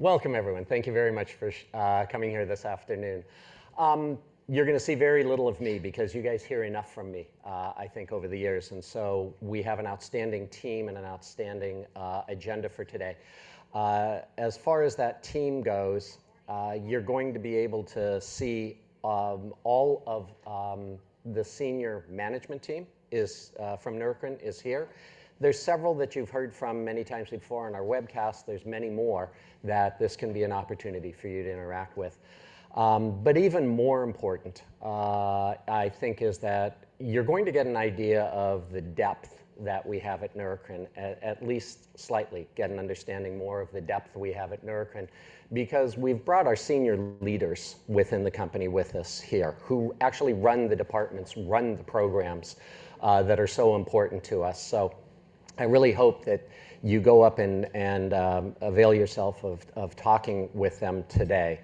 Welcome, everyone. Thank you very much for coming here this afternoon. You're gonna see very little of me, because you guys hear enough from me, I think over the years, and so we have an outstanding team and an outstanding agenda for today. As far as that team goes, you're going to be able to see all of the senior management team from Neurocrine is here. There's several that you've heard from many times before on our webcast. There's many more that this can be an opportunity for you to interact with. But even more important, I think, is that you're going to get an idea of the depth that we have at Neurocrine, at least slightly get an understanding more of the depth we have at Neurocrine, because we've brought our senior leaders within the company with us here, who actually run the departments, run the programs, that are so important to us. So I really hope that you go up and avail yourself of talking with them today.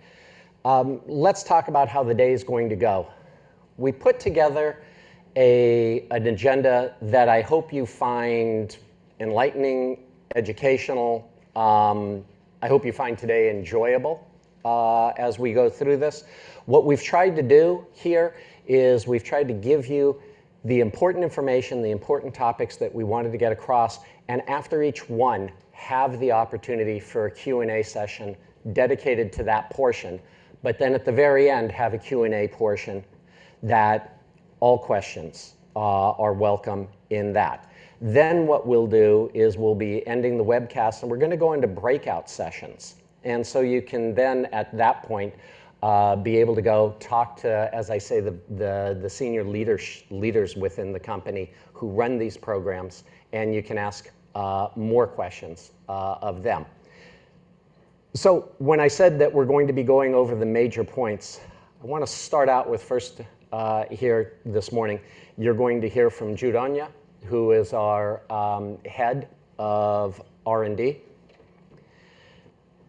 Let's talk about how the day is going to go. We put together an agenda that I hope you find enlightening, educational. I hope you find today enjoyable, as we go through this. What we've tried to do here is we've tried to give you the important information, the important topics that we wanted to get across, and after each one, have the opportunity for a Q&A session dedicated to that portion. But then at the very end, have a Q&A portion that all questions are welcome in that. Then what we'll do is we'll be ending the webcast, and we're gonna go into breakout sessions, and so you can then at that point be able to go talk to, as I say, the senior leaders within the company who run these programs, and you can ask more questions of them. So when I said that we're going to be going over the major points, I wanna start out with first, here this morning, you're going to hear from Jude Onyia, who is our head of R&D.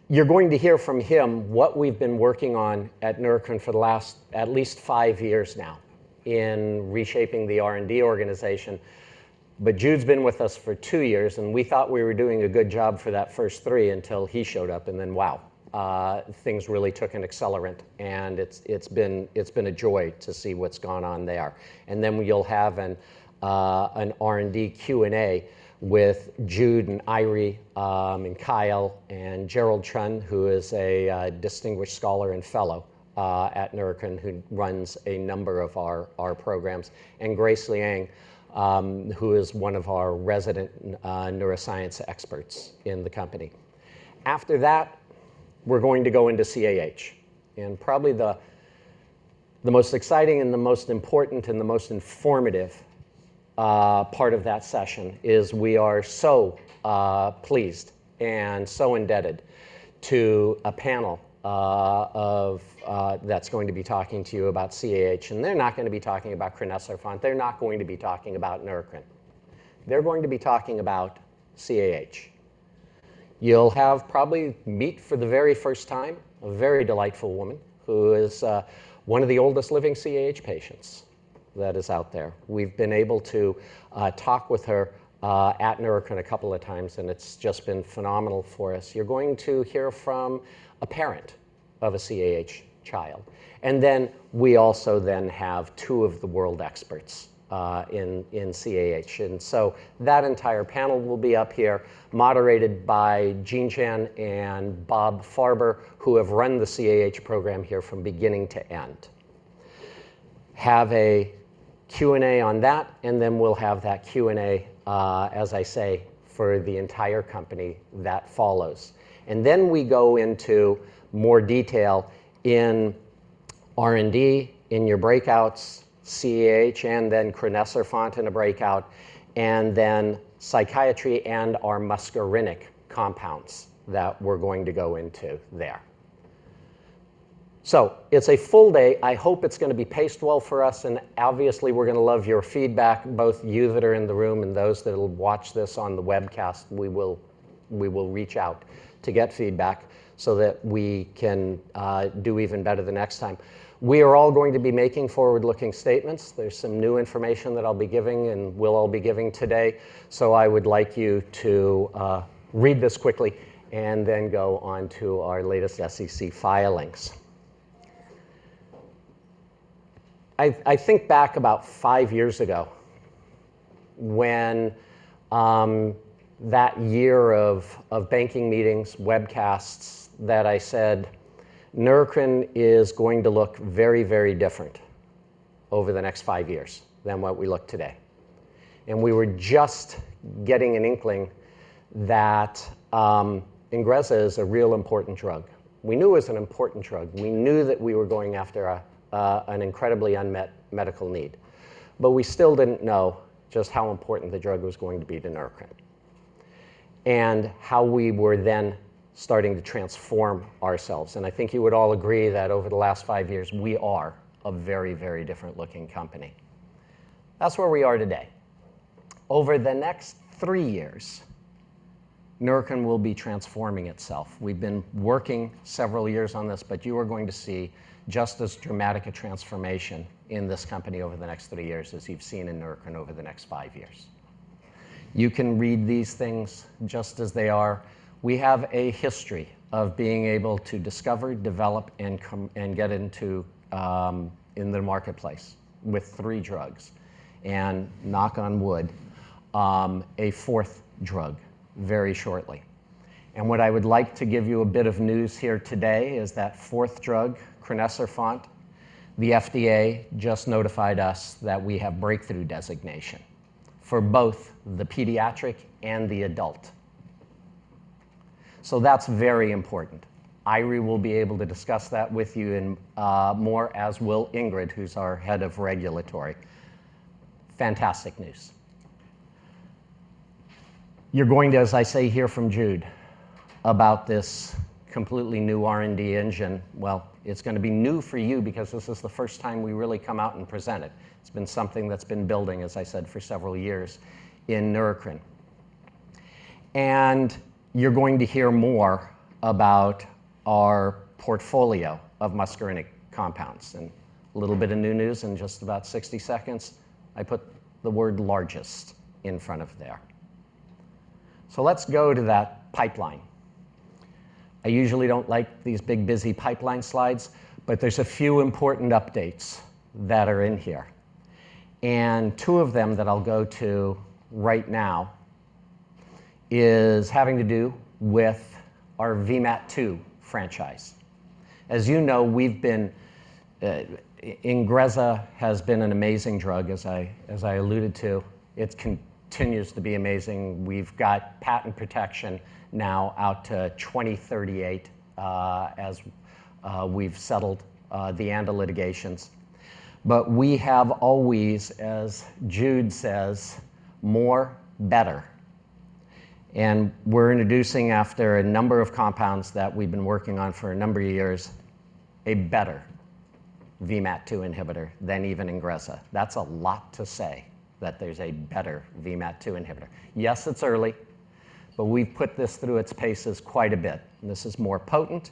You're going to hear from him what we've been working on at Neurocrine for the last at least five years now in reshaping the R&D organization. But Jude's been with us for two years, and we thought we were doing a good job for that first three until he showed up, and then, wow, things really took an accelerant, and it's, it's been, it's been a joy to see what's gone on there. And then you'll have an R&D Q&A with Jude, and Eiry, and Kyle, and Gerald Cheung, who is a distinguished scholar and fellow at Neurocrine, who runs a number of our programs, and Grace Liang, who is one of our resident neuroscience experts in the company. After that, we're going to go into CAH, and probably the most exciting, and the most important, and the most informative part of that session is we are so pleased and so indebted to a panel of that's going to be talking to you about CAH. And they're not gonna be talking about crinecerfont, they're not going to be talking about Neurocrine. They're going to be talking about CAH. You'll probably meet for the very first time, a very delightful woman, who is, one of the oldest living CAH patients that is out there. We've been able to, talk with her, at Neurocrine a couple of times, and it's just been phenomenal for us. You're going to hear from a parent of a CAH child, and then we also then have two of the world experts, in, in CAH. And so that entire panel will be up here, moderated by Jean Chan and Bob Farber, who have run the CAH program here from beginning to end. Have a Q&A on that, and then we'll have that Q&A, as I say, for the entire company that follows. And then we go into more detail in R&D, in your breakouts, CAH, and then crinecerfont in a breakout, and then psychiatry and our muscarinic compounds that we're going to go into there. So it's a full day. I hope it's gonna be paced well for us, and obviously we're gonna love your feedback, both you that are in the room and those that'll watch this on the webcast. We will, we will reach out to get feedback, so that we can do even better the next time. We are all going to be making forward-looking statements. There's some new information that I'll be giving and we'll all be giving today, so I would like you to read this quickly, and then go on to our latest SEC filings. I think back about five years ago when that year of banking meetings, webcasts, that I said, "Neurocrine is going to look very, very different over the next five years than what we look today." And we were just getting an inkling that INGREZZA is a real important drug. We knew it was an important drug. We knew that we were going after an incredibly unmet medical need, but we still didn't know just how important the drug was going to be to Neurocrine, and how we were then starting to transform ourselves. And I think you would all agree that over the last five years, we are a very, very different looking company. That's where we are today. Over the next three years, Neurocrine will be transforming itself. We've been working several years on this, but you are going to see just as dramatic a transformation in this company over the next three years as you've seen in Neurocrine over the next five years... You can read these things just as they are. We have a history of being able to discover, develop, and come, and get into in the marketplace with three drugs and, knock on wood, a fourth drug very shortly. And what I would like to give you a bit of news here today is that fourth drug, crinecerfont, the FDA just notified us that we have breakthrough designation for both the pediatric and the adult. So that's very important. Eiry will be able to discuss that with you in more, as will Ingrid, who's our head of regulatory. Fantastic news! You're going to, as I say, hear from Jude about this completely new R&D engine. Well, it's gonna be new for you because this is the first time we really come out and present it. It's been something that's been building, as I said, for several years in Neurocrine. And you're going to hear more about our portfolio of muscarinic compounds, and a little bit of new news in just about 60 seconds. I put the word largest in front of there. So let's go to that pipeline. I usually don't like these big, busy pipeline slides, but there's a few important updates that are in here, and two of them that I'll go to right now is having to do with our VMAT2 franchise. As you know, we've been... INGREZZA has been an amazing drug, as I alluded to. It continues to be amazing. We've got patent protection now out to 2038, as we've settled the ANDA litigations. But we have always, as Jude says, more, better, and we're introducing, after a number of compounds that we've been working on for a number of years, a better VMAT2 inhibitor than even INGREZZA. That's a lot to say, that there's a better VMAT2 inhibitor. Yes, it's early, but we've put this through its paces quite a bit, and this is more potent,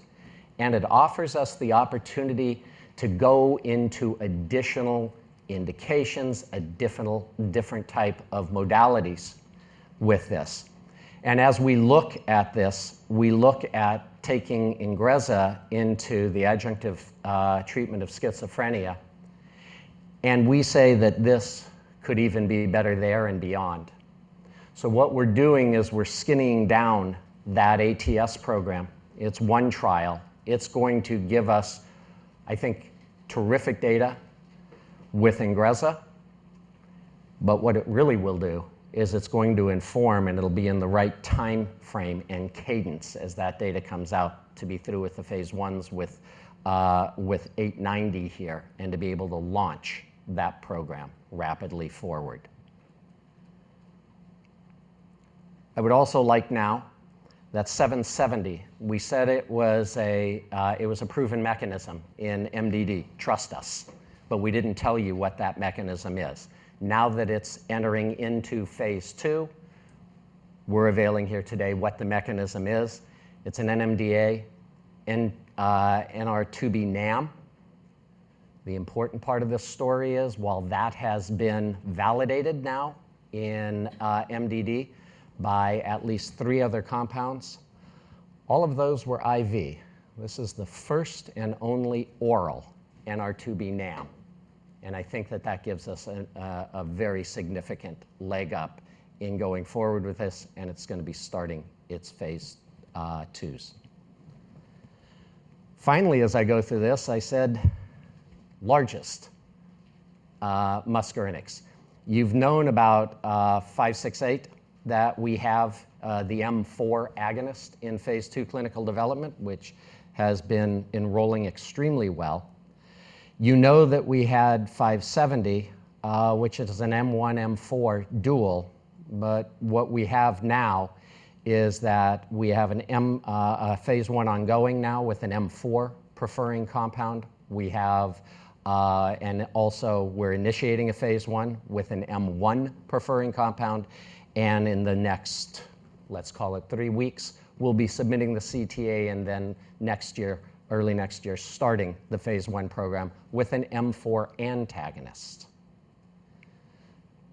and it offers us the opportunity to go into additional indications, additional different type of modalities with this. And as we look at this, we look at taking INGREZZA into the adjunctive treatment of schizophrenia, and we say that this could even be better there and beyond. So what we're doing is we're scaling down that ATS program. It's one trial. It's going to give us, I think, terrific data with INGREZZA, but what it really will do is it's going to inform, and it'll be in the right time frame and cadence as that data comes out, to be through with the phase 1s, with NBI-890 here, and to be able to launch that program rapidly forward. I would also like now, that NBI-770, we said it was a, it was a proven mechanism in MDD. Trust us. But we didn't tell you what that mechanism is. Now that it's entering into phase 2, we're availing here today what the mechanism is. It's an NMDA and NR2B NAM. The important part of this story is, while that has been validated now in MDD by at least 3 other compounds, all of those were IV. This is the first and only oral NR2B NAM, and I think that that gives us a very significant leg up in going forward with this, and it's gonna be starting its phase 2s. Finally, as I go through this, I said largest muscarinics. You've known about 568, that we have the M4 agonist in phase 2 clinical development, which has been enrolling extremely well. You know that we had 570, which is an M1, M4 dual. But what we have now is that we have a phase 1 ongoing now with an M4 preferring compound. We have and also we're initiating a phase 1 with an M1 preferring compound, and in the next, let's call it three weeks, we'll be submitting the CTA, and then next year, early next year, starting the phase 1 program with an M4 antagonist.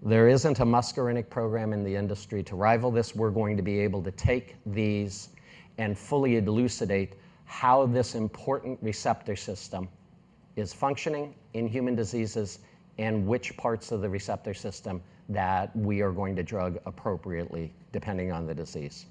There isn't a muscarinic program in the industry to rival this. We're going to be able to take these and fully elucidate how this important receptor system is functioning in human diseases and which parts of the receptor system that we are going to drug appropriately, depending on the disease.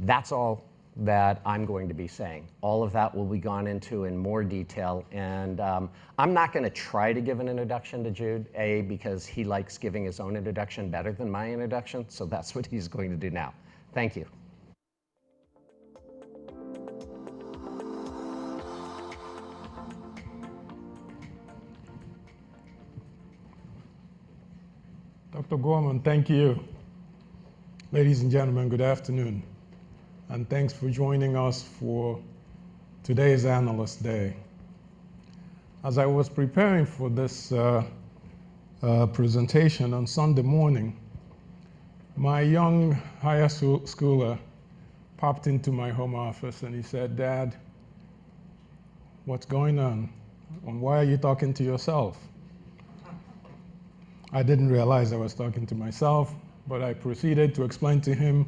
That's all that I'm going to be saying. All of that will be gone into in more detail, and I'm not gonna try to give an introduction to Jude, A, because he likes giving his own introduction better than my introduction, so that's what he's going to do now. Thank you. Dr. Gorman, thank you. Ladies and gentlemen, good afternoon, and thanks for joining us for today's Analyst Day. As I was preparing for this presentation on Sunday morning, my young high schooler popped into my home office and he said, "Dad, what's going on, and why are you talking to yourself?" I didn't realize I was talking to myself, but I proceeded to explain to him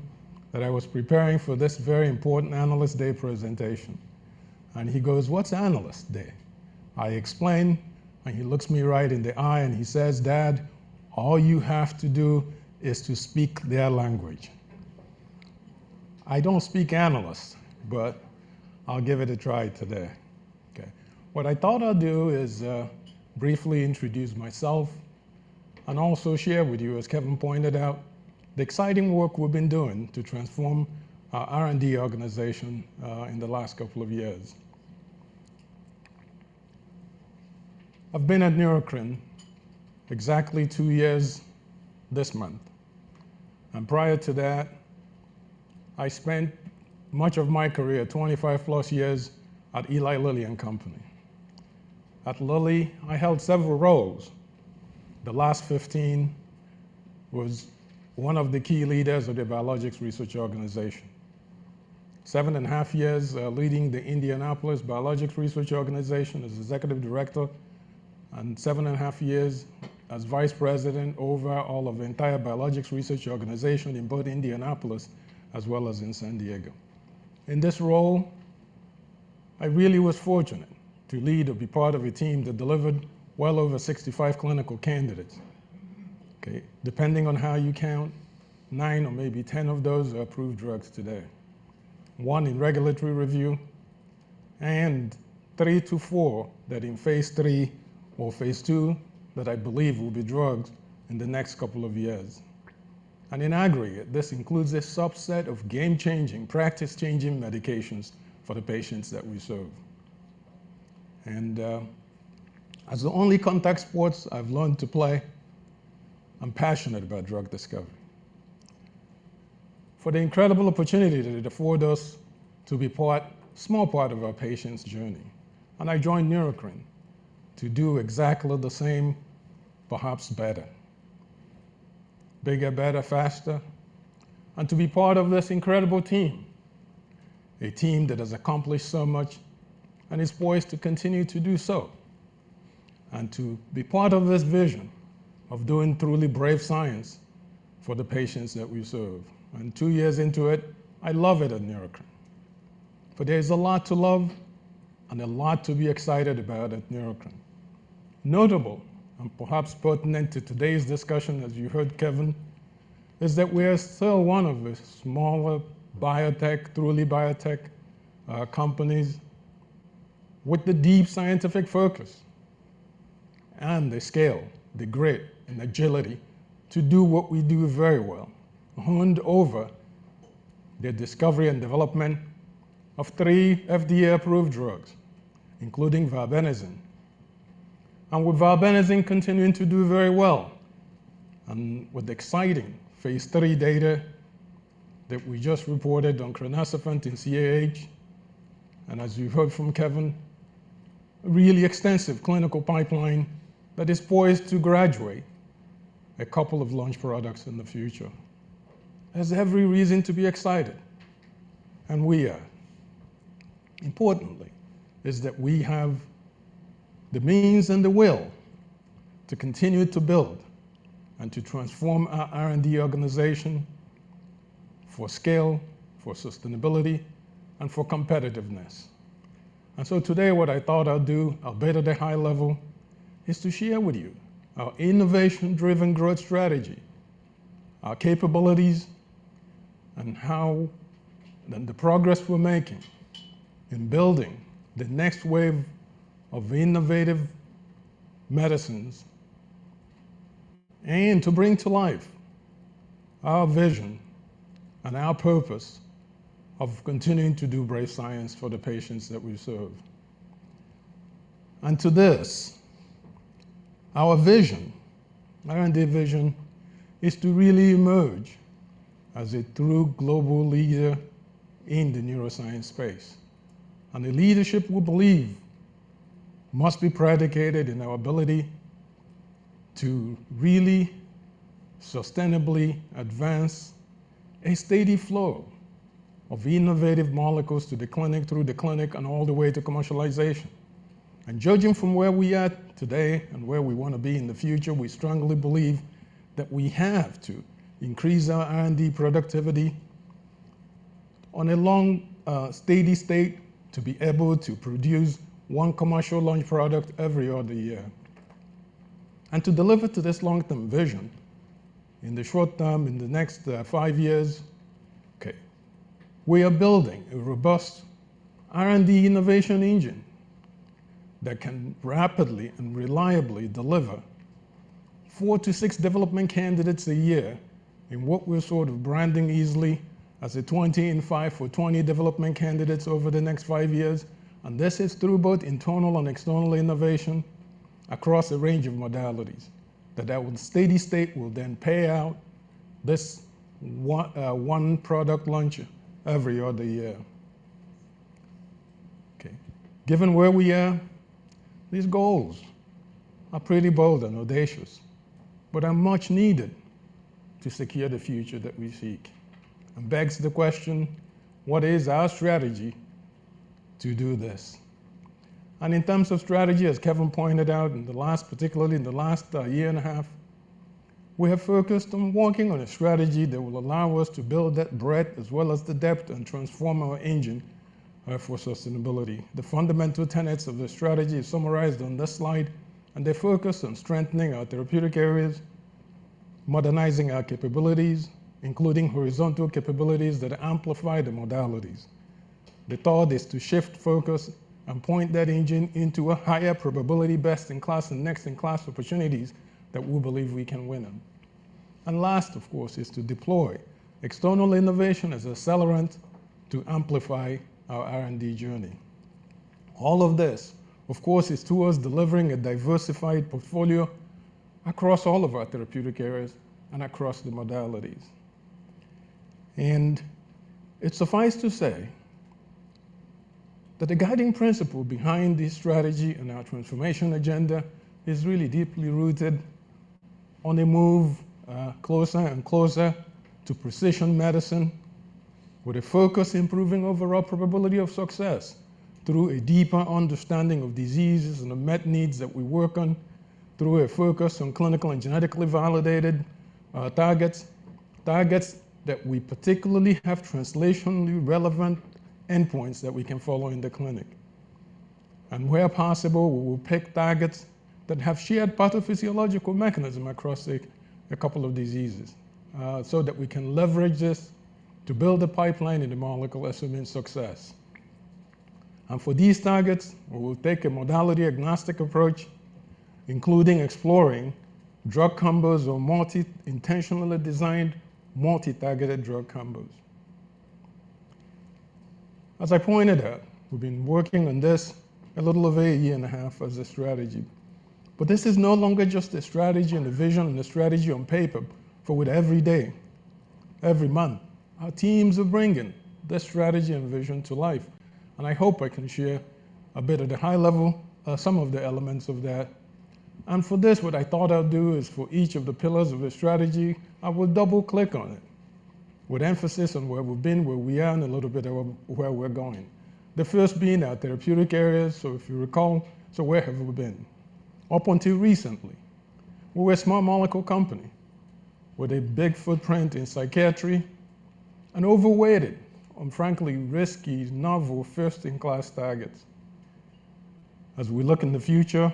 that I was preparing for this very important Analyst Day presentation. And he goes, "What's Analyst Day?" I explain, and he looks me right in the eye and he says, "Dad, all you have to do is to speak their language." I don't speak analyst, but I'll give it a try today. Okay. What I thought I'd do is briefly introduce myself and also share with you, as Kevin pointed out, the exciting work we've been doing to transform our R&D organization in the last couple of years. I've been at Neurocrine exactly two years this month, and prior to that, I spent much of my career, 25+ years, at Eli Lilly and Company. At Lilly, I held several roles. The last 15 was one of the key leaders of the biologics research organization. 7.5 years leading the Indianapolis Biologics Research Organization as Executive Director, and 7.5 years as Vice President over all of the entire biologics research organization in both Indianapolis as well as in San Diego. In this role, I really was fortunate to lead or be part of a team that delivered well over 65 clinical candidates. Okay, depending on how you count, 9 or maybe 10 of those are approved drugs today, 1 in regulatory review, and 3-4 that in phase 3 or phase 2, that I believe will be drugs in the next couple of years. And in aggregate, this includes a subset of game-changing, practice-changing medications for the patients that we serve. And, as the only contact sports I've learned to play, I'm passionate about drug discovery. For the incredible opportunity that it affords us to be part, small part of our patients' journey. And I joined Neurocrine to do exactly the same, perhaps better. Bigger, better, faster, and to be part of this incredible team, a team that has accomplished so much and is poised to continue to do so, and to be part of this vision of doing truly brave science for the patients that we serve. Two years into it, I love it at Neurocrine, for there is a lot to love and a lot to be excited about at Neurocrine. Notable, and perhaps pertinent to today's discussion, as you heard Kevin, is that we are still one of the smaller biotech, truly biotech, companies with the deep scientific focus and the scale, the grit, and agility to do what we do very well. Honed over the discovery and development of 3 FDA-approved drugs, including valbenazine, and with valbenazine continuing to do very well, and with exciting phase 3 data that we just reported on crinecerfont in CAH, and as you heard from Kevin, a really extensive clinical pipeline that is poised to graduate a couple of launch products in the future. There's every reason to be excited, and we are. Importantly, is that we have the means and the will to continue to build and to transform our R&D organization for scale, for sustainability, and for competitiveness. And so today, what I thought I'd do, a bit at a high level, is to share with you our innovation-driven growth strategy, our capabilities, and how... and the progress we're making in building the next wave of innovative medicines, and to bring to life our vision and our purpose of continuing to do brave science for the patients that we serve. And to this, our vision, R&D vision, is to really emerge as a true global leader in the neuroscience space. And the leadership, we believe, must be predicated in our ability to really sustainably advance a steady flow of innovative molecules to the clinic, through the clinic, and all the way to commercialization. Judging from where we are at today and where we want to be in the future, we strongly believe that we have to increase our R&D productivity on a long, steady state, to be able to produce one commercial launch product every other year. To deliver to this long-term vision, in the short term, in the next 5 years, okay, we are building a robust R&D innovation engine that can rapidly and reliably deliver 4-6 development candidates a year in what we're sort of branding easily as a 25 or 20 development candidates over the next 5 years. This is through both internal and external innovation across a range of modalities, that steady state will then pay out this one, one product launch every other year. Okay, given where we are, these goals are pretty bold and audacious, but are much needed... to secure the future that we seek. Begs the question: what is our strategy to do this? In terms of strategy, as Kevin pointed out, in the last, particularly in the last year and a half, we have focused on working on a strategy that will allow us to build that breadth as well as the depth, and transform our engine for sustainability. The fundamental tenets of the strategy is summarized on this slide, and they focus on strengthening our therapeutic areas, modernizing our capabilities, including horizontal capabilities that amplify the modalities. The thought is to shift focus and point that engine into a higher probability, best-in-class, and next-in-class opportunities that we believe we can win in. And last, of course, is to deploy external innovation as an accelerant to amplify our R&D journey. All of this, of course, is towards delivering a diversified portfolio across all of our therapeutic areas and across the modalities. And it suffice to say that the guiding principle behind this strategy and our transformation agenda is really deeply rooted on a move, closer and closer to precision medicine, with a focus improving overall probability of success through a deeper understanding of diseases and the met needs that we work on, through a focus on clinical and genetically validated, targets. Targets that we particularly have translationally relevant endpoints that we can follow in the clinic. And where possible, we will pick targets that have shared pathophysiological mechanism across a couple of diseases, so that we can leverage this to build a pipeline into molecule assuming success. For these targets, we will take a modality-agnostic approach, including exploring drug combos or intentionally designed, multi-targeted drug combos. As I pointed out, we've been working on this a little over a year and a half as a strategy. But this is no longer just a strategy and a vision, and a strategy on paper, for with every day, every month, our teams are bringing this strategy and vision to life. I hope I can share a bit at a high level, some of the elements of that. For this, what I thought I'd do is for each of the pillars of the strategy, I will double-click on it, with emphasis on where we've been, where we are, and a little bit of where we're going. The first being our therapeutic areas. So if you recall, where have we been? Up until recently, we were a small molecule company with a big footprint in psychiatry and overweighted on, frankly, risky, novel, first-in-class targets. As we look in the future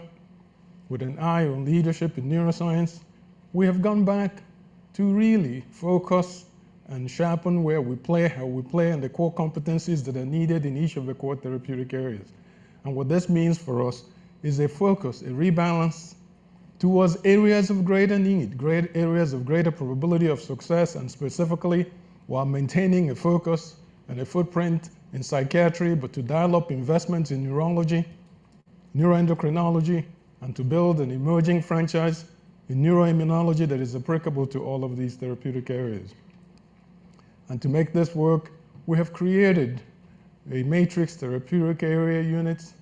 with an eye on leadership in neuroscience, we have gone back to really focus and sharpen where we play, how we play, and the core competencies that are needed in each of the core therapeutic areas. What this means for us is a focus, a rebalance towards areas of greater need, great areas of greater probability of success, and specifically, while maintaining a focus and a footprint in psychiatry, but to develop investments in neurology, neuroendocrinology, and to build an emerging franchise in neuroimmunology that is applicable to all of these therapeutic areas. To make this work, we have created a matrix therapeutic area units.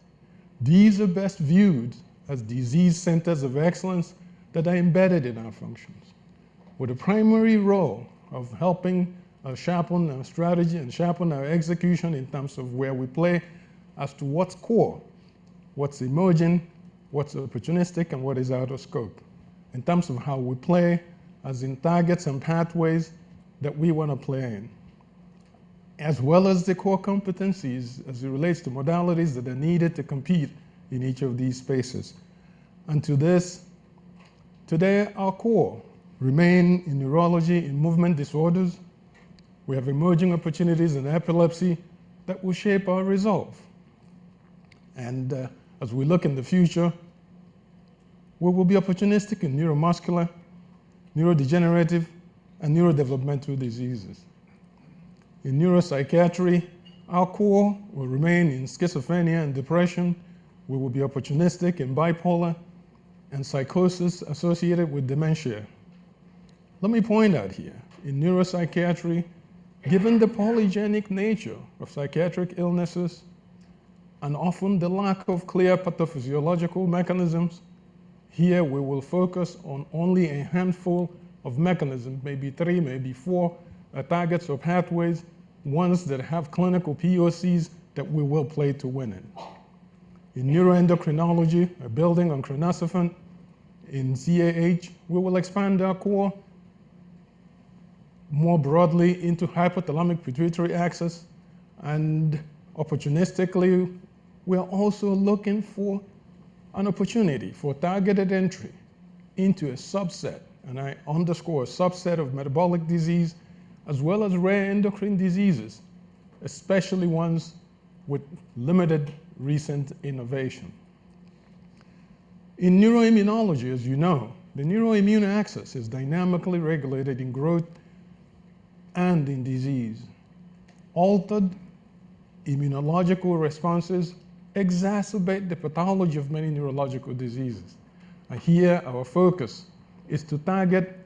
These are best viewed as disease centers of excellence that are embedded in our functions, with a primary role of helping us sharpen our strategy and sharpen our execution in terms of where we play as to what's core, what's emerging, what's opportunistic, and what is out of scope, in terms of how we play, as in targets and pathways that we want to play in. As well as the core competencies as it relates to modalities that are needed to compete in each of these spaces. And to this, today, our core remain in neurology and movement disorders. We have emerging opportunities in epilepsy that will shape our resolve. And, as we look in the future, we will be opportunistic in neuromuscular, neurodegenerative, and neurodevelopmental diseases. In neuropsychiatry, our core will remain in schizophrenia and depression. We will be opportunistic in bipolar and psychosis associated with dementia. Let me point out here, in neuropsychiatry, given the polygenic nature of psychiatric illnesses, and often the lack of clear pathophysiological mechanisms, here we will focus on only a handful of mechanisms, maybe three, maybe four, targets or pathways, ones that have clinical POCs that we will play to win in. In neuroendocrinology, we're building on crinecerfont. In CAH, we will expand our core more broadly into hypothalamic pituitary axis, and opportunistically, we are also looking for an opportunity for targeted entry into a subset, and I underscore, a subset of metabolic disease, as well as rare endocrine diseases, especially ones with limited recent innovation. In neuroimmunology, as you know, the neuroimmune axis is dynamically regulated in growth and in disease. Altered immunological responses exacerbate the pathology of many neurological diseases. Here our focus is to target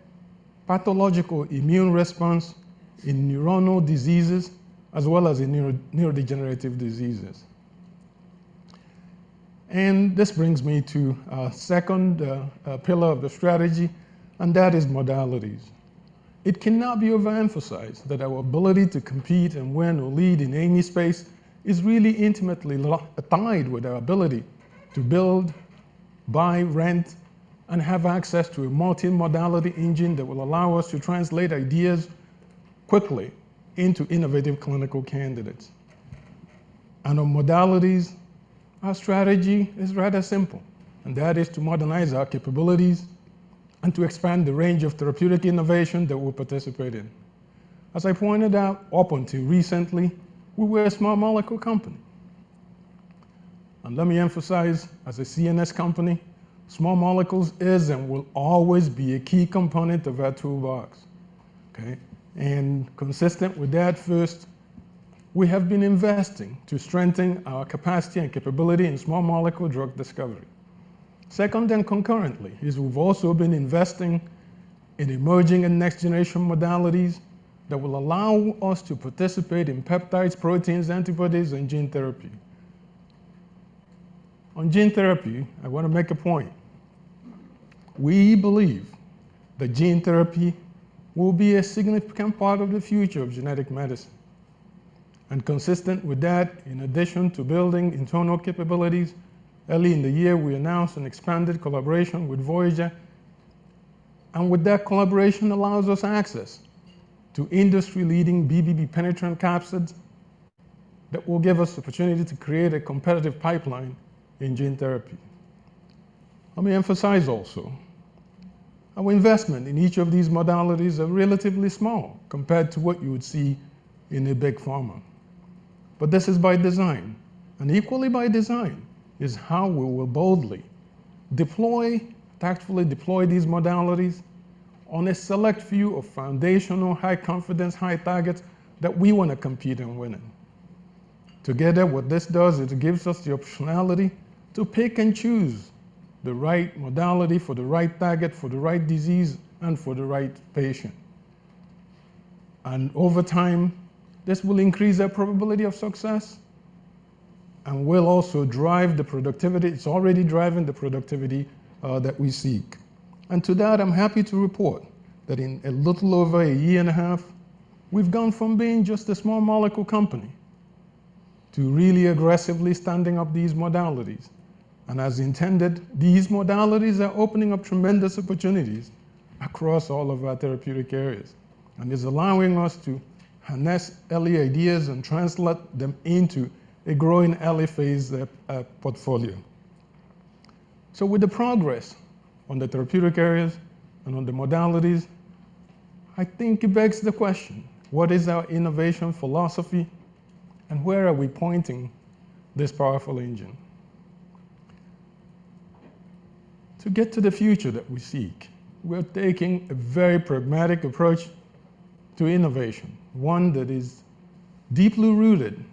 pathological immune response in neuronal diseases, as well as in neurodegenerative diseases. This brings me to our second pillar of the strategy, and that is modalities. It cannot be overemphasized that our ability to compete and win or lead in any space is really intimately linked with our ability to build, buy, rent, and have access to a multi-modality engine that will allow us to translate ideas quickly into innovative clinical candidates. On modalities, our strategy is rather simple, and that is to modernize our capabilities and to expand the range of therapeutic innovation that we participate in. As I pointed out, up until recently, we were a small molecule company. And let me emphasize, as a CNS company, small molecules is and will always be a key component of our toolbox, okay? And consistent with that, first, we have been investing to strengthen our capacity and capability in small molecule drug discovery. Second, and concurrently, is we've also been investing in emerging and next-generation modalities that will allow us to participate in peptides, proteins, antibodies, and gene therapy. On gene therapy, I want to make a point. We believe that gene therapy will be a significant part of the future of genetic medicine. And consistent with that, in addition to building internal capabilities, early in the year, we announced an expanded collaboration with Voyager, and with that collaboration allows us access to industry-leading BBB-penetrant capsids that will give us the opportunity to create a competitive pipeline in gene therapy. Let me emphasize also, our investment in each of these modalities are relatively small compared to what you would see in a big pharma, but this is by design. Equally by design is how we will boldly deploy, tactfully deploy these modalities on a select few of foundational, high-confidence, high targets that we want to compete and win in. Together, what this does, it gives us the optionality to pick and choose the right modality for the right target, for the right disease, and for the right patient. Over time, this will increase our probability of success and will also drive the productivity, it's already driving the productivity, that we seek. To that, I'm happy to report that in a little over a year and a half, we've gone from being ju st a small molecule company to really aggressively standing up these modalities. As intended, these modalities are opening up tremendous opportunities across all of our therapeutic areas, and is allowing us to harness early ideas and translate them into a growing early phase portfolio. With the progress on the therapeutic areas and on the modalities, I think it begs the question: What is our innovation philosophy, and where are we pointing this powerful engine? To get to the future that we seek, we're taking a very pragmatic approach to innovation, one that is deeply rooted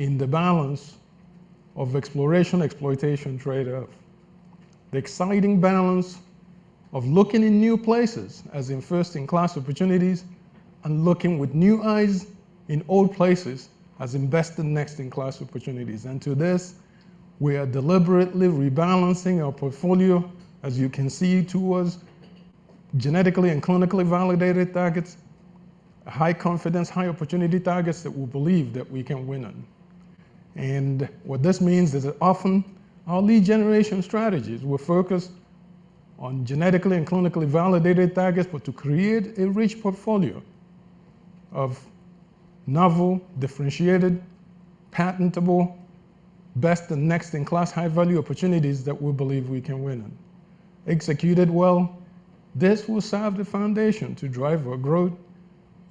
in the balance of exploration/exploitation trade-off. The exciting balance of looking in new places, as in first-in-class opportunities, and looking with new eyes in old places, as best and next-in-class opportunities. To this, we are deliberately rebalancing our portfolio, as you can see, towards genetically and clinically validated targets, high-confidence, high-opportunity targets that we believe that we can win on. What this means is that often our lead generation strategies will focus on genetically and clinically validated targets, but to create a rich portfolio of novel, differentiated, patentable, best and next-in-class, high-value opportunities that we believe we can win in. Executed well, this will serve the foundation to drive our growth,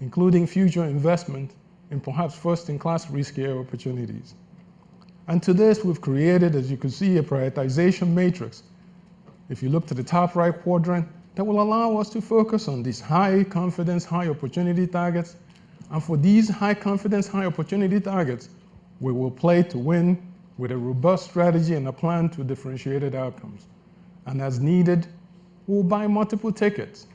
including future investment in perhaps first-in-class riskier opportunities. To this, we've created, as you can see, a prioritization matrix. If you look to the top right quadrant, that will allow us to focus on these high-confidence, high-opportunity targets. For these high-confidence, high-opportunity targets, we will play to win with a robust strategy and a plan to differentiated outcomes. As needed, we'll buy multiple tickets,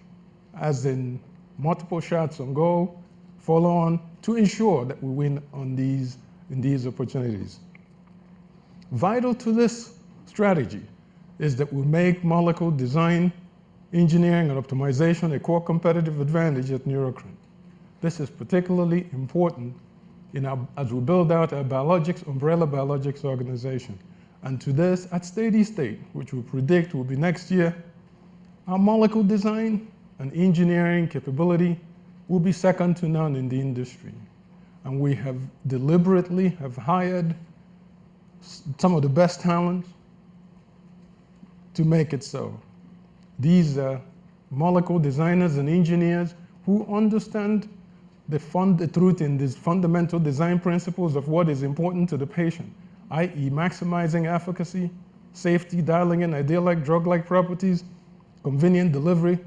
as in multiple shots on goal, follow-on, to ensure that we win in these opportunities. Vital to this strategy is that we make molecule design, engineering, and optimization a core competitive advantage at Neurocrine. This is particularly important as we build out our biologics, umbrella biologics organization. And to this, at steady state, which we predict will be next year, our molecule design and engineering capability will be second to none in the industry, and we have deliberately hired some of the best talent to make it so. These molecule designers and engineers who understand the truth in these fundamental design principles of what is important to the patient, i.e., maximizing efficacy, safety, dialing in ideal like, drug-like properties, convenient delivery,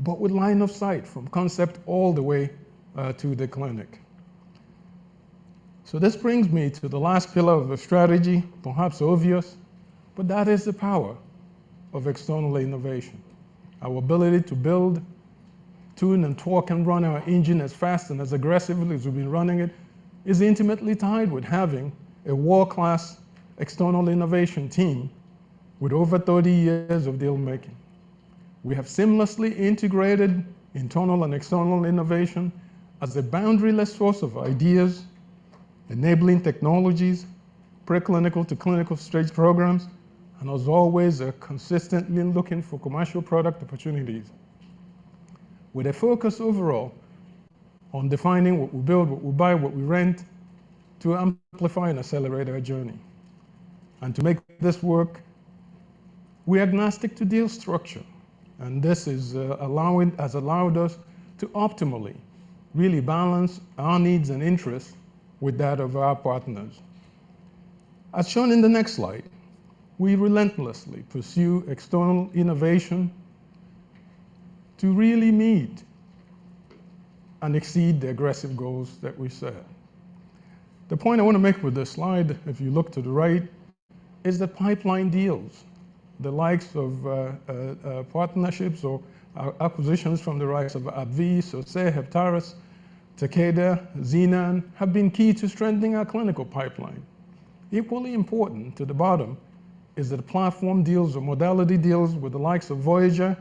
but with line of sight from concept all the way to the clinic. So this brings me to the last pillar of the strategy, perhaps obvious, but that is the power of external innovation, our ability to build, tune and torque and run our engine as fast and as aggressively as we've been running it, is intimately tied with having a world-class external innovation team with over 30 years of deal-making. We have seamlessly integrated internal and external innovation as a boundaryless source of ideas, enabling technologies, preclinical to clinical stage programs, and as always, are consistently looking for commercial product opportunities. With a focus overall on defining what we build, what we buy, what we rent, to amplify and accelerate our journey. And to make this work, we are agnostic to deal structure, and this is, allowing, has allowed us to optimally really balance our needs and interests with that of our partners. As shown in the next slide, we relentlessly pursue external innovation to really meet and exceed the aggressive goals that we set. The point I want to make with this slide, if you look to the right, is the pipeline deals. The likes of partnerships or acquisitions from the likes of AbbVie, Sosei Heptares, Takeda, Xenon have been key to strengthening our clinical pipeline. Equally important, to the bottom, is the platform deals or modality deals with the likes of Voyager,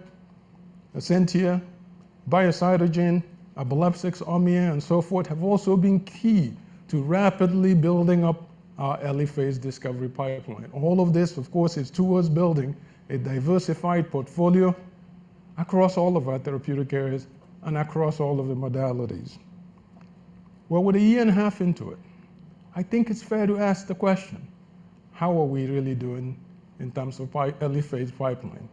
Ascentyia, Biocytogen, Ablexis, Armea, and so forth have also been key to rapidly building up our early phase discovery pipeline. All of this, of course, is towards building a diversified portfolio across all of our therapeutic areas and across all of the modalities. Well, with a year and a half into it, I think it's fair to ask the question: how are we really doing in terms of early phase pipeline?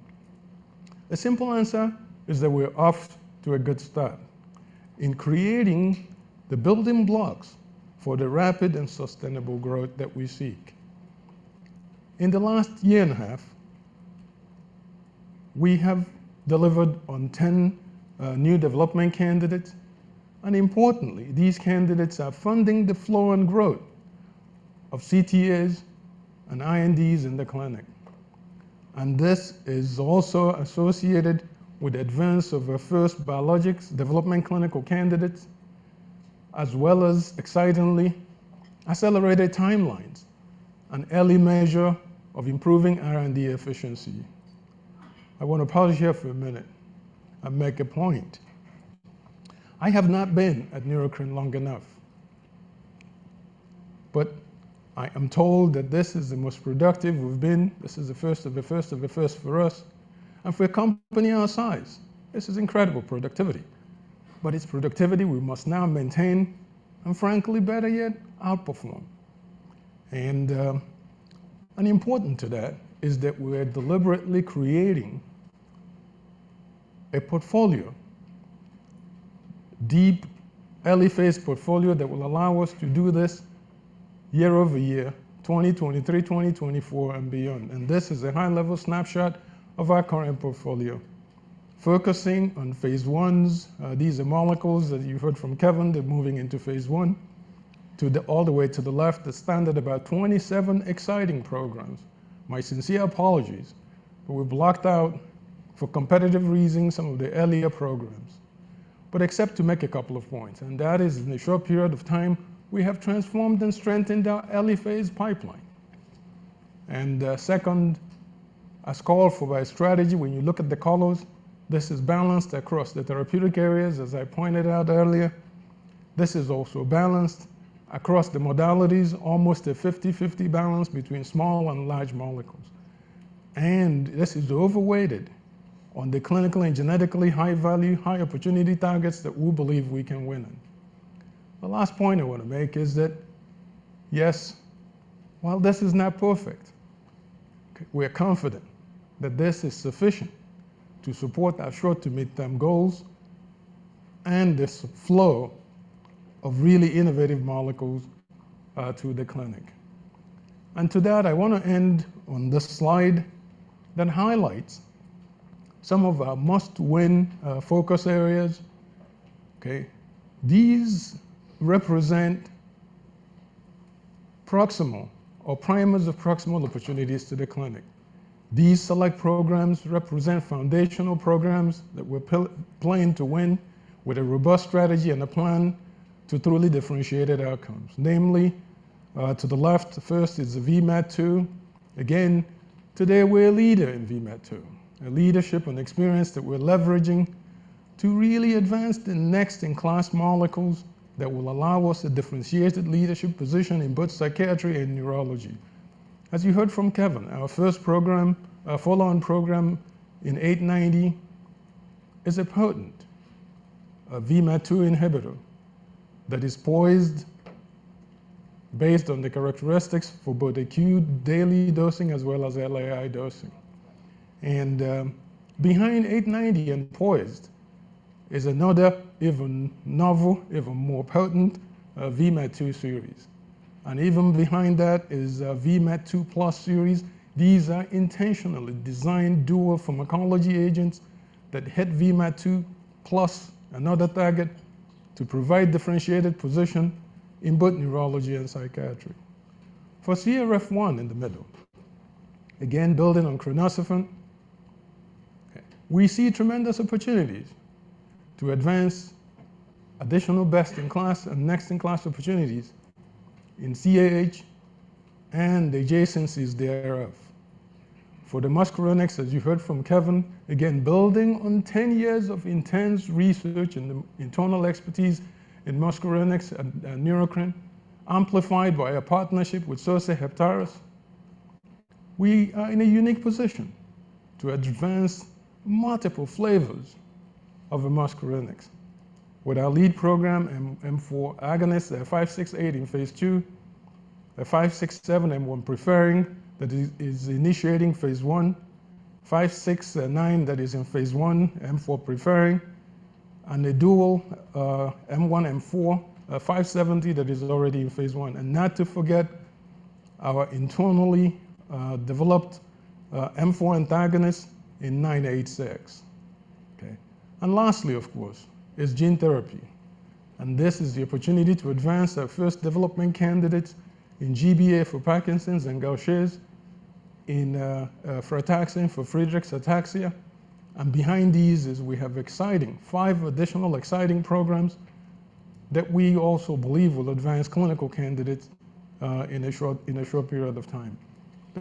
The simple answer is that we're off to a good start in creating the building blocks for the rapid and sustainable growth that we seek. In the last year and a half, we have delivered on 10 new development candidates, and importantly, these candidates are funding the flow and growth of CTAs and INDs in the clinic. This is also associated with the advance of our first biologics development clinical candidates, as well as, excitingly, accelerated timelines, an early measure of improving R&D efficiency. I want to pause here for a minute and make a point. I have not been at Neurocrine long enough, but I am told that this is the most productive we've been. This is the first of the first of the first for us, and for a company our size, this is incredible productivity. But it's productivity we must now maintain and frankly, better yet, outperform. And important to that is that we're deliberately creating a portfolio, deep early phase portfolio, that will allow us to do this year-over-year, 2023, 2024, and beyond. This is a high-level snapshot of our current portfolio, focusing on phase I's. These are molecules that you've heard from Kevin, they're moving into phase I. All the way to the left, the standard about 27 exciting programs. My sincere apologies, but we've blocked out, for competitive reasons, some of the earlier programs. But except to make a couple of points, and that is, in a short period of time, we have transformed and strengthened our early phase pipeline. Second, as called for by strategy, when you look at the colors, this is balanced across the therapeutic areas, as I pointed out earlier. This is also balanced across the modalities, almost a 50/50 balance between small and large molecules. This is overweighted on the clinical and genetically high-value, high opportunity targets that we believe we can win in. The last point I want to make is that, yes, while this is not perfect, we are confident that this is sufficient to support our short to midterm goals and this flow of really innovative molecules to the clinic. To that, I want to end on this slide that highlights some of our must-win focus areas. Okay? These represent proximal or primers of proximal opportunities to the clinic. These select programs represent foundational programs that we're planning to win with a robust strategy and a plan to truly differentiated outcomes. Namely, to the left, first is VMAT2. Again, today, we're a leader in VMAT2, a leadership and experience that we're leveraging to really advance the next in-class molecules that will allow us a differentiated leadership position in both psychiatry and neurology. As you heard from Kevin, our first program, our follow-on program in 890, is a potent VMAT2 inhibitor that is poised based on the characteristics for both acute daily dosing as well as LAI dosing. And, behind 890 and poised is another even novel, even more potent, VMAT2 series. And even behind that is a VMAT2+ series. These are intentionally designed dual pharmacology agents that hit VMAT2, plus another target to provide differentiated position in both neurology and psychiatry. For CRF1, again, building on crinecerfont, we see tremendous opportunities to advance additional best-in-class and next-in-class opportunities in CAH and the adjacencies thereof. For the muscarinics, as you heard from Kevin, again, building on 10 years of intense research and the internal expertise in muscarinics and Neurocrine, amplified by a partnership with Sosei Heptares, we are in a unique position to advance multiple flavors of muscarinics with our lead program, M4 agonist, NBI-568 in phase 2, NBI-567 M1 preferring that is initiating phase 1, NBI-569 that is in phase 1, M4 preferring, and a dual M1, M4, NBI-570 that is already in phase 1. And not to forget our internally developed M4 antagonist in NBI-986. Okay? Lastly, of course, is gene therapy, and this is the opportunity to advance our first development candidate in GBA for Parkinson's and Gaucher, frataxin for Friedreich's ataxia. Behind these is we have exciting five additional exciting programs that we also believe will advance clinical candidates in a short period of time.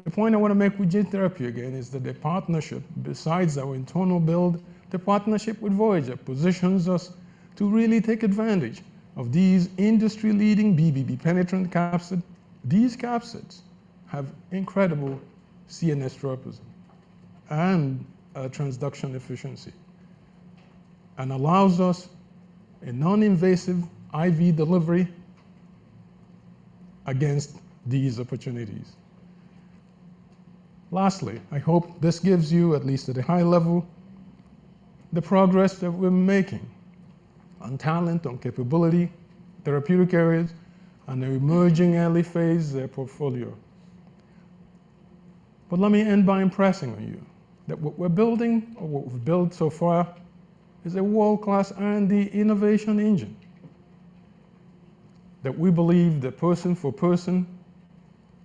The point I wanna make with gene therapy, again, is that the partnership, besides our internal build, the partnership with Voyager positions us to really take advantage of these industry-leading BBB-penetrant capsids. These capsids have incredible CNS tropism and transduction efficiency, and allows us a non-invasive IV delivery against these opportunities. Lastly, I hope this gives you, at least at a high level, the progress that we're making on talent, on capability, therapeutic areas, and the emerging early phase portfolio. But let me end by impressing on you that what we're building or what we've built so far is a world-class R&D innovation engine, that we believe that person for person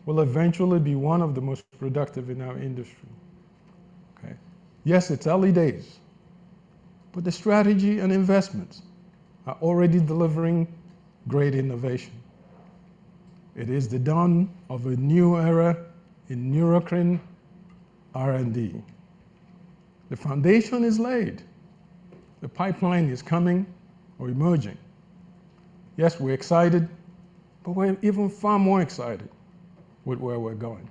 will eventually be one of the most productive in our industry. Okay? Yes, it's early days, but the strategy and investments are already delivering great innovation. It is the dawn of a new era in Neurocrine R&D. The foundation is laid. The pipeline is coming or emerging. Yes, we're excited, but we're even far more excited with where we're going.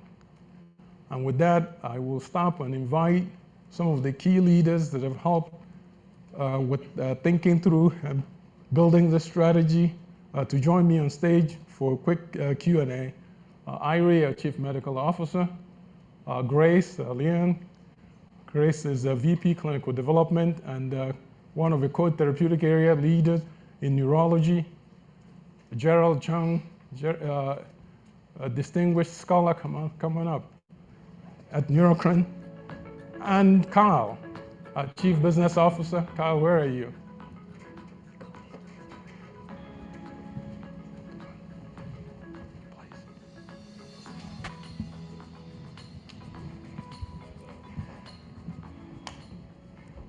And with that, I will stop and invite some of the key leaders that have helped with thinking through and building the strategy to join me on stage for a quick Q&A. Eiry, our Chief Medical Officer, Grace Liang. Grace is a VP Clinical Development and one of the core therapeutic area leaders in neurology. Gerald Cheung, a distinguished scholar coming up at Neurocrine. And Kyle, our Chief Business Officer. Kyle, where are you?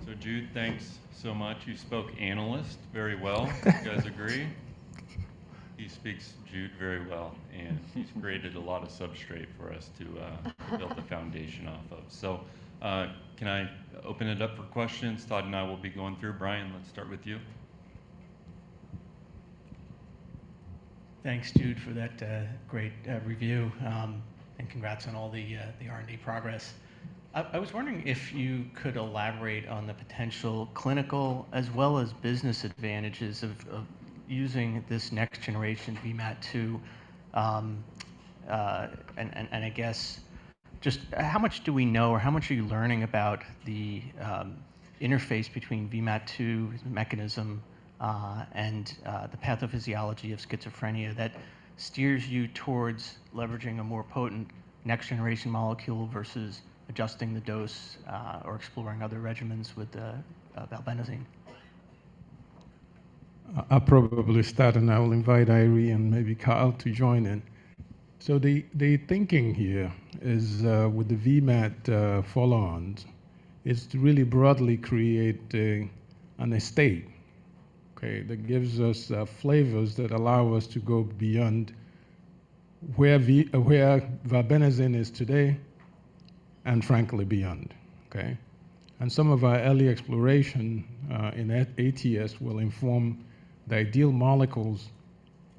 So Jude, thanks so much. You spoke analyst very well. You guys agree? He speaks Jude very well, and he's created a lot of substrate for us to build a foundation off of. So, can I open it up for questions? Todd and I will be going through. Brian, let's start with you. Thanks, Jude, for that great review, and congrats on all the R&D progress. I was wondering if you could elaborate on the potential clinical as well as business advantages of using this next generation VMAT2. And I guess just how much do we know or how much are you learning about the interface between VMAT2 mechanism and the pathophysiology of schizophrenia that steers you towards leveraging a more potent next-generation molecule versus adjusting the dose or exploring other regimens with valbenazine? I'll probably start, and I will invite Eiry and maybe Kyle to join in. So the thinking here is with the VMAT follow-ons is to really broadly creating an estate, okay, that gives us flavors that allow us to go beyond where valbenazine is today and frankly, beyond. Okay? And some of our early exploration in ATS will inform the ideal molecules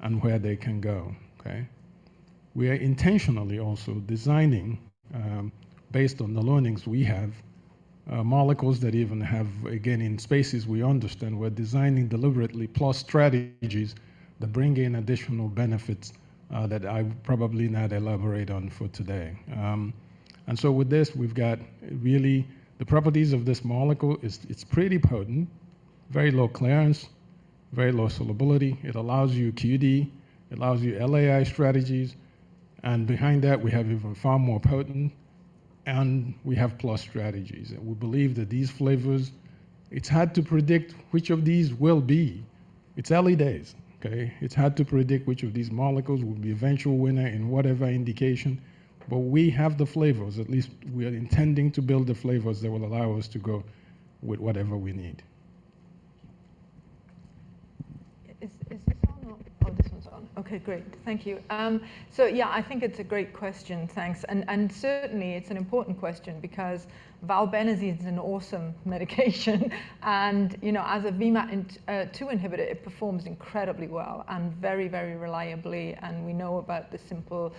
and where they can go, okay? We are intentionally also designing based on the learnings we have molecules that even have... Again, in spaces we understand, we're designing deliberately plus strategies that bring in additional benefits that I'll probably not elaborate on for today. And so with this, we've got really the properties of this molecule is it's pretty potent, very low clearance, very low solubility. It allows you QD, it allows you LAI strategies, and behind that, we have even far more potent, and we have plus strategies. We believe that these flavors, it's hard to predict which of these will be. It's early days, okay? It's hard to predict which of these molecules will be eventual winner in whatever indication, but we have the flavors. At least we are intending to build the flavors that will allow us to go with whatever we need. Is this on or... Oh, this one's on. Okay, great. Thank you. So yeah, I think it's a great question. Thanks. And certainly it's an important question because valbenazine is an awesome medication. And you know, as a VMAT2 inhibitor, it performs incredibly well and very, very reliably, and we know about the simple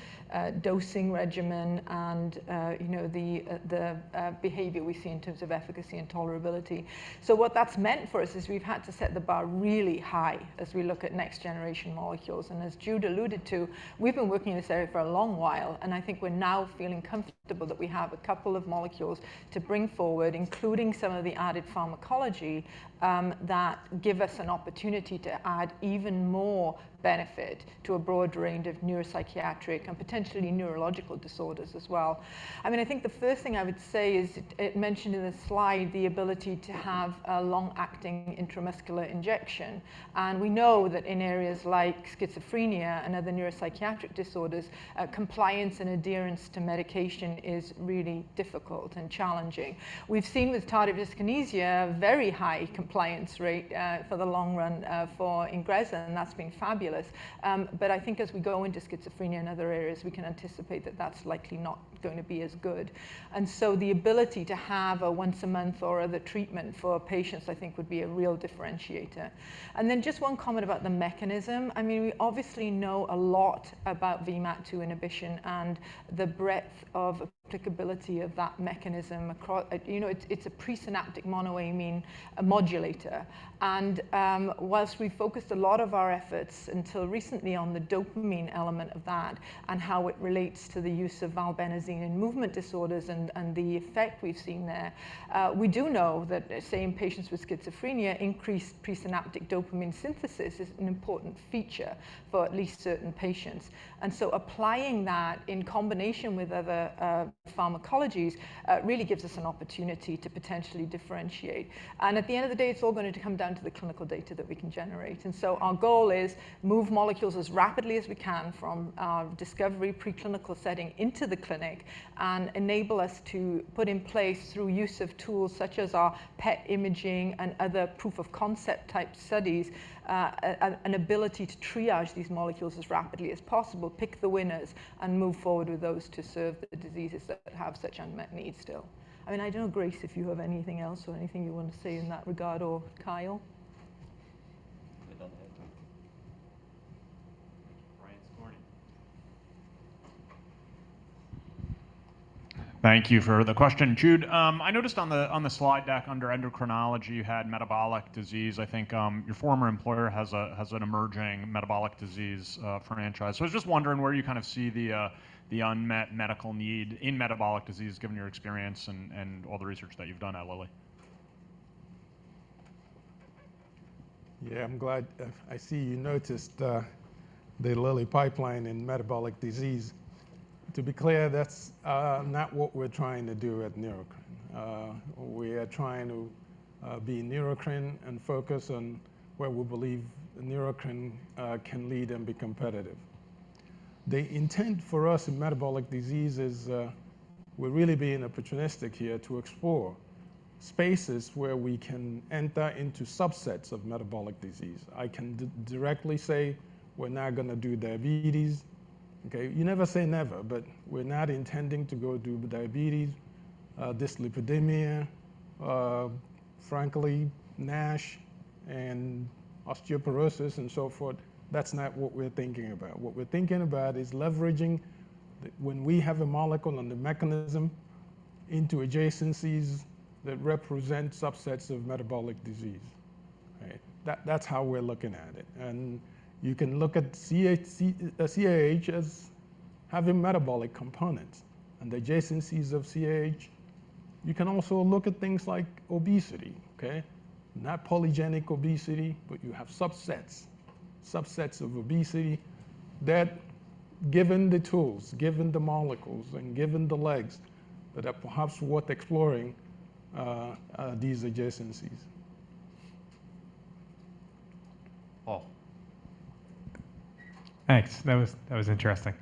dosing regimen and you know, the behavior we see in terms of efficacy and tolerability. So what that's meant for us is we've had to set the bar really high as we look at next generation molecules. As Jude alluded to, we've been working in this area for a long while, and I think we're now feeling comfortable that we have a couple of molecules to bring forward, including some of the added pharmacology that give us an opportunity to add even more benefit to a broad range of neuropsychiatric and potentially neurological disorders as well. I mean, I think the first thing I would say is it mentioned in the slide the ability to have a long-acting intramuscular injection, and we know that in areas like schizophrenia and other neuropsychiatric disorders, compliance and adherence to medication is really difficult and challenging. We've seen with tardive dyskinesia, a very high compliance rate, for the long run, for INGREZZA, and that's been fabulous. But I think as we go into schizophrenia and other areas, we can anticipate that that's likely not going to be as good. And so the ability to have a once-a-month or other treatment for patients, I think, would be a real differentiator. And then just one comment about the mechanism. I mean, we obviously know a lot about VMAT2 inhibition and the breadth of applicability of that mechanism across... You know, it's a presynaptic monoamine, a modulator. And whilst we focused a lot of our efforts until recently on the dopamine element of that and how it relates to the use of valbenazine in movement disorders and the effect we've seen there, we do know that, say, in patients with schizophrenia, increased presynaptic dopamine synthesis is an important feature for at least certain patients. Applying that in combination with other pharmacologies really gives us an opportunity to potentially differentiate. At the end of the day, it's all going to come down to the clinical data that we can generate. Our goal is move molecules as rapidly as we can from our discovery preclinical setting into the clinic and enable us to put in place, through use of tools such as our PET imaging and other proof-of-concept-type studies, an ability to triage these molecules as rapidly as possible, pick the winners, and move forward with those to serve the diseases that have such unmet needs still. I mean, I don't know, Grace, if you have anything else or anything you want to say in that regard or Kyle? We're done here. Thank you. Brian, this morning. Thank you for the question. Jude, I noticed on the slide deck under endocrinology, you had metabolic disease. I think your former employer has an emerging metabolic disease franchise. So I was just wondering where you kind of see the unmet medical need in metabolic disease, given your experience and all the research that you've done at Lilly? Yeah, I'm glad. I see you noticed the Lilly pipeline in metabolic disease. To be clear, that's not what we're trying to do at Neurocrine. We are trying to be Neurocrine and focus on where we believe Neurocrine can lead and be competitive. The intent for us in metabolic disease is, we're really being opportunistic here to explore spaces where we can enter into subsets of metabolic disease. I can directly say we're not gonna do diabetes, okay? You never say never, but we're not intending to go do diabetes, dyslipidemia, frankly, NASH and osteoporosis, and so forth. That's not what we're thinking about. What we're thinking about is leveraging the when we have a molecule and a mechanism into adjacencies that represent subsets of metabolic disease, right? That's how we're looking at it. You can look at CAH as having metabolic components and the adjacencies of CAH. You can also look at things like obesity, okay? Not polygenic obesity, but you have subsets, subsets of obesity that, given the tools, given the molecules, and given the legs, that are perhaps worth exploring these adjacencies. Paul. Thanks. That was, that was interesting.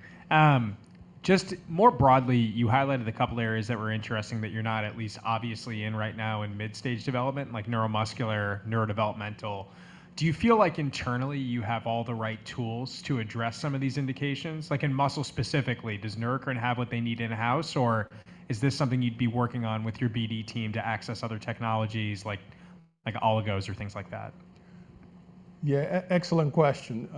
Just more broadly, you highlighted a couple of areas that were interesting that you're not at least obviously in right now in mid-stage development, like neuromuscular, neurodevelopmental. Do you feel like internally, you have all the right tools to address some of these indications? Like in muscle specifically, does Neurocrine have what they need in-house, or is this something you'd be working on with your BD team to access other technologies like, like oligos or things like that? Yeah, excellent question.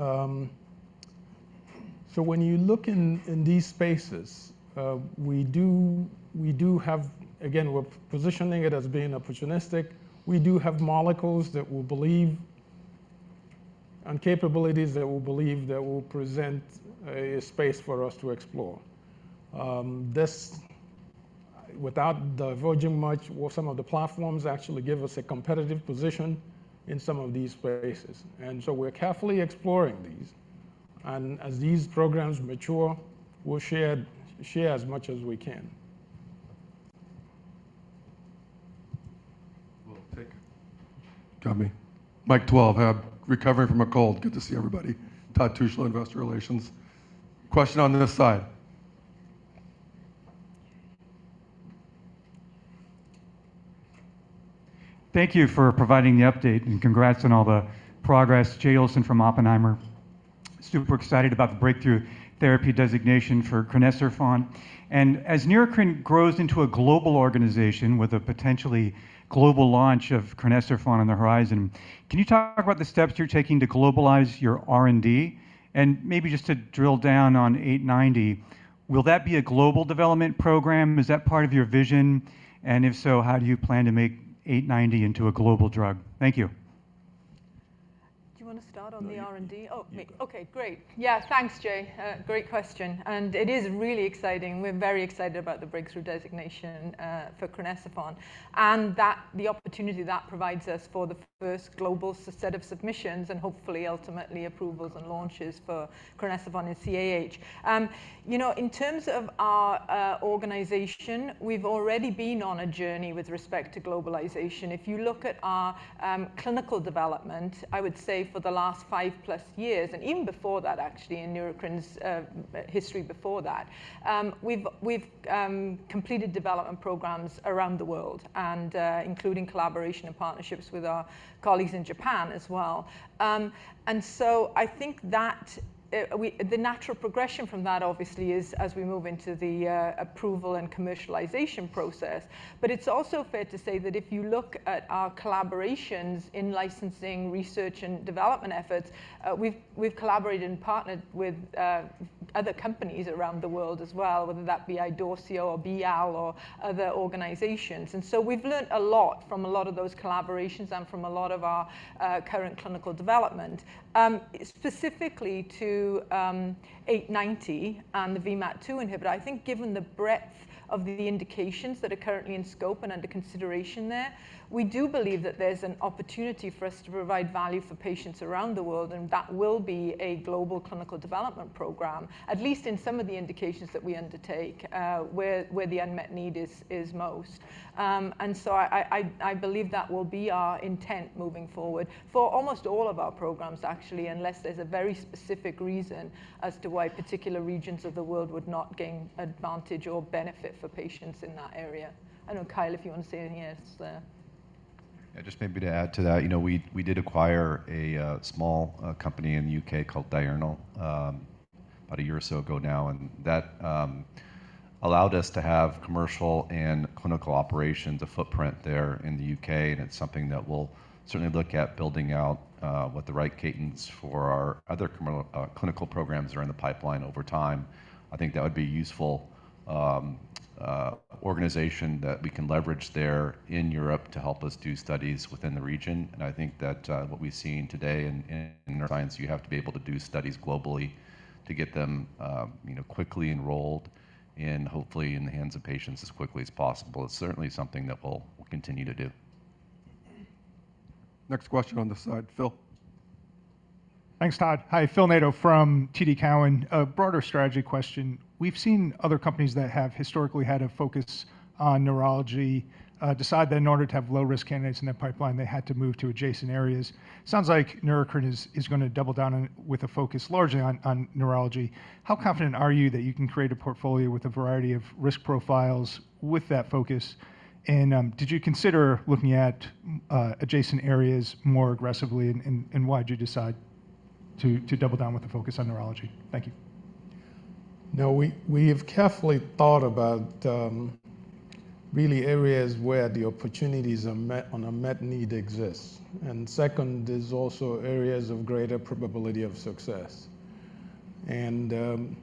So when you look in these spaces, we have... Again, we're positioning it as being opportunistic. We do have molecules that we believe and capabilities that we believe that will present a space for us to explore. Without diverging much, well, some of the platforms actually give us a competitive position in some of these spaces, and so we're carefully exploring these. And as these programs mature, we'll share as much as we can.... We'll take. Got me. I've been recovering from a cold. Good to see everybody. Todd Tushla, Investor Relations. Question on this side. Thank you for providing the update, and congrats on all the progress. Jay Olson from Oppenheimer. Super excited about the breakthrough therapy designation for crinecerfont. And as Neurocrine grows into a global organization with a potentially global launch of crinecerfont on the horizon, can you talk about the steps you're taking to globalize your R&D? And maybe just to drill down on NBI-890, will that be a global development program? Is that part of your vision? And if so, how do you plan to make NBI-890 into a global drug? Thank you. Do you want to start on the R&D? No, you- Oh, me. Okay, great. Yeah, thanks, Jude. Great question, and it is really exciting. We're very excited about the breakthrough designation for crinecerfont and that the opportunity that provides us for the first global set of submissions and hopefully ultimately approvals and launches for crinecerfont and CAH. You know, in terms of our organization, we've already been on a journey with respect to globalization. If you look at our clinical development, I would say for the last 5+ years, and even before that, actually, in Neurocrine's history before that, we've completed development programs around the world and including collaboration and partnerships with our colleagues in Japan as well. And so I think that. The natural progression from that obviously is as we move into the approval and commercialization process. But it's also fair to say that if you look at our collaborations in licensing, research, and development efforts, we've, we've collaborated and partnered with other companies around the world as well, whether that be Idorsia or BI or other organizations. And so we've learned a lot from a lot of those collaborations and from a lot of our current clinical development. Specifically to NBI-890 and the VMAT2 inhibitor, I think given the breadth of the indications that are currently in scope and under consideration there, we do believe that there's an opportunity for us to provide value for patients around the world, and that will be a global clinical development program. At least in some of the indications that we undertake, where the unmet need is most. And so I believe that will be our intent moving forward for almost all of our programs, actually, unless there's a very specific reason as to why particular regions of the world would not gain advantage or benefit for patients in that area. I know, Kyle, if you want to say anything else there. Yeah, just maybe to add to that, you know, we did acquire a small company in the U.K. called Diurnal about a year or so ago now, and that allowed us to have commercial and clinical operations, a footprint there in the U.K., and it's something that we'll certainly look at building out with the right cadence for our other clinical programs that are in the pipeline over time. I think that would be useful organization that we can leverage there in Europe to help us do studies within the region. And I think that what we've seen today in neuroscience, you have to be able to do studies globally to get them you know quickly enrolled and hopefully in the hands of patients as quickly as possible. It's certainly something that we'll continue to do. Next question on this side, Phil. Thanks, Todd. Hi, Phil Nadeau from TD Cowen. A broader strategy question. We've seen other companies that have historically had a focus on neurology, decide that in order to have low-risk candidates in their pipeline, they had to move to adjacent areas. Sounds like Neurocrine is gonna double down on it with a focus largely on neurology. How confident are you that you can create a portfolio with a variety of risk profiles with that focus? And, did you consider looking at adjacent areas more aggressively, and why'd you decide to double down with the focus on neurology? Thank you. No, we have carefully thought about really areas where the opportunities are, unmet, on unmet need exists. And second is also areas of greater probability of success. And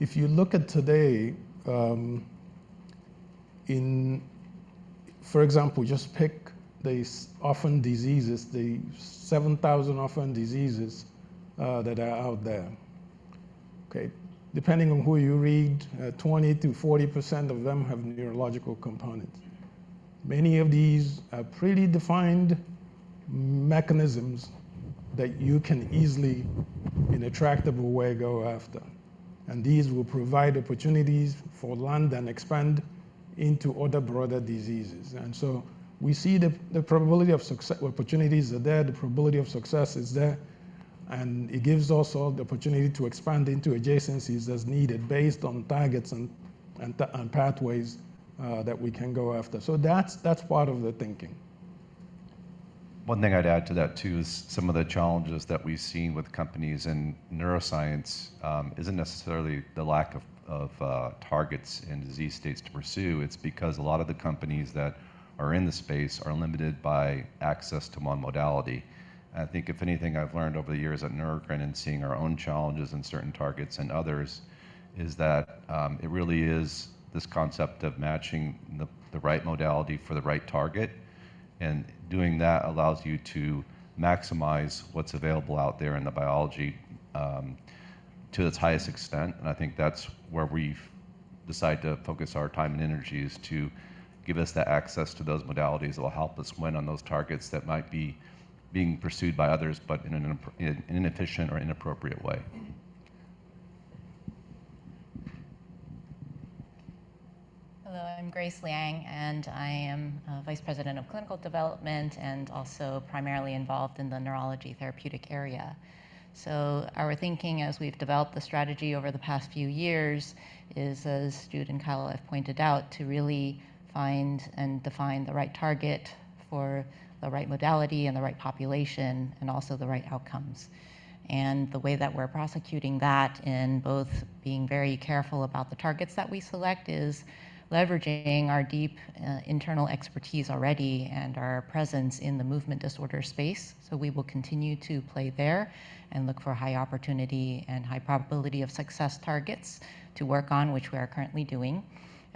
if you look at today, for example, just pick these orphan diseases, the 7,000 orphan diseases that are out there. Okay? Depending on who you read, 20%-40% of them have neurological components. Many of these are pretty defined mechanisms that you can easily, in an attractive way, go after, and these will provide opportunities for land and expand into other broader diseases. And so we see the probability of success—opportunities are there, the probability of success is there, and it gives us all the opportunity to expand into adjacencies as needed, based on targets and pathways that we can go after. So that's part of the thinking. One thing I'd add to that, too, is some of the challenges that we've seen with companies and neuroscience isn't necessarily the lack of targets and disease states to pursue. It's because a lot of the companies that are in the space are limited by access to monomodality. I think if anything I've learned over the years at Neurocrine and seeing our own challenges in certain targets and others is that it really is this concept of matching the right modality for the right target, and doing that allows you to maximize what's available out there in the biology to its highest extent. I think that's where we've decided to focus our time and energy, is to give us the access to those modalities that will help us win on those targets that might be being pursued by others, but in an inefficient or inappropriate way.... Hello, I'm Grace Liang, and I am, Vice President of Clinical Development, and also primarily involved in the neurology therapeutic area. So our thinking as we've developed the strategy over the past few years is, as Jude and Kyle have pointed out, to really find and define the right target for the right modality and the right population, and also the right outcomes. And the way that we're prosecuting that, in both being very careful about the targets that we select, is leveraging our deep, internal expertise already and our presence in the movement disorder space. So we will continue to play there and look for high opportunity and high probability of success targets to work on, which we are currently doing,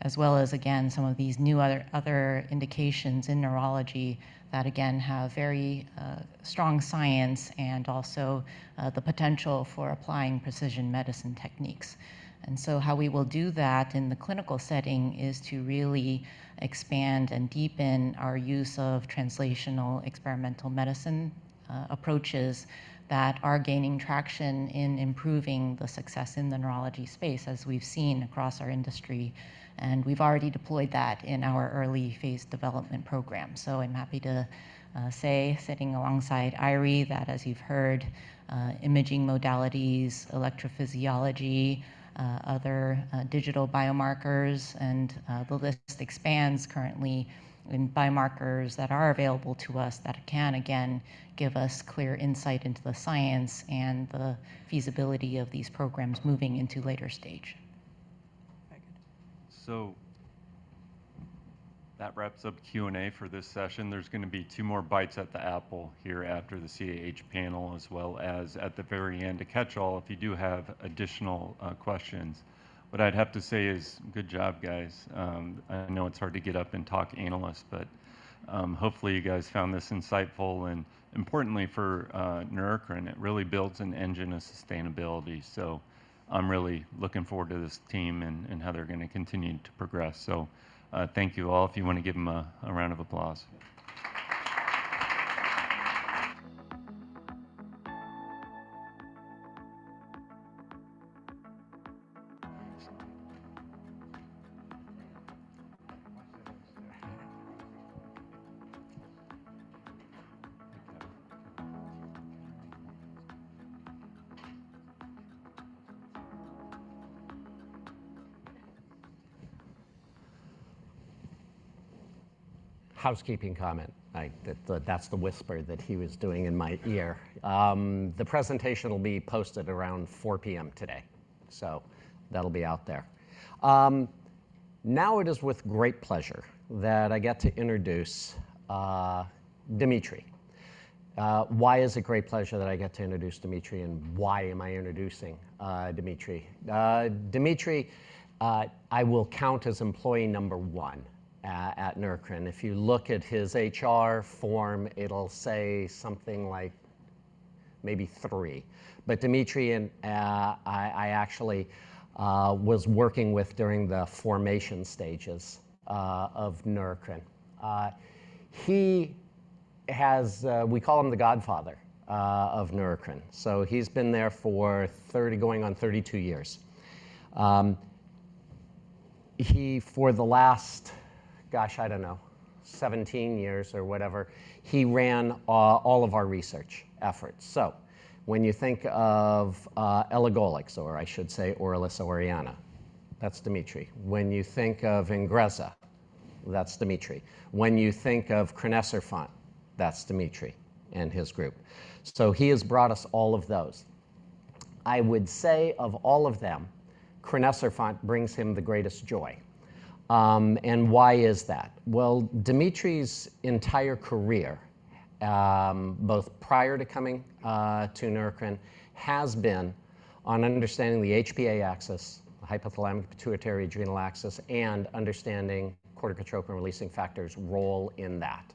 as well as, again, some of these new other, other indications in neurology that, again, have very, strong science and also, the potential for applying precision medicine techniques. And so how we will do that in the clinical setting is to really expand and deepen our use of translational experimental medicine approaches that are gaining traction in improving the success in the neurology space, as we've seen across our industry, and we've already deployed that in our early phase development program. I'm happy to say, sitting alongside Eiry, that as you've heard, imaging modalities, electrophysiology, other digital biomarkers, and the list expands currently in biomarkers that are available to us that can, again, give us clear insight into the science and the feasibility of these programs moving into later stage. Thank you. So that wraps up Q&A for this session. There's gonna be two more bites at the apple here after the CAH panel, as well as at the very end, a catch-all if you do have additional questions. What I'd have to say is, good job, guys. I know it's hard to get up and talk to analysts, but hopefully you guys found this insightful, and importantly for Neurocrine, it really builds an engine of sustainability. So I'm really looking forward to this team and how they're gonna continue to progress. So thank you, all. If you wanna give them a round of applause. Housekeeping comment. That, that's the whisper that he was doing in my ear. The presentation will be posted around 4:00 P.M. today, so that'll be out there. Now, it is with great pleasure that I get to introduce Dimitri. Why is it great pleasure that I get to introduce Dimitri, and why am I introducing Dimitri? Dimitri, I will count as employee number 1 at Neurocrine. If you look at his HR form, it'll say something like maybe 3. But Dimitri and I actually was working with during the formation stages of Neurocrine. He has. We call him the godfather of Neurocrine. So he's been there for 30, going on 32 years. He, for the last, gosh, I don't know, 17 years or whatever, he ran all of our research efforts. When you think of elagolix, or I should say Orilissa, Oriahnn, that's Dimitri. When you think of INGREZZA, that's Dimitri. When you think of crinecerfont, that's Dimitri and his group. So he has brought us all of those. I would say, of all of them, crinecerfont brings him the greatest joy. And why is that? Well, Dimitri's entire career, both prior to coming to Neurocrine, has been on understanding the HPA axis, hypothalamic-pituitary-adrenal axis, and understanding corticotropin-releasing factor's role in that.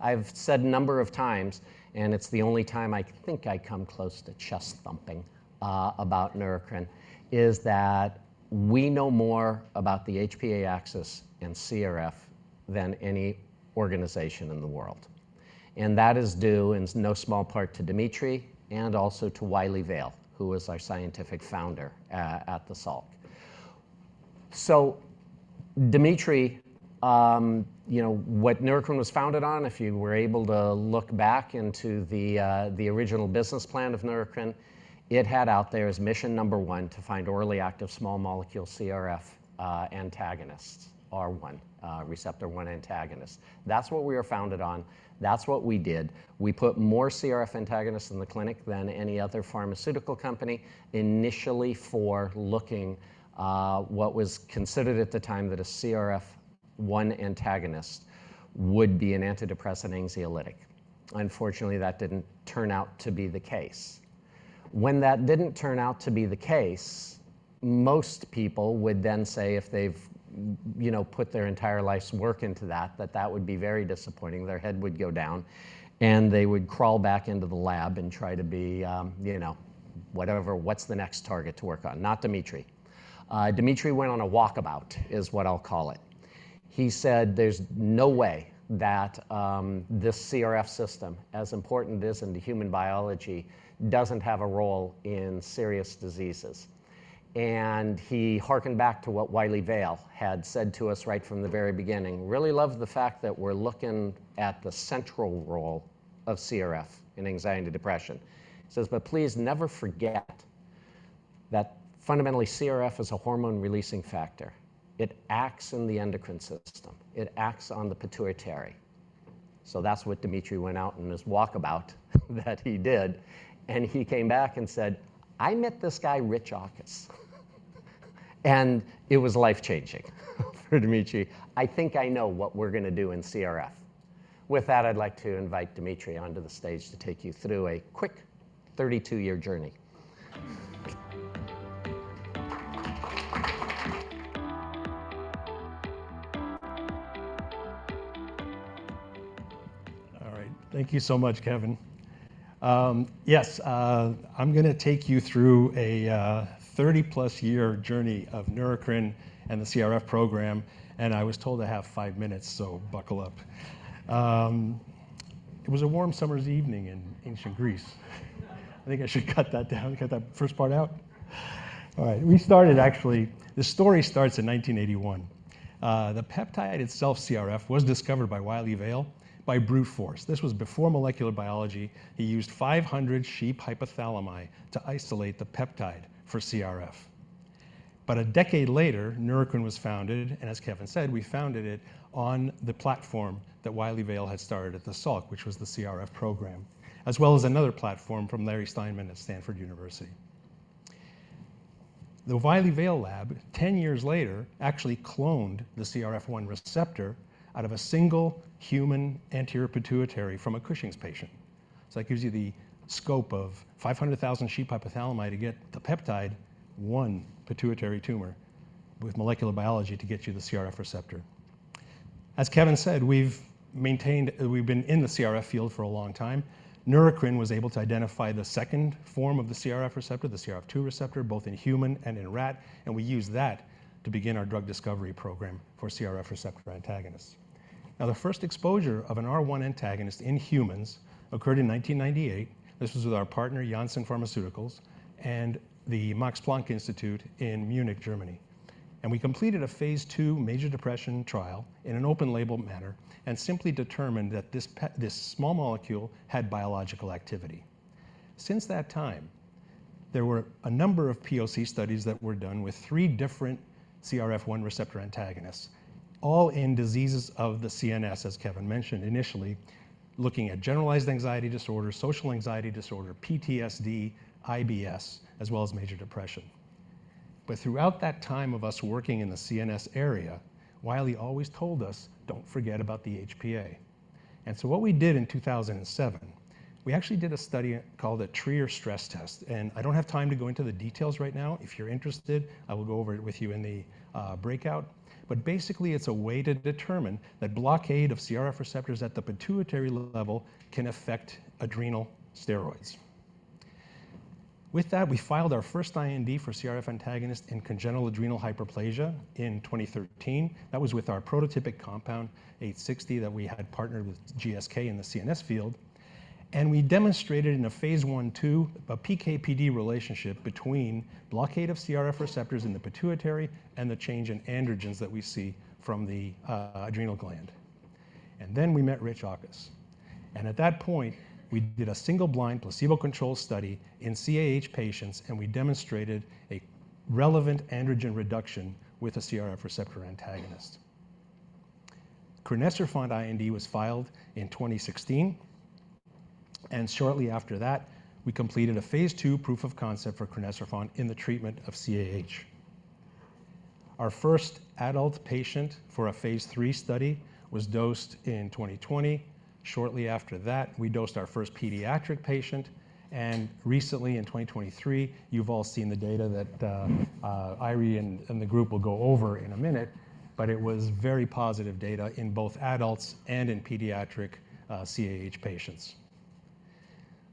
I've said a number of times, and it's the only time I think I come close to chest-thumping about Neurocrine, is that we know more about the HPA axis and CRF than any organization in the world, and that is due in no small part to Dimitri and also to Wylie Vale, who was our scientific founder at the Salk. So Dimitri, you know, what Neurocrine was founded on, if you were able to look back into the original business plan of Neurocrine, it had out there as mission number one: to find orally active small molecule CRF antagonists, CRF1 receptor antagonist. That's what we were founded on. That's what we did. We put more CRF antagonists in the clinic than any other pharmaceutical company, initially for looking what was considered at the time that a CRF1 antagonist would be an antidepressant anxiolytic. Unfortunately, that didn't turn out to be the case. When that didn't turn out to be the case, most people would then say, if they've you know, put their entire life's work into that, that that would be very disappointing. Their head would go down, and they would crawl back into the lab and try to be, you know, whatever, "What's the next target to work on?" Not Dimitri. Dimitri went on a walkabout, is what I'll call it... He said, "There's no way that this CRF system, as important it is into human biology, doesn't have a role in serious diseases." And he harkened back to what Wylie Vale had said to us right from the very beginning: "Really love the fact that we're looking at the central role of CRF in anxiety, depression." He says, "But please never forget that fundamentally, CRF is a hormone-releasing factor. It acts in the endocrine system. It acts on the pituitary." So that's what Dimitri went out on his walkabout that he did, and he came back and said, "I met this guy, Richard Auchus," and it was life-changing for Dimitri. "I think I know what we're gonna do in CRF." With that, I'd like to invite Dimitri onto the stage to take you through a quick 32-year journey. All right. Thank you so much, Kevin. Yes, I'm gonna take you through a 30-plus year journey of Neurocrine and the CRF program, and I was told to have 5 minutes, so buckle up. All right. Actually, the story starts in 1981. The peptide itself, CRF, was discovered by Wylie Vale by brute force. This was before molecular biology. He used 500 sheep hypothalami to isolate the peptide for CRF. But a decade later, Neurocrine was founded, and as Kevin said, we founded it on the platform that Wylie Vale had started at the Salk, which was the CRF program, as well as another platform from Larry Steinman at Stanford University. The Wylie Vale lab, 10 years later, actually cloned the CRF1 receptor out of a single human anterior pituitary from a Cushing's patient. So that gives you the scope of 500,000 sheep hypothalami to get the peptide, one pituitary tumor with molecular biology to get you the CRF receptor. As Kevin said, we've been in the CRF field for a long time. Neurocrine was able to identify the second form of the CRF receptor, the CRF2 receptor, both in human and in rat, and we used that to begin our drug discovery program for CRF receptor antagonists. Now, the first exposure of a CRF1 antagonist in humans occurred in 1998. This was with our partner, Janssen Pharmaceuticals, and the Max Planck Institute in Munich, Germany. We completed a phase II major depression trial in an open label manner and simply determined that this small molecule had biological activity. Since that time, there were a number of POC studies that were done with 3 different CRF1 receptor antagonists, all in diseases of the CNS, as Kevin mentioned initially, looking at generalized anxiety disorder, social anxiety disorder, PTSD, IBS, as well as major depression. But throughout that time of us working in the CNS area, Wylie always told us, "Don't forget about the HPA." So what we did in 2007, we actually did a study called a Trier stress test, and I don't have time to go into the details right now. If you're interested, I will go over it with you in the breakout. But basically, it's a way to determine that blockade of CRF receptors at the pituitary level can affect adrenal steroids. With that, we filed our first IND for CRF antagonist in congenital adrenal hyperplasia in 2013. That was with our prototypic compound 860, that we had partnered with GSK in the CNS field, and we demonstrated in a phase I/II, a PK/PD relationship between blockade of CRF receptors in the pituitary and the change in androgens that we see from the adrenal gland. And then we met Richard Auchus, and at that point, we did a single-blind, placebo-controlled study in CAH patients, and we demonstrated a relevant androgen reduction with a CRF receptor antagonist. Crinecerfont IND was filed in 2016, and shortly after that, we completed a phase II proof of concept for crinecerfont in the treatment of CAH. Our first adult patient for a phase 3 study was dosed in 2020. Shortly after that, we dosed our first pediatric patient, and recently in 2023, you've all seen the data that, Eiry and the group will go over in a minute, but it was very positive data in both adults and in pediatric CAH patients.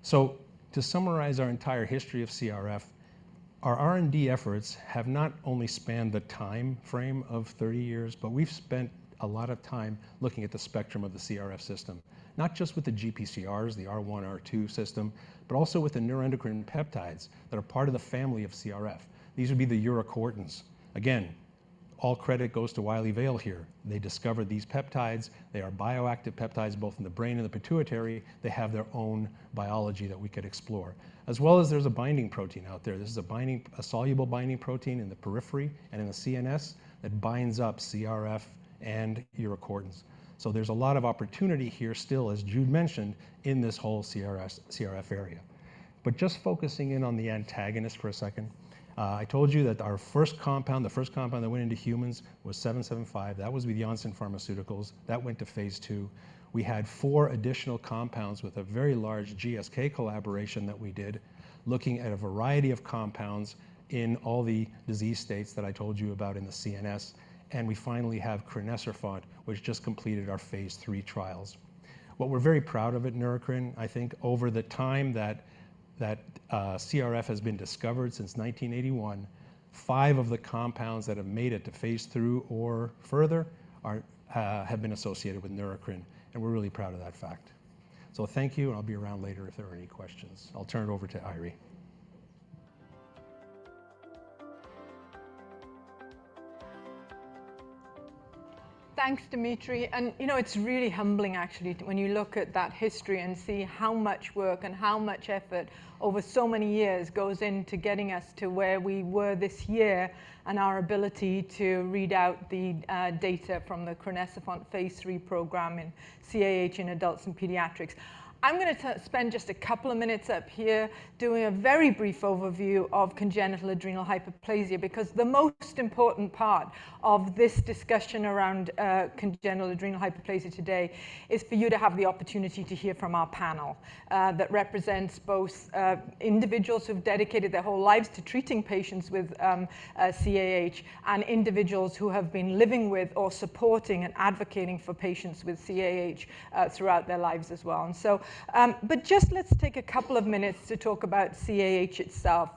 So to summarize our entire history of CRF, our R&D efforts have not only spanned the time frame of 30 years, but we've spent a lot of time looking at the spectrum of the CRF system. Not just with the GPCRs, the R1, R2 system, but also with the neuroendocrine peptides that are part of the family of CRF. These would be the urocortins. Again, all credit goes to Wylie Vale here. They discovered these peptides. They are bioactive peptides, both in the brain and the pituitary. They have their own biology that we could explore. As well as there's a binding protein out there. This is a binding, a soluble binding protein in the periphery and in the CNS that binds up CRF and urocortins. So there's a lot of opportunity here still, as Jude mentioned, in this whole CRS, CRF area. But just focusing in on the antagonist for a second, I told you that our first compound, the first compound that went into humans, was 775. That was with Janssen Pharmaceuticals. That went to phase II. We had four additional compounds with a very large GSK collaboration that we did, looking at a variety of compounds in all the disease states that I told you about in the CNS, and we finally have crinecerfont, which just completed our phase III trials. What we're very proud of at Neurocrine, I think over the time that CRF has been discovered since 1981, five of the compounds that have made it to phase 3 or further are have been associated with Neurocrine, and we're really proud of that fact. So thank you, and I'll be around later if there are any questions. I'll turn it over to Eiry. Thanks, Dimitri. You know, it's really humbling actually, when you look at that history and see how much work and how much effort over so many years goes into getting us to where we were this year, and our ability to read out the data from the crinecerfont Phase III program in CAH, in adults and pediatrics. I'm gonna spend just a couple of minutes up here doing a very brief overview of congenital adrenal hyperplasia, because the most important part of this discussion around congenital adrenal hyperplasia today is for you to have the opportunity to hear from our panel that represents both individuals who've dedicated their whole lives to treating patients with CAH, and individuals who have been living with, or supporting and advocating for patients with CAH throughout their lives as well. But just let's take a couple of minutes to talk about CAH itself.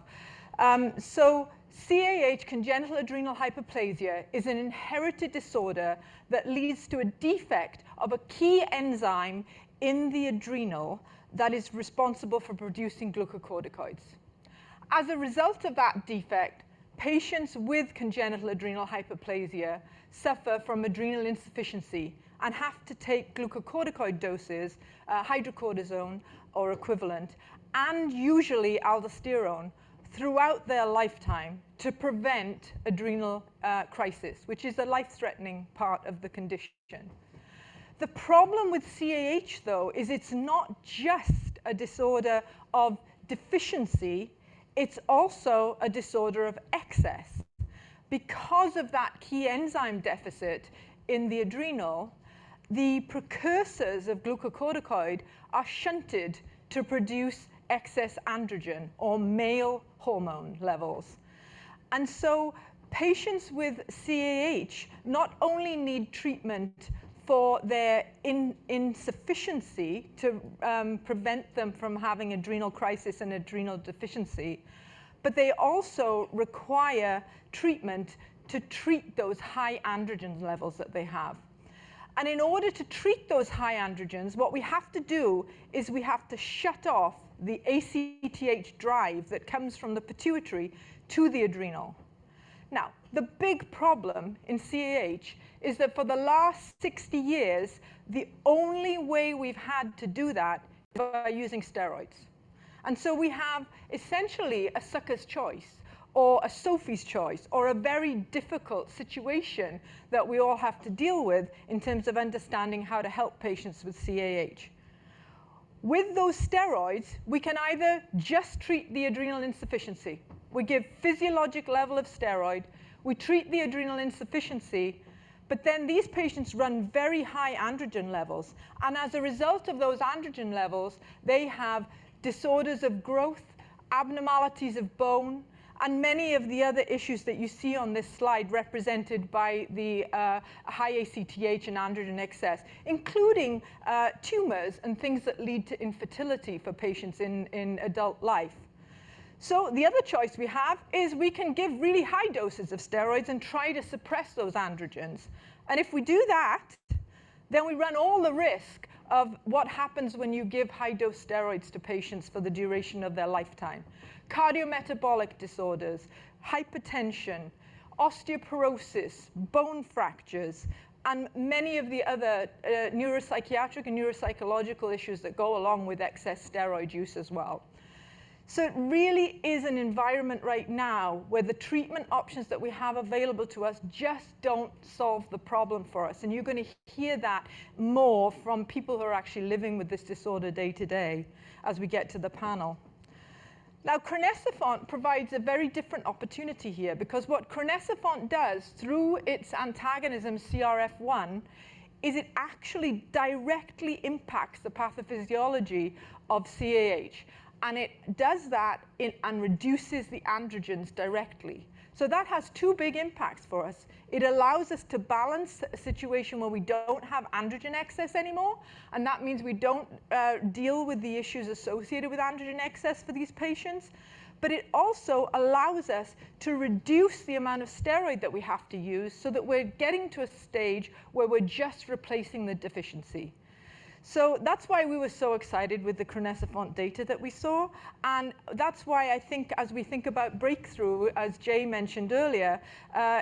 So CAH, congenital adrenal hyperplasia, is an inherited disorder that leads to a defect of a key enzyme in the adrenal, that is responsible for producing glucocorticoids. As a result of that defect, patients with congenital adrenal hyperplasia suffer from adrenal insufficiency, and have to take glucocorticoid doses, hydrocortisone or equivalent, and usually aldosterone, throughout their lifetime to prevent adrenal crisis, which is a life-threatening part of the condition. The problem with CAH, though, is it's not just a disorder of deficiency, it's also a disorder of excess. Because of that key enzyme deficit in the adrenal, the precursors of glucocorticoid are shunted to produce excess androgen or male hormone levels. So patients with CAH not only need treatment for their adrenal insufficiency to prevent them from having adrenal crisis and adrenal deficiency, but they also require treatment to treat those high androgen levels that they have. And in order to treat those high androgens, what we have to do is we have to shut off the ACTH drive that comes from the pituitary to the adrenal. Now, the big problem in CAH is that for the last 60 years, the only way we've had to do that is by using steroids. And so we have essentially a sucker's choice or a Sophie's choice, or a very difficult situation that we all have to deal with in terms of understanding how to help patients with CAH. With those steroids, we can either just treat the adrenal insufficiency. We give physiologic level of steroid, we treat the adrenal insufficiency, but then these patients run very high androgen levels, and as a result of those androgen levels, they have disorders of growth, abnormalities of bone, and many of the other issues that you see on this slide, represented by the high ACTH and androgen excess, including tumors and things that lead to infertility for patients in adult life. So the other choice we have, is we can give really high doses of steroids and try to suppress those androgens. And if we do that, then we run all the risk of what happens when you give high-dose steroids to patients for the duration of their lifetime: cardiometabolic disorders, hypertension, osteoporosis, bone fractures, and many of the other neuropsychiatric and neuropsychological issues that go along with excess steroid use as well. So it really is an environment right now, where the treatment options that we have available to us just don't solve the problem for us, and you're gonna hear that more from people who are actually living with this disorder day to day, as we get to the panel. Now, crinecerfont provides a very different opportunity here, because what crinecerfont does through its antagonism CRF1, is it actually directly impacts the pathophysiology of CAH, and it does that and reduces the androgens directly. So that has two big impacts for us. It allows us to balance a situation where we don't have androgen excess anymore, and that means we don't deal with the issues associated with androgen excess for these patients. But it also allows us to reduce the amount of steroid that we have to use, so that we're getting to a stage where we're just replacing the deficiency. So that's why we were so excited with the crinecerfont data that we saw, and that's why I think as we think about breakthrough, as Jay mentioned earlier,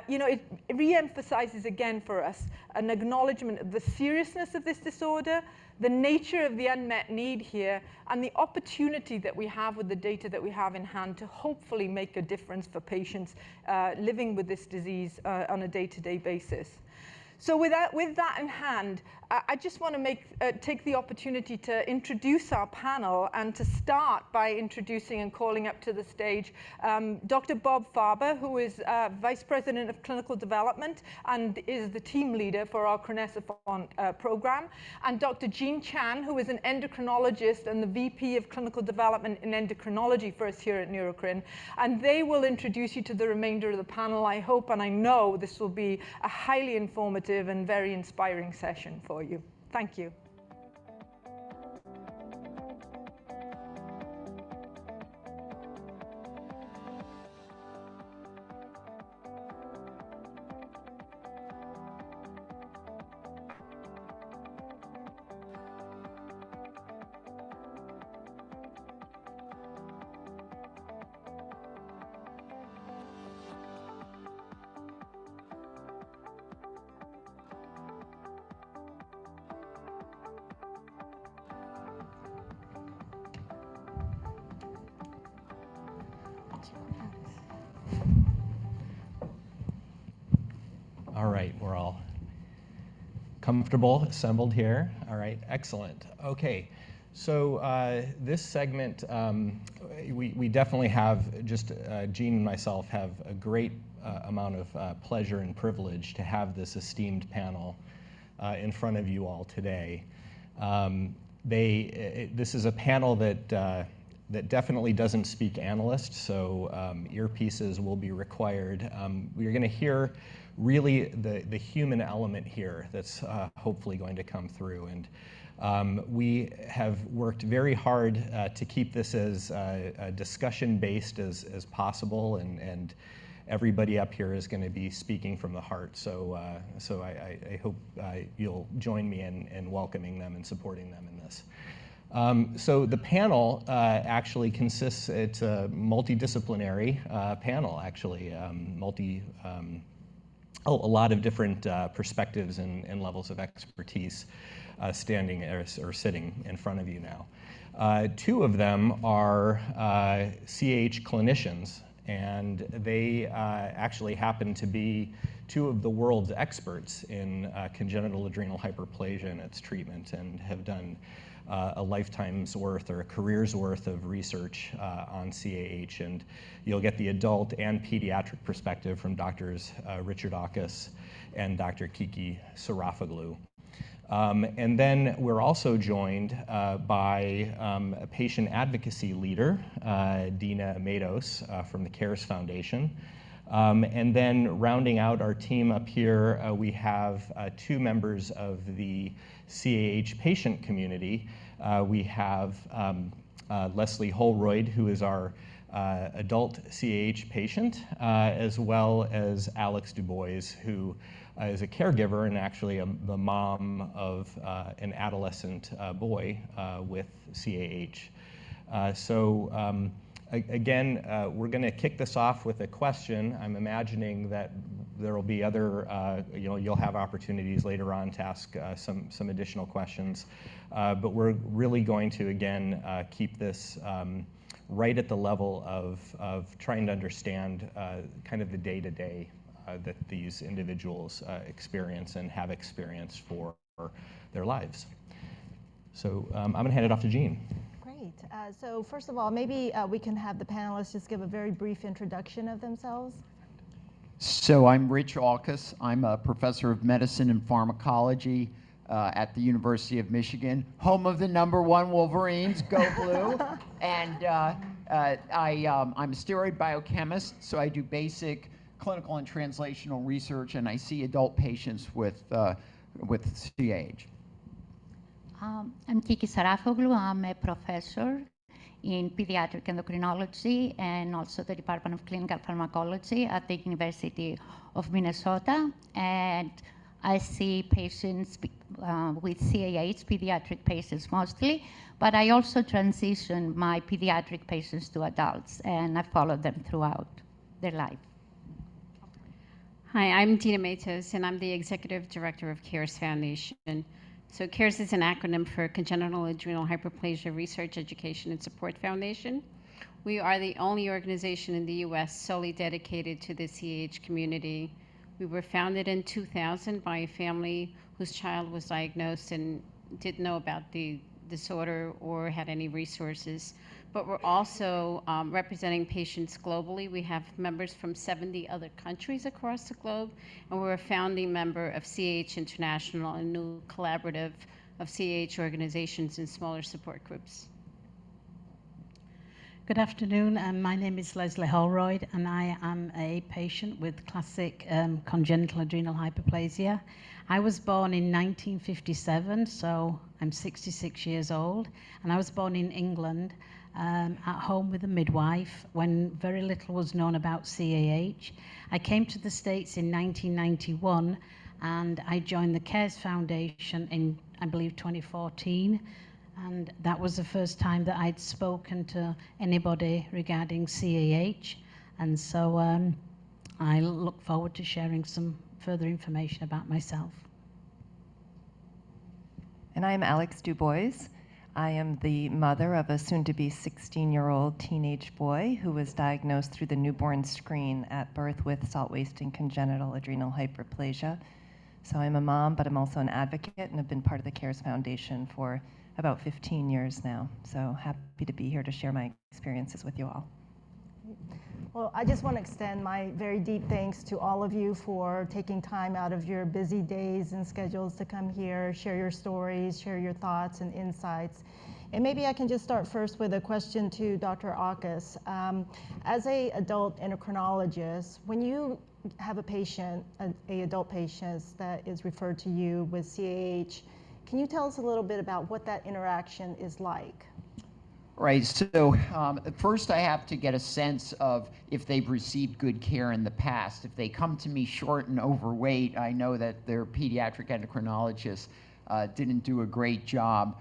you know, it, it re-emphasizes again for us an acknowledgment of the seriousness of this disorder, the nature of the unmet need here, and the opportunity that we have with the data that we have in hand to hopefully make a difference for patients living with this disease on a day-to-day basis. So with that, with that in hand, I just wanna take the opportunity to introduce our panel, and to start by introducing and calling up to the stage, Dr. Robert Farber, who is Vice President of Clinical Development and is the team leader for our crinecerfont program, and Dr. Jean Chan, who is an endocrinologist and the VP of Clinical Development in Endocrinology for us here at Neurocrine. They will introduce you to the remainder of the panel. I hope, and I know this will be a highly informative and very inspiring session for you. Thank you. ... All right, we're all comfortable, assembled here. All right, excellent. Okay, so this segment, we definitely have just, Jean and myself have a great amount of pleasure and privilege to have this esteemed panel in front of you all today. They, this is a panel that definitely doesn't speak to analysts, so earpieces will be required. We are gonna hear really the human element here that's hopefully going to come through, and we have worked very hard to keep this as a discussion-based as possible, and everybody up here is gonna be speaking from the heart. So I hope you'll join me in welcoming them and supporting them in this. So the panel actually consists... It's a multidisciplinary panel, actually, a lot of different perspectives and levels of expertise standing or sitting in front of you now. Two of them are CAH clinicians, and they actually happen to be two of the world's experts in congenital adrenal hyperplasia and its treatment, and have done a lifetime's worth or a career's worth of research on CAH. You'll get the adult and pediatric perspective from Doctors Richard Auchus and Dr. Kiki Sarafoglou. And then we're also joined by a patient advocacy leader, Dina Matos, from the CARES Foundation. And then rounding out our team up here, we have two members of the CAH patient community. We have Leslie Holroyd, who is our adult CAH patient, as well as Alex Dubois, who is a caregiver and actually the mom of an adolescent boy with CAH. So again, we're gonna kick this off with a question. I'm imagining that there will be other... you'll have opportunities later on to ask some additional questions. But we're really going to again keep this right at the level of trying to understand kind of the day-to-day that these individuals experience and have experienced for their lives. So, I'm gonna hand it off to Jean. Great. So first of all, maybe, we can have the panelists just give a very brief introduction of themselves. So I'm Rich Auchus. I'm a professor of Medicine and Pharmacology at the University of Michigan, home of the number one Wolverines. Go Blue! And I'm a steroid biochemist, so I do basic clinical and translational research, and I see adult patients with CAH. I'm Kiki Sarafoglou. I'm a professor in pediatric endocrinology and also the Department of Clinical Pharmacology at the University of Minnesota, and I see patients with CAH, pediatric patients mostly, but I also transition my pediatric patients to adults, and I follow them throughout their life. Hi, I'm Dina Mattos, and I'm the Executive Director of CARES Foundation. So CARES is an acronym for Congenital Adrenal Hyperplasia Research, Education, and Support Foundation. We are the only organization in the U.S. solely dedicated to the CAH community. We were founded in 2000 by a family whose child was diagnosed and didn't know about the disorder or had any resources. But we're also representing patients globally. We have members from 70 other countries across the globe, and we're a founding member of CAH International, a new collaborative of CAH organizations and smaller support groups. Good afternoon, and my name is Leslie Holroyd, and I am a patient with classic congenital adrenal hyperplasia. I was born in 1957, so I'm 66 years old, and I was born in England at home with a midwife, when very little was known about CAH. I came to the States in 1991, and I joined the CARES Foundation in, I believe, 2014, and that was the first time that I'd spoken to anybody regarding CAH. And so, I look forward to sharing some further information about myself. I'm Alex Dubois. I am the mother of a soon-to-be 16-year-old teenage boy, who was diagnosed through the newborn screen at birth with salt-wasting congenital adrenal hyperplasia. So I'm a mom, but I'm also an advocate, and I've been part of the CARES Foundation for about 15 years now. So happy to be here to share my experiences with you all. Well, I just want to extend my very deep thanks to all of you for taking time out of your busy days and schedules to come here, share your stories, share your thoughts and insights. And maybe I can just start first with a question to Dr. Auchus. As an adult endocrinologist, when you have a patient, a adult patient, that is referred to you with CAH, can you tell us a little bit about what that interaction is like? ... Right, so at first I have to get a sense of if they've received good care in the past. If they come to me short and overweight, I know that their pediatric endocrinologist didn't do a great job.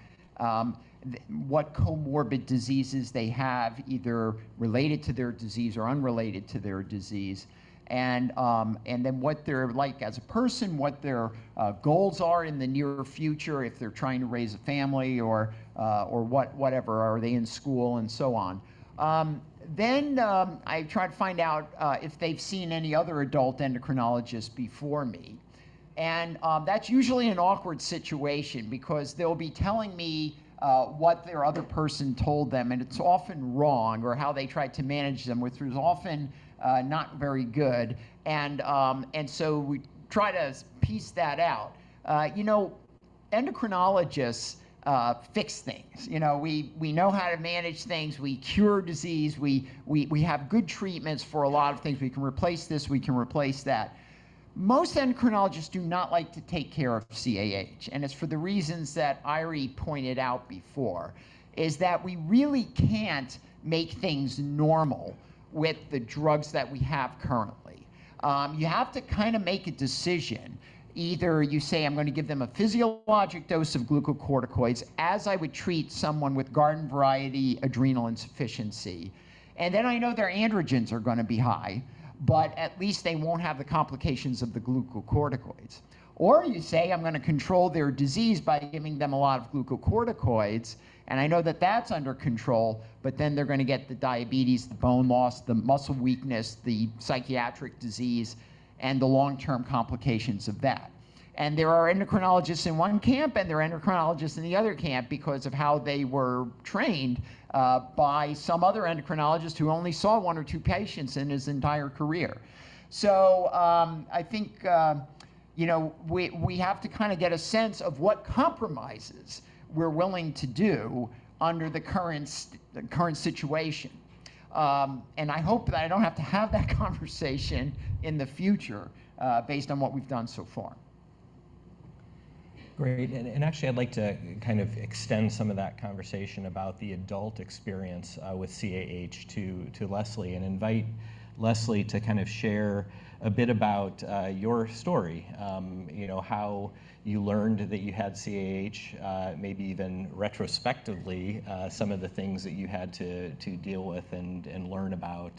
What comorbid diseases they have, either related to their disease or unrelated to their disease, and then what they're like as a person, what their goals are in the near future, if they're trying to raise a family or whatever. Are they in school, and so on. Then I try to find out if they've seen any other adult endocrinologist before me, and that's usually an awkward situation. Because they'll be telling me what their other person told them, and it's often wrong, or how they tried to manage them, which was often not very good. And so we try to piece that out. You know, endocrinologists fix things. You know, we know how to manage things. We cure disease. We have good treatments for a lot of things. We can replace this, we can replace that. Most endocrinologists do not like to take care of CAH, and it's for the reasons that Eiry pointed out before, is that we really can't make things normal with the drugs that we have currently. You have to kind of make a decision. Either you say, "I'm gonna give them a physiologic dose of glucocorticoids, as I would treat someone with garden-variety adrenal insufficiency." And then I know their androgens are gonna be high, but at least they won't have the complications of the glucocorticoids. Or you say, "I'm gonna control their disease by giving them a lot of glucocorticoids, and I know that that's under control, but then they're gonna get the diabetes, the bone loss, the muscle weakness, the psychiatric disease, and the long-term complications of that." And there are endocrinologists in one camp, and there are endocrinologists in the other camp because of how they were trained by some other endocrinologist who only saw one or two patients in his entire career. I think, you know, we have to kind of get a sense of what compromises we're willing to do under the current situation. I hope that I don't have to have that conversation in the future, based on what we've done so far. Great, and actually, I'd like to kind of extend some of that conversation about the adult experience with CAH to Leslie, and invite Leslie to kind of share a bit about your story. You know, how you learned that you had CAH, maybe even retrospectively, some of the things that you had to deal with and learn about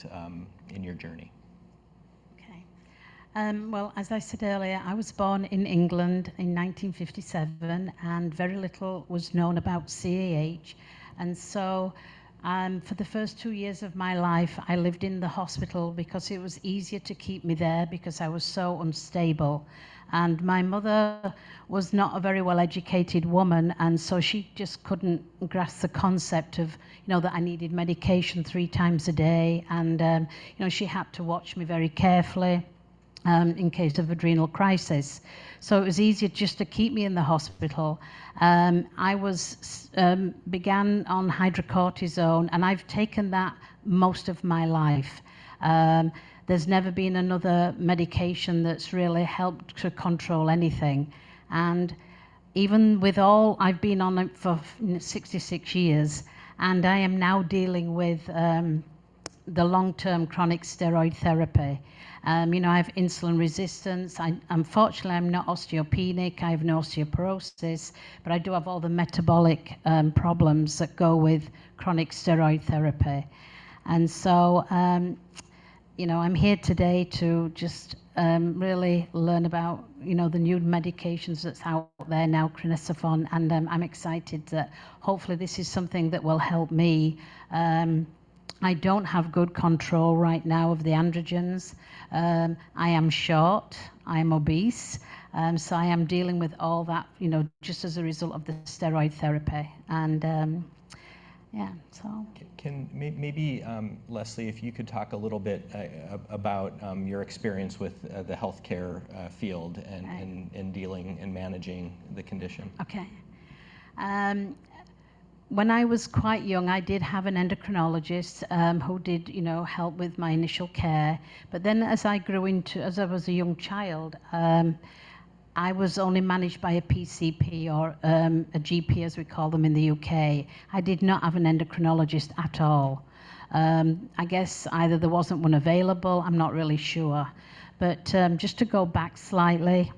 in your journey. Okay. Well, as I said earlier, I was born in England in 1957, and very little was known about CAH. And so, for the first two years of my life, I lived in the hospital because it was easier to keep me there because I was so unstable. And my mother was not a very well-educated woman, and so she just couldn't grasp the concept of, you know, that I needed medication three times a day, and, you know, she had to watch me very carefully, in case of adrenal crisis. So it was easier just to keep me in the hospital. I was began on hydrocortisone, and I've taken that most of my life. There's never been another medication that's really helped to control anything. Even with all, I've been on it for 66 years, and I am now dealing with the long-term chronic steroid therapy. You know, I have insulin resistance. I, unfortunately, I'm not osteopenic. I have no osteoporosis, but I do have all the metabolic problems that go with chronic steroid therapy. And so, you know, I'm here today to just really learn about, you know, the new medications that's out there now, crinecerfont, and I'm excited that hopefully this is something that will help me. I don't have good control right now of the androgens. I am short, I am obese, so I am dealing with all that, you know, just as a result of the steroid therapy. And yeah, so. Maybe, Leslie, if you could talk a little bit about your experience with the healthcare field. Right... and dealing and managing the condition. Okay. When I was quite young, I did have an endocrinologist who did, you know, help with my initial care. But then as I was a young child, I was only managed by a PCP or a GP, as we call them in the U.K. I did not have an endocrinologist at all. I guess either there wasn't one available. I'm not really sure. But just to go back slightly,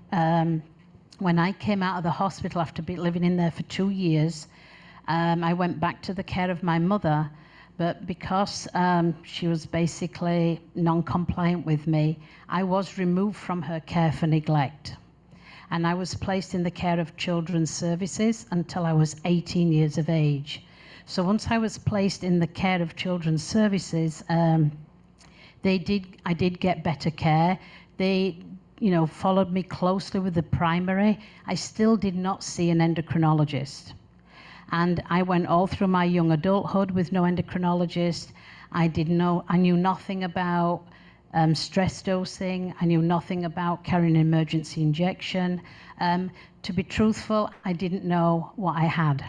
when I came out of the hospital, after living in there for 2 years, I went back to the care of my mother. But because she was basically non-compliant with me, I was removed from her care for neglect, and I was placed in the care of Children's Services until I was 18 years of age. So once I was placed in the care of Children's Services, they did—I did get better care. They, you know, followed me closely with the primary. I still did not see an endocrinologist, and I went all through my young adulthood with no endocrinologist. I didn't know—I knew nothing about stress dosing. I knew nothing about carrying an emergency injection. To be truthful, I didn't know what I had.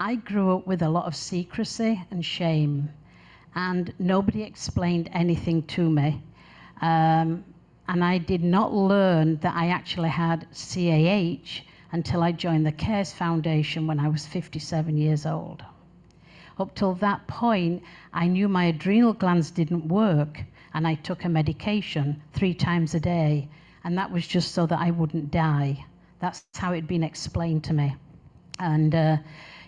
I grew up with a lot of secrecy and shame, and nobody explained anything to me. And I did not learn that I actually had CAH until I joined the CARES Foundation when I was 57 years old. Up till that point, I knew my adrenal glands didn't work, and I took a medication 3 times a day, and that was just so that I wouldn't die. That's how it'd been explained to me. And,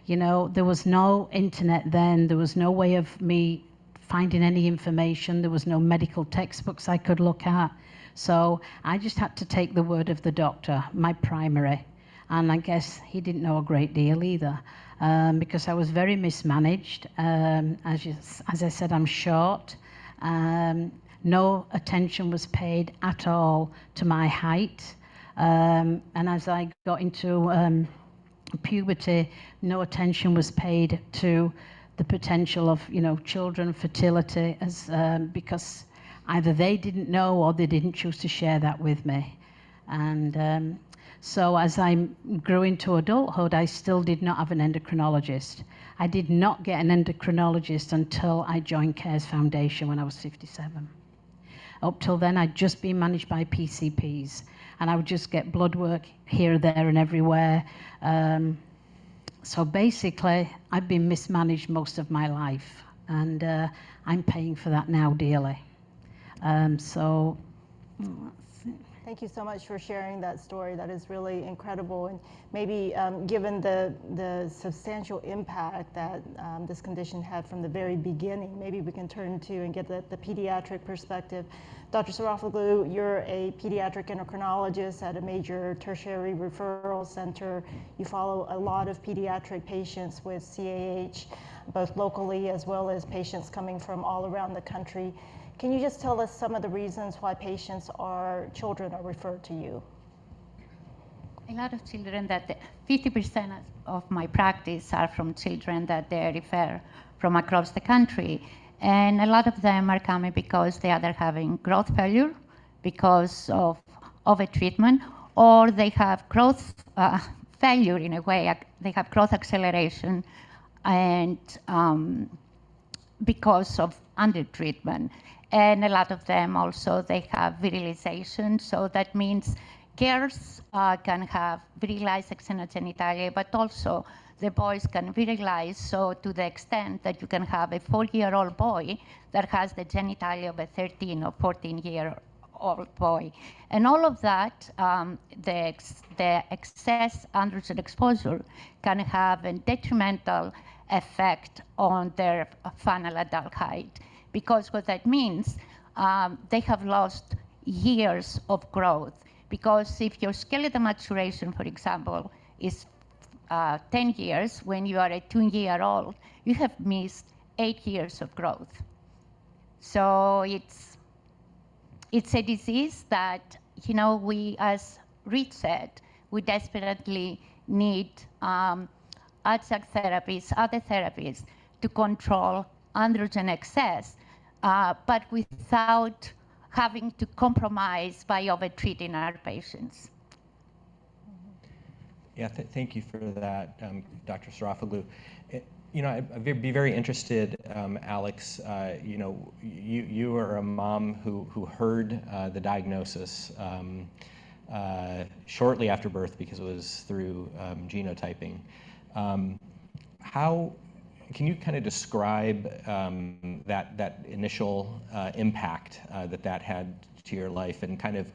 you know, there was no internet then, there was no way of me finding any information, there was no medical textbooks I could look at. So I just had to take the word of the doctor, my primary, and I guess he didn't know a great deal either, because I was very mismanaged. As I said, I'm short, no attention was paid at all to my height. And as I got into puberty, no attention was paid to the potential of, you know, children fertility, as because either they didn't know or they didn't choose to share that with me. And so as I grew into adulthood, I still did not have an endocrinologist. I did not get an endocrinologist until I joined CARES Foundation when I was 57. Up till then, I'd just been managed by PCPs, and I would just get blood work here, there, and everywhere. So basically, I've been mismanaged most of my life, and I'm paying for that now dearly. So let's see. Thank you so much for sharing that story. That is really incredible. And maybe, given the substantial impact that this condition had from the very beginning, maybe we can turn to and get the pediatric perspective. Dr. Sarafoglou, you're a pediatric endocrinologist at a major tertiary referral center. You follow a lot of pediatric patients with CAH, both locally as well as patients coming from all around the country. Can you just tell us some of the reasons why patients or children are referred to you? A lot of children that fifty percent of my practice are from children that they are referred from across the country. And a lot of them are coming because they are either having growth failure because of a treatment, or they have growth failure, in a way, they have growth acceleration and because of undertreatment. And a lot of them also, they have virilization. So that means girls can have virilized external genitalia, but also the boys can virilize, so to the extent that you can have a 40-year-old boy that has the genitalia of a 13- or 14-year-old boy. And all of that, the excess androgen exposure can have a detrimental effect on their final adult height. Because what that means, they have lost years of growth. Because if your skeletal maturation, for example, is 10 years when you are a 2-year-old, you have missed 8 years of growth. So it's a disease that, you know, we as researchers desperately need adrenal therapies, other therapies to control androgen excess, but without having to compromise by over treating our patients. Mm-hmm. Yeah, thank you for that, Dr. Sarafoglou. You know, I'd be very interested, Alex, you know, you are a mom who heard the diagnosis shortly after birth because it was through genotyping. How can you kinda describe that initial impact that had to your life and kind of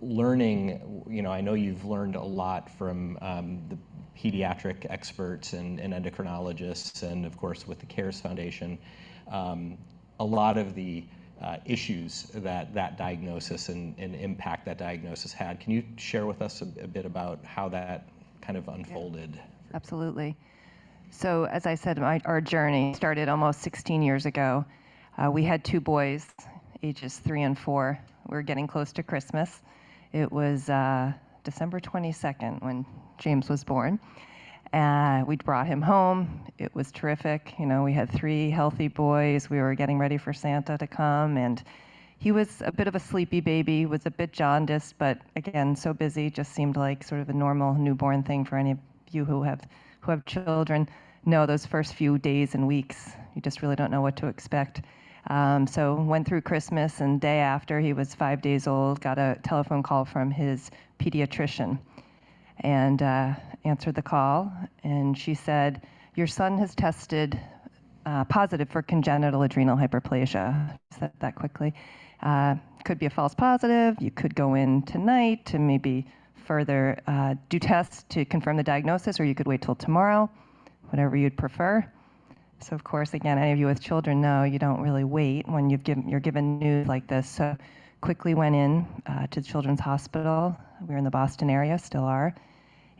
learning... You know, I know you've learned a lot from the pediatric experts and endocrinologists, and of course, with the CARES Foundation, a lot of the issues that diagnosis and impact that diagnosis had. Can you share with us a bit about how that kind of unfolded? Yeah. Absolutely. So, as I said, our journey started almost 16 years ago. We had two boys, ages 3 and 4. We were getting close to Christmas. It was December 22 when James was born, and we'd brought him home. It was terrific. You know, we had three healthy boys. We were getting ready for Santa to come, and he was a bit of a sleepy baby, was a bit jaundiced, but again, so busy, just seemed like sort of a normal newborn thing for any of you who have children, know those first few days and weeks, you just really don't know what to expect. So went through Christmas, and day after, he was 5 days old, got a telephone call from his pediatrician. Answered the call, and she said, "Your son has tested positive for congenital adrenal hyperplasia." Said that quickly. "Could be a false positive. You could go in tonight to maybe further do tests to confirm the diagnosis, or you could wait till tomorrow, whatever you'd prefer." So, of course, again, any of you with children know you don't really wait when you're given news like this. So quickly went in to the children's hospital. We're in the Boston area, still are.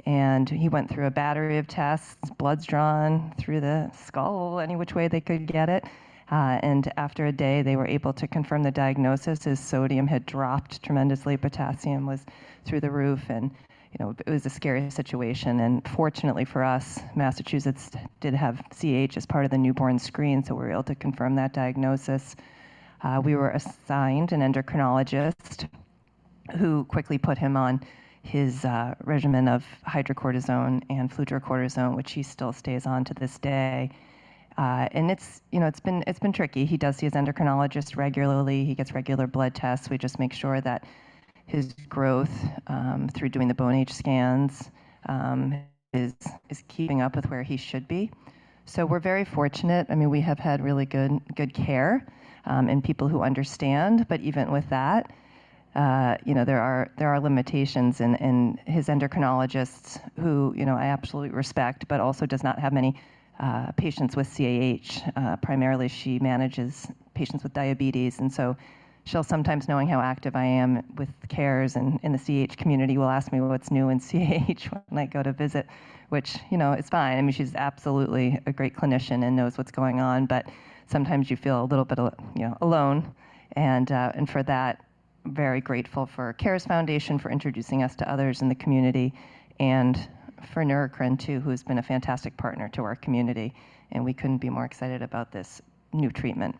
And he went through a battery of tests, blood's drawn through the skull, any which way they could get it. And after a day, they were able to confirm the diagnosis. His sodium had dropped tremendously, potassium was through the roof, and, you know, it was a scary situation. Fortunately for us, Massachusetts did have CAH as part of the newborn screen, so we were able to confirm that diagnosis. We were assigned an endocrinologist who quickly put him on his regimen of hydrocortisone and fludrocortisone, which he still stays on to this day. And it's, you know, it's been tricky. He does see his endocrinologist regularly. He gets regular blood tests. We just make sure that his growth, through doing the bone age scans, is keeping up with where he should be. So we're very fortunate. I mean, we have had really good care and people who understand, but even with that, you know, there are limitations. And his endocrinologist, who, you know, I absolutely respect, but also does not have many patients with CAH. Primarily, she manages patients with diabetes, and so she'll sometimes, knowing how active I am with CARES and in the CAH community, will ask me, "Well, what's new in CAH?" when I go to visit, which, you know, is fine. I mean, she's absolutely a great clinician and knows what's going on, but sometimes you feel a little bit you know, alone. And, and for that, very grateful for CARES Foundation for introducing us to others in the community and for Neurocrine, too, who has been a fantastic partner to our community, and we couldn't be more excited about this new treatment.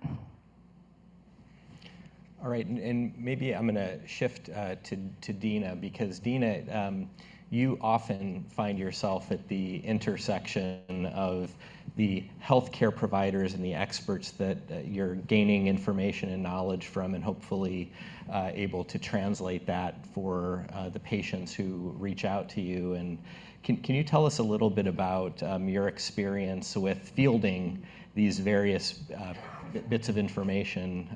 All right, and maybe I'm gonna shift to Dina. Because, Dina, you often find yourself at the intersection of the healthcare providers and the experts that you're gaining information and knowledge from, and hopefully able to translate that for the patients who reach out to you. And can you tell us a little bit about your experience with fielding these various bits of information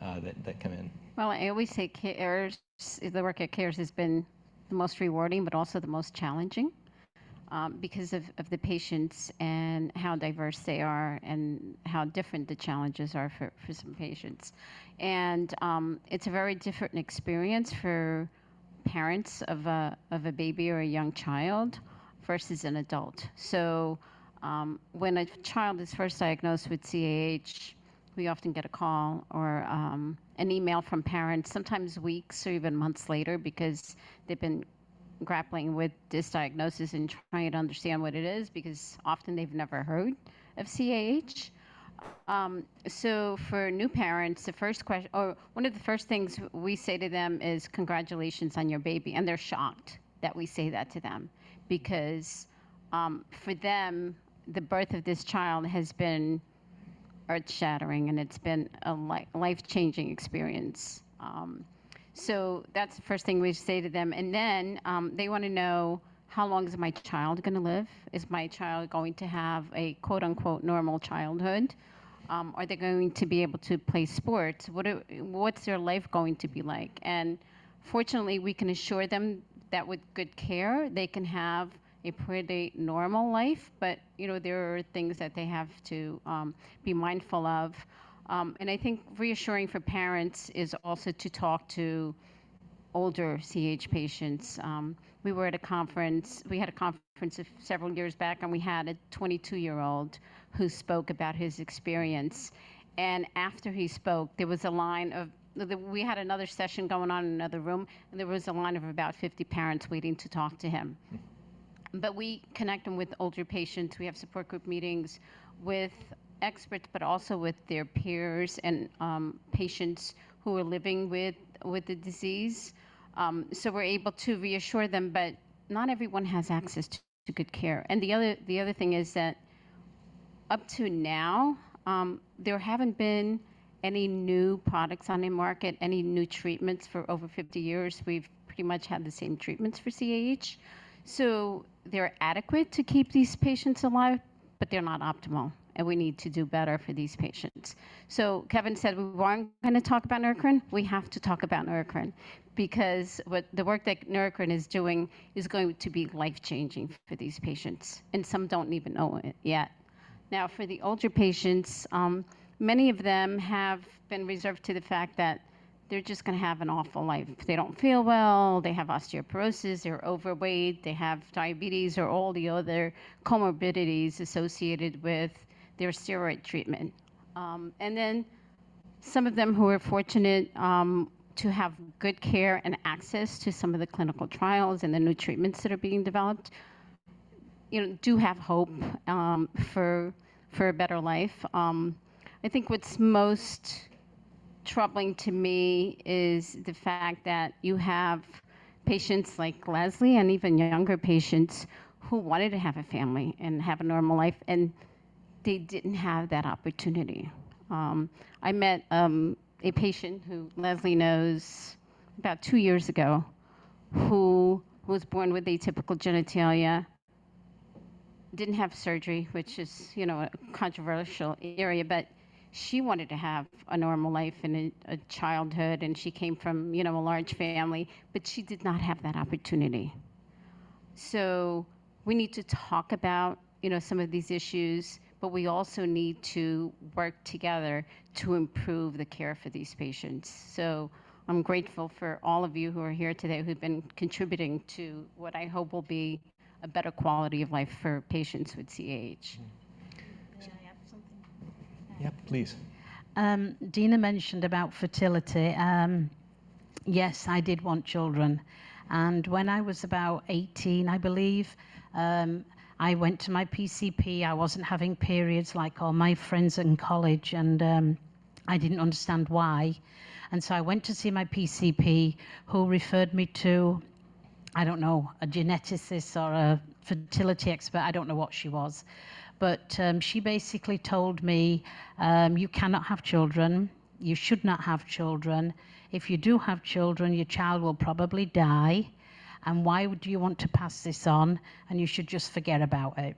that come in? Well, I always say CARES, the work at CARES has been the most rewarding but also the most challenging, because of the patients and how diverse they are and how different the challenges are for some patients. It's a very different experience for parents of a baby or a young child versus an adult. So, when a child is first diagnosed with CAH, we often get a call or an email from parents, sometimes weeks or even months later, because they've been grappling with this diagnosis and trying to understand what it is, because often they've never heard of CAH. So for new parents, the first or one of the first things we say to them is, "Congratulations on your baby." And they're shocked that we say that to them, because, for them, the birth of this child has been earth-shattering, and it's been a life-changing experience. So that's the first thing we say to them, and then, they wanna know, "How long is my child gonna live? Is my child going to have a, quote, unquote, normal childhood? Are they going to be able to play sports? What are... What's their life going to be like?" And fortunately, we can assure them that with good care, they can have a pretty normal life, but, you know, there are things that they have to, be mindful of. And I think reassuring for parents is also to talk to older CAH patients. We were at a conference. We had a conference several years back, and we had a 22-year-old who spoke about his experience. After he spoke, there was a line of... We had another session going on in another room, and there was a line of about 50 parents waiting to talk to him. Mm. But we connect them with older patients. We have support group meetings with experts, but also with their peers and patients who are living with the disease. So we're able to reassure them, but not everyone has access to good care. And the other thing is that up to now, there haven't been any new products on the market, any new treatments. For over 50 years, we've pretty much had the same treatments for CAH. So they're adequate to keep these patients alive, but they're not optimal, and we need to do better for these patients. So Kevin said we weren't gonna talk about Neurocrine. We have to talk about Neurocrine, because what the work that Neurocrine is doing is going to be life-changing for these patients, and some don't even know it yet. Now, for the older patients, many of them have been reserved to the fact that they're just gonna have an awful life. They don't feel well, they have osteoporosis, they're overweight, they have diabetes or all the other comorbidities associated with their steroid treatment. And then some of them who are fortunate to have good care and access to some of the clinical trials and the new treatments that are being developed, you know, do have hope for a better life. I think what's most troubling to me is the fact that you have patients like Leslie and even younger patients who wanted to have a family and have a normal life, and they didn't have that opportunity. I met a patient who Leslie knows, about two years ago, who was born with atypical genitalia, didn't have surgery, which is, you know, a controversial area, but she wanted to have a normal life and a childhood, and she came from, you know, a large family, but she did not have that opportunity. So we need to talk about, you know, some of these issues, but we also need to work together to improve the care for these patients. So I'm grateful for all of you who are here today, who've been contributing to what I hope will be a better quality of life for patients with CAH. May I add something? Yeah, please. Dina mentioned about fertility. Yes, I did want children, and when I was about 18, I believe, I went to my PCP. I wasn't having periods like all my friends in college, and,... I didn't understand why, and so I went to see my PCP, who referred me to, I don't know, a geneticist or a fertility expert. I don't know what she was. But, she basically told me, "You cannot have children. You should not have children. If you do have children, your child will probably die, and why would you want to pass this on? And you should just forget about it."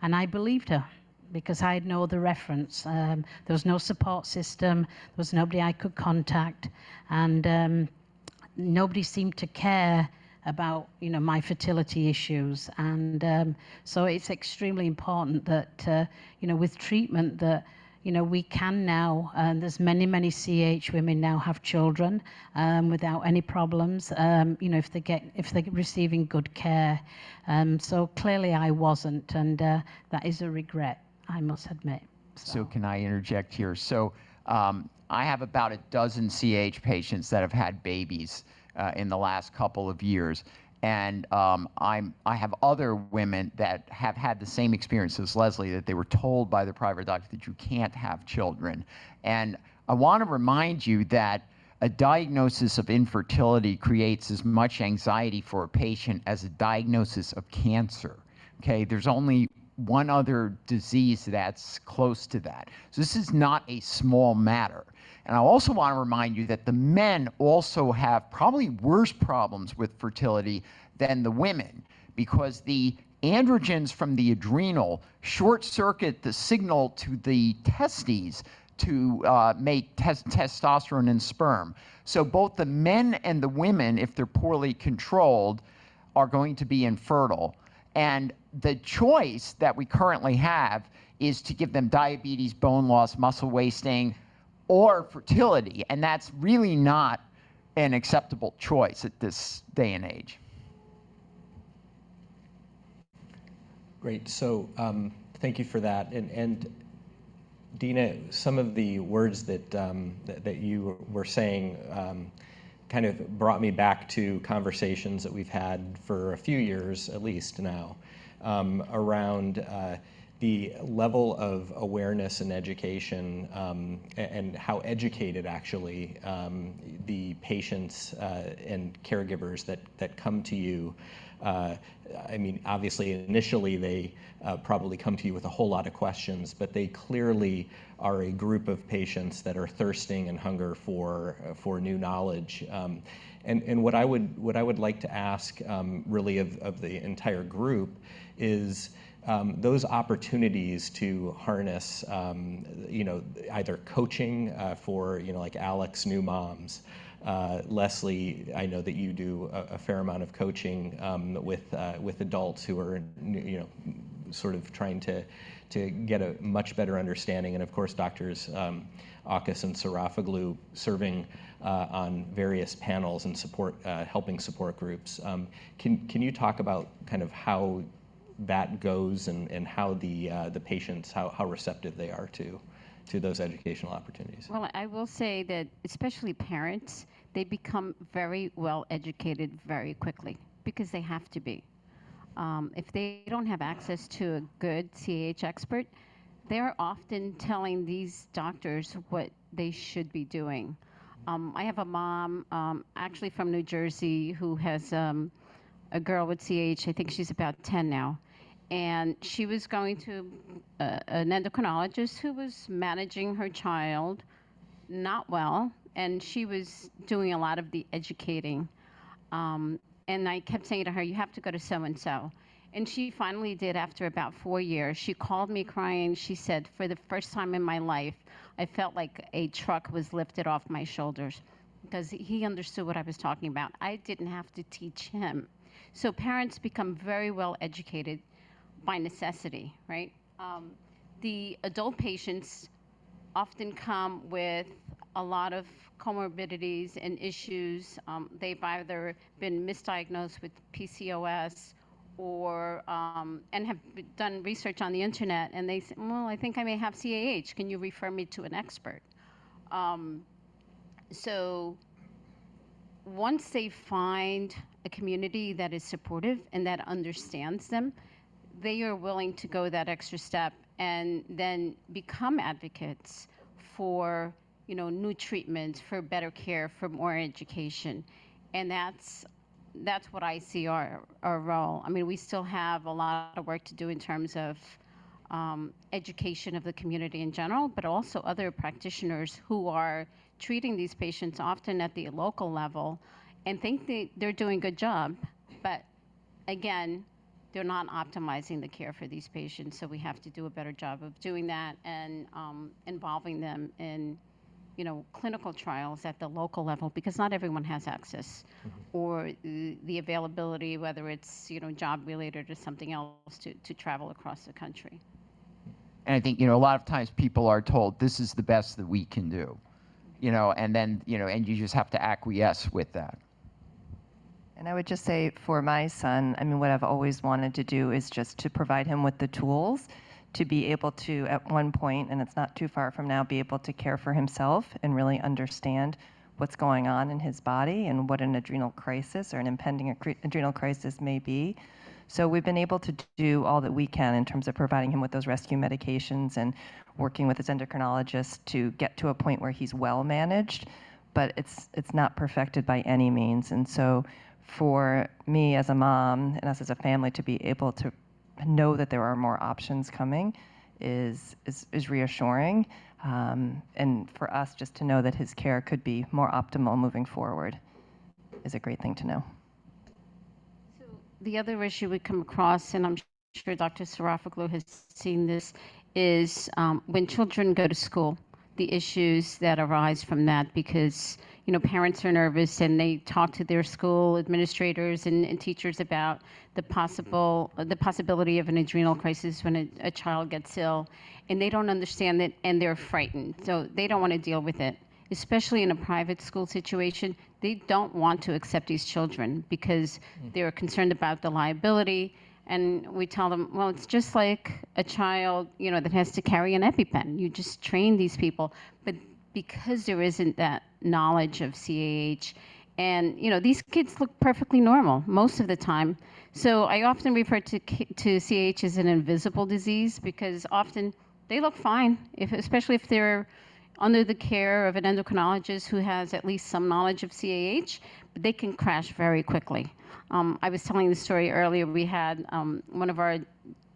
And I believed her because I had no other reference. There was no support system, there was nobody I could contact, and, nobody seemed to care about, you know, my fertility issues. And, so it's extremely important that, you know, with treatment, that, you know, we can now-- and there's many, many CAH women now have children, without any problems, you know, if they're receiving good care. So clearly I wasn't, and that is a regret, I must admit. So- So can I interject here? So, I have about a dozen CAH patients that have had babies in the last couple of years, and I have other women that have had the same experience as Leslie, that they were told by their private doctor that, "You can't have children." And I wanna remind you that a diagnosis of infertility creates as much anxiety for a patient as a diagnosis of cancer. Okay? There's only one other disease that's close to that. So this is not a small matter. And I also wanna remind you that the men also have probably worse problems with fertility than the women because the androgens from the adrenal short-circuit the signal to the testes to make testosterone and sperm. So both the men and the women, if they're poorly controlled, are going to be infertile. The choice that we currently have is to give them diabetes, bone loss, muscle wasting, or fertility, and that's really not an acceptable choice at this day and age. Great. So, thank you for that. And, Dina, some of the words that you were saying kind of brought me back to conversations that we've had for a few years, at least now, around the level of awareness and education, and how educated actually the patients and caregivers that come to you. I mean, obviously, initially, they probably come to you with a whole lot of questions, but they clearly are a group of patients that are thirsting and hunger for for new knowledge. And what I would like to ask really of the entire group is those opportunities to harness, you know, either coaching for, you know, like Alex, new moms. Leslie, I know that you do a fair amount of coaching with adults who are, you know, sort of trying to get a much better understanding. And of course, Doctors Auchus and Sarafoglou, serving on various panels, helping support groups. Can you talk about kind of how that goes and how the patients, how receptive they are to those educational opportunities? Well, I will say that especially parents, they become very well-educated very quickly because they have to be. If they don't have access to a good CAH expert, they're often telling these doctors what they should be doing. I have a mom, actually from New Jersey, who has a girl with CAH. I think she's about 10 now. And she was going to an endocrinologist who was managing her child not well, and she was doing a lot of the educating. And I kept saying to her, "You have to go to so and so." And she finally did after about four years. She called me crying. She said, "For the first time in my life, I felt like a truck was lifted off my shoulders because he understood what I was talking about. I didn't have to teach him." So parents become very well-educated by necessity, right? The adult patients often come with a lot of comorbidities and issues. They've either been misdiagnosed with PCOS or and have done research on the internet, and they say, "Well, I think I may have CAH. Can you refer me to an expert?" So once they find a community that is supportive and that understands them, they are willing to go that extra step and then become advocates for, you know, new treatments, for better care, for more education. And that's, that's what I see our, our role. I mean, we still have a lot of work to do in terms of education of the community in general, but also other practitioners who are treating these patients, often at the local level, and think they're doing a good job. But again, they're not optimizing the care for these patients, so we have to do a better job of doing that and, involving them in, you know, clinical trials at the local level, because not everyone has access or the availability, whether it's, you know, job-related or something else, to travel across the country. I think, you know, a lot of times people are told, "This is the best that we can do," you know, and then, you know, and you just have to acquiesce with that. I would just say for my son, I mean, what I've always wanted to do is just to provide him with the tools to be able to, at one point, and it's not too far from now, be able to care for himself and really understand what's going on in his body and what an adrenal crisis or an impending adrenal crisis may be. So we've been able to do all that we can in terms of providing him with those rescue medications and working with his endocrinologist to get to a point where he's well managed, but it's not perfected by any means. And so for me, as a mom, and us as a family, to be able to know that there are more options coming is reassuring. For us, just to know that his care could be more optimal moving forward is a great thing to know. So the other issue we come across, and I'm sure Dr. Sarafoglou has seen this, is when children go to school, the issues that arise from that, because, you know, parents are nervous, and they talk to their school administrators and teachers about the possibility of an adrenal crisis when a child gets ill, and they don't understand it, and they're frightened. So they don't wanna deal with it. Especially in a private school situation, they don't want to accept these children because- Mm... they are concerned about the liability. And we tell them, "Well, it's just like a child, you know, that has to carry an EpiPen. You just train these people." But because there isn't that knowledge of CAH, and, you know, these kids look perfectly normal most of the time, so I often refer to CAH as an invisible disease, because often they look fine, if, especially if they're under the care of an endocrinologist who has at least some knowledge of CAH, but they can crash very quickly. I was telling this story earlier. We had, one of our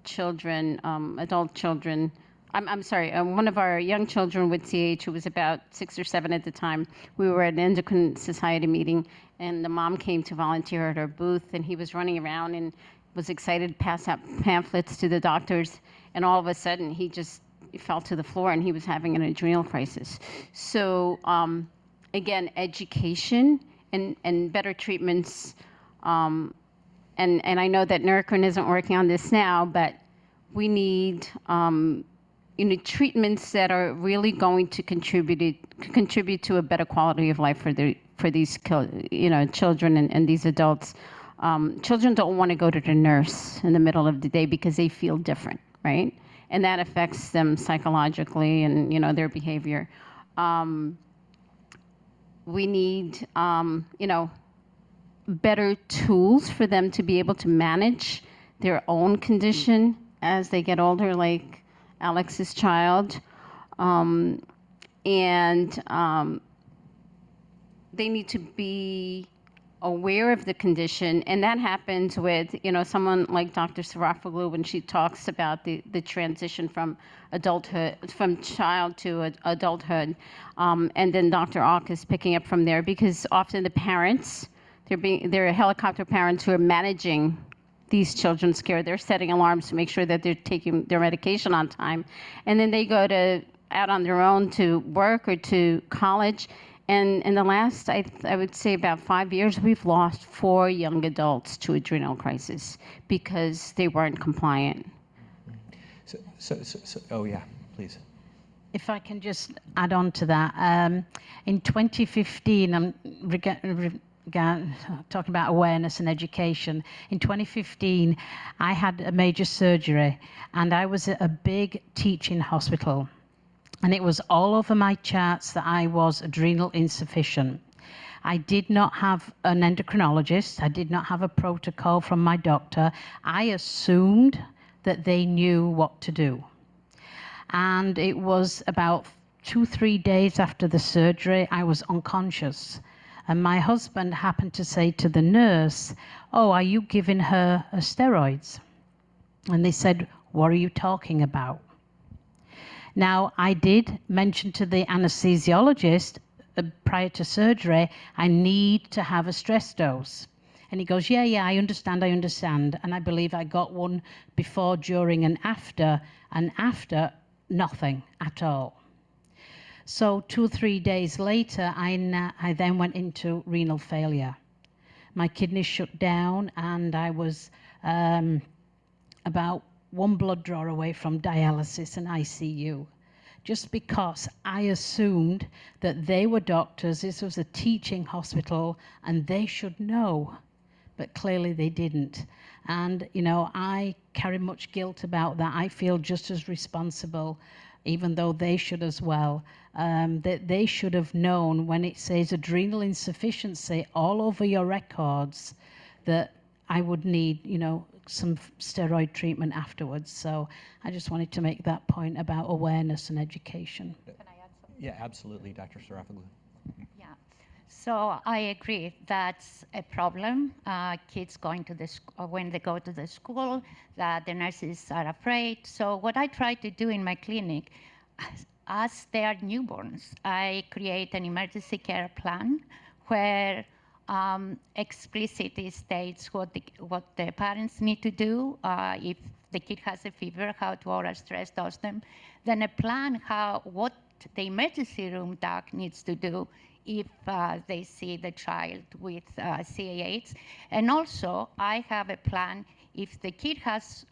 children, adult children... I'm sorry, one of our young children with CAH, who was about six or seven at the time, we were at an Endocrine Society meeting, and the mom came to volunteer at our booth, and he was running around and was excited to pass out pamphlets to the doctors, and all of a sudden, he just fell to the floor, and he was having an adrenal crisis. So, again, education and better treatments, and I know that Neurocrine isn't working on this now, but we need, you know, treatments that are really going to contribute to a better quality of life for these, you know, children and these adults. Children don't wanna go to the nurse in the middle of the day because they feel different, right? And that affects them psychologically and, you know, their behavior. We need, you know, better tools for them to be able to manage their own condition as they get older, like Alex's child. They need to be aware of the condition, and that happens with, you know, someone like Dr. Sarafoglou, when she talks about the transition from child to adulthood, and then Dr. Auchus is picking up from there. Because often the parents, they're helicopter parents who are managing these children's care. They're setting alarms to make sure that they're taking their medication on time, and then they go out on their own to work or to college, and in the last, I would say about five years, we've lost four young adults to adrenal crisis because they weren't compliant. So... Oh, yeah, please. If I can just add on to that. In 2015, talking about awareness and education, in 2015, I had a major surgery, and I was at a big teaching hospital, and it was all over my charts that I was adrenal insufficient. I did not have an endocrinologist. I did not have a protocol from my doctor. I assumed that they knew what to do. And it was about 2 or 3 days after the surgery, I was unconscious, and my husband happened to say to the nurse: "Oh, are you giving her steroids?" And they said: "What are you talking about?" Now, I did mention to the anesthesiologist prior to surgery, "I need to have a stress dose." And he goes: "Yeah, yeah, I understand, I understand." And I believe I got one before, during, and after, and after, nothing at all. So two, three days later, I then went into renal failure. My kidneys shut down, and I was about one blood draw away from dialysis and ICU, just because I assumed that they were doctors, this was a teaching hospital, and they should know, but clearly they didn't. And, you know, I carry much guilt about that. I feel just as responsible, even though they should as well, that they should have known when it says, "adrenal insufficiency," all over your records, that I would need, you know, some steroid treatment afterwards. So I just wanted to make that point about awareness and education. Can I add something? Yeah, absolutely, Dr. Sarafoglou. Yeah. So I agree that's a problem. Kids going to the school when they go to the school, that the nurses are afraid. So what I try to do in my clinic, as they are newborns, I create an emergency care plan where explicitly states what the parents need to do, if the kid has a fever, how to oral stress dose them. Then a plan how what the emergency room doc needs to do if they see the child with CAH. And also, I have a plan if the kid has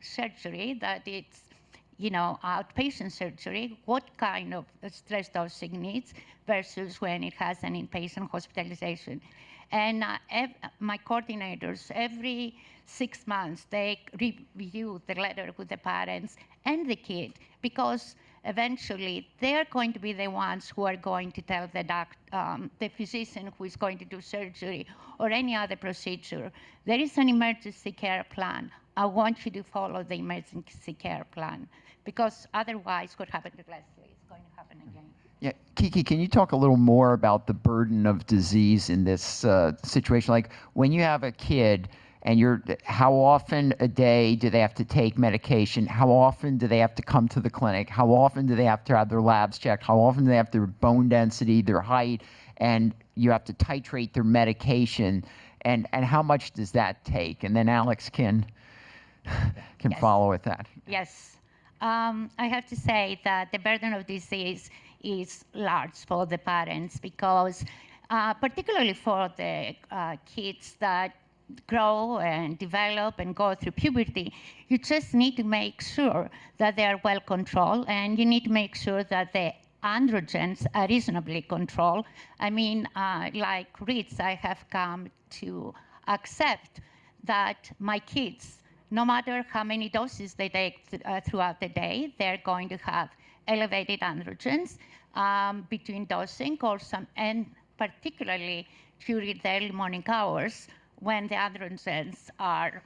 surgery, that it's, you know, outpatient surgery, what kind of a stress dosing he needs versus when he has an inpatient hospitalization. My coordinators, every six months, they re-review the letter with the parents and the kid, because eventually they are going to be the ones who are going to tell the doc, the physician who is going to do surgery or any other procedure: "There is an emergency care plan. I want you to follow the emergency care plan," because otherwise, what happened to Leslie?... Yeah, Kiki, can you talk a little more about the burden of disease in this situation? Like, when you have a kid and you're, how often a day do they have to take medication? How often do they have to come to the clinic? How often do they have to have their labs checked? How often do they have their bone density, their height, and you have to titrate their medication, and how much does that take? And then Alex can- Yes Follow with that. Yes. I have to say that the burden of disease is large for the parents because, particularly for the kids that grow, and develop, and go through puberty, you just need to make sure that they are well-controlled, and you need to make sure that the androgens are reasonably controlled. I mean, like Rich, I have come to accept that my kids, no matter how many doses they take throughout the day, they're going to have elevated androgens between dosing or. And particularly during the early morning hours, when the androgens are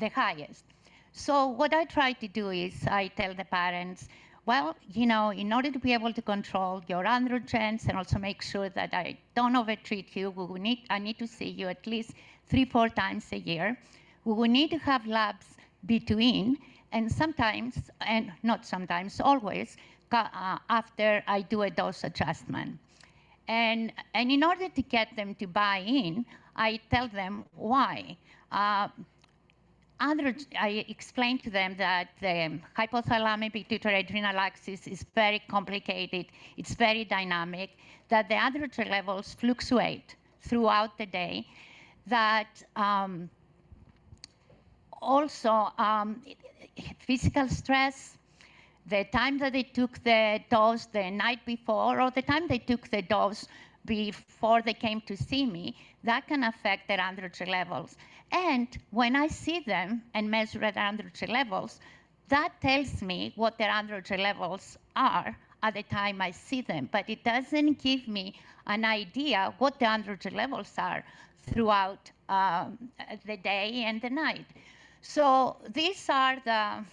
the highest. So what I try to do is, I tell the parents, "Well, you know, in order to be able to control your androgens and also make sure that I don't over treat you, we will need—I need to see you at least 3, 4 times a year. We will need to have labs between, and sometimes... And not sometimes, always, after I do a dose adjustment." And in order to get them to buy in, I tell them why. I explain to them that the hypothalamic pituitary adrenal axis is very complicated, it's very dynamic, that the androgen levels fluctuate throughout the day. That, also, physical stress, the time that they took their dose the night before, or the time they took the dose before they came to see me, that can affect their androgen levels. And when I see them and measure their androgen levels, that tells me what their androgen levels are at the time I see them, but it doesn't give me an idea what the androgen levels are throughout, the day and the night. So these are the...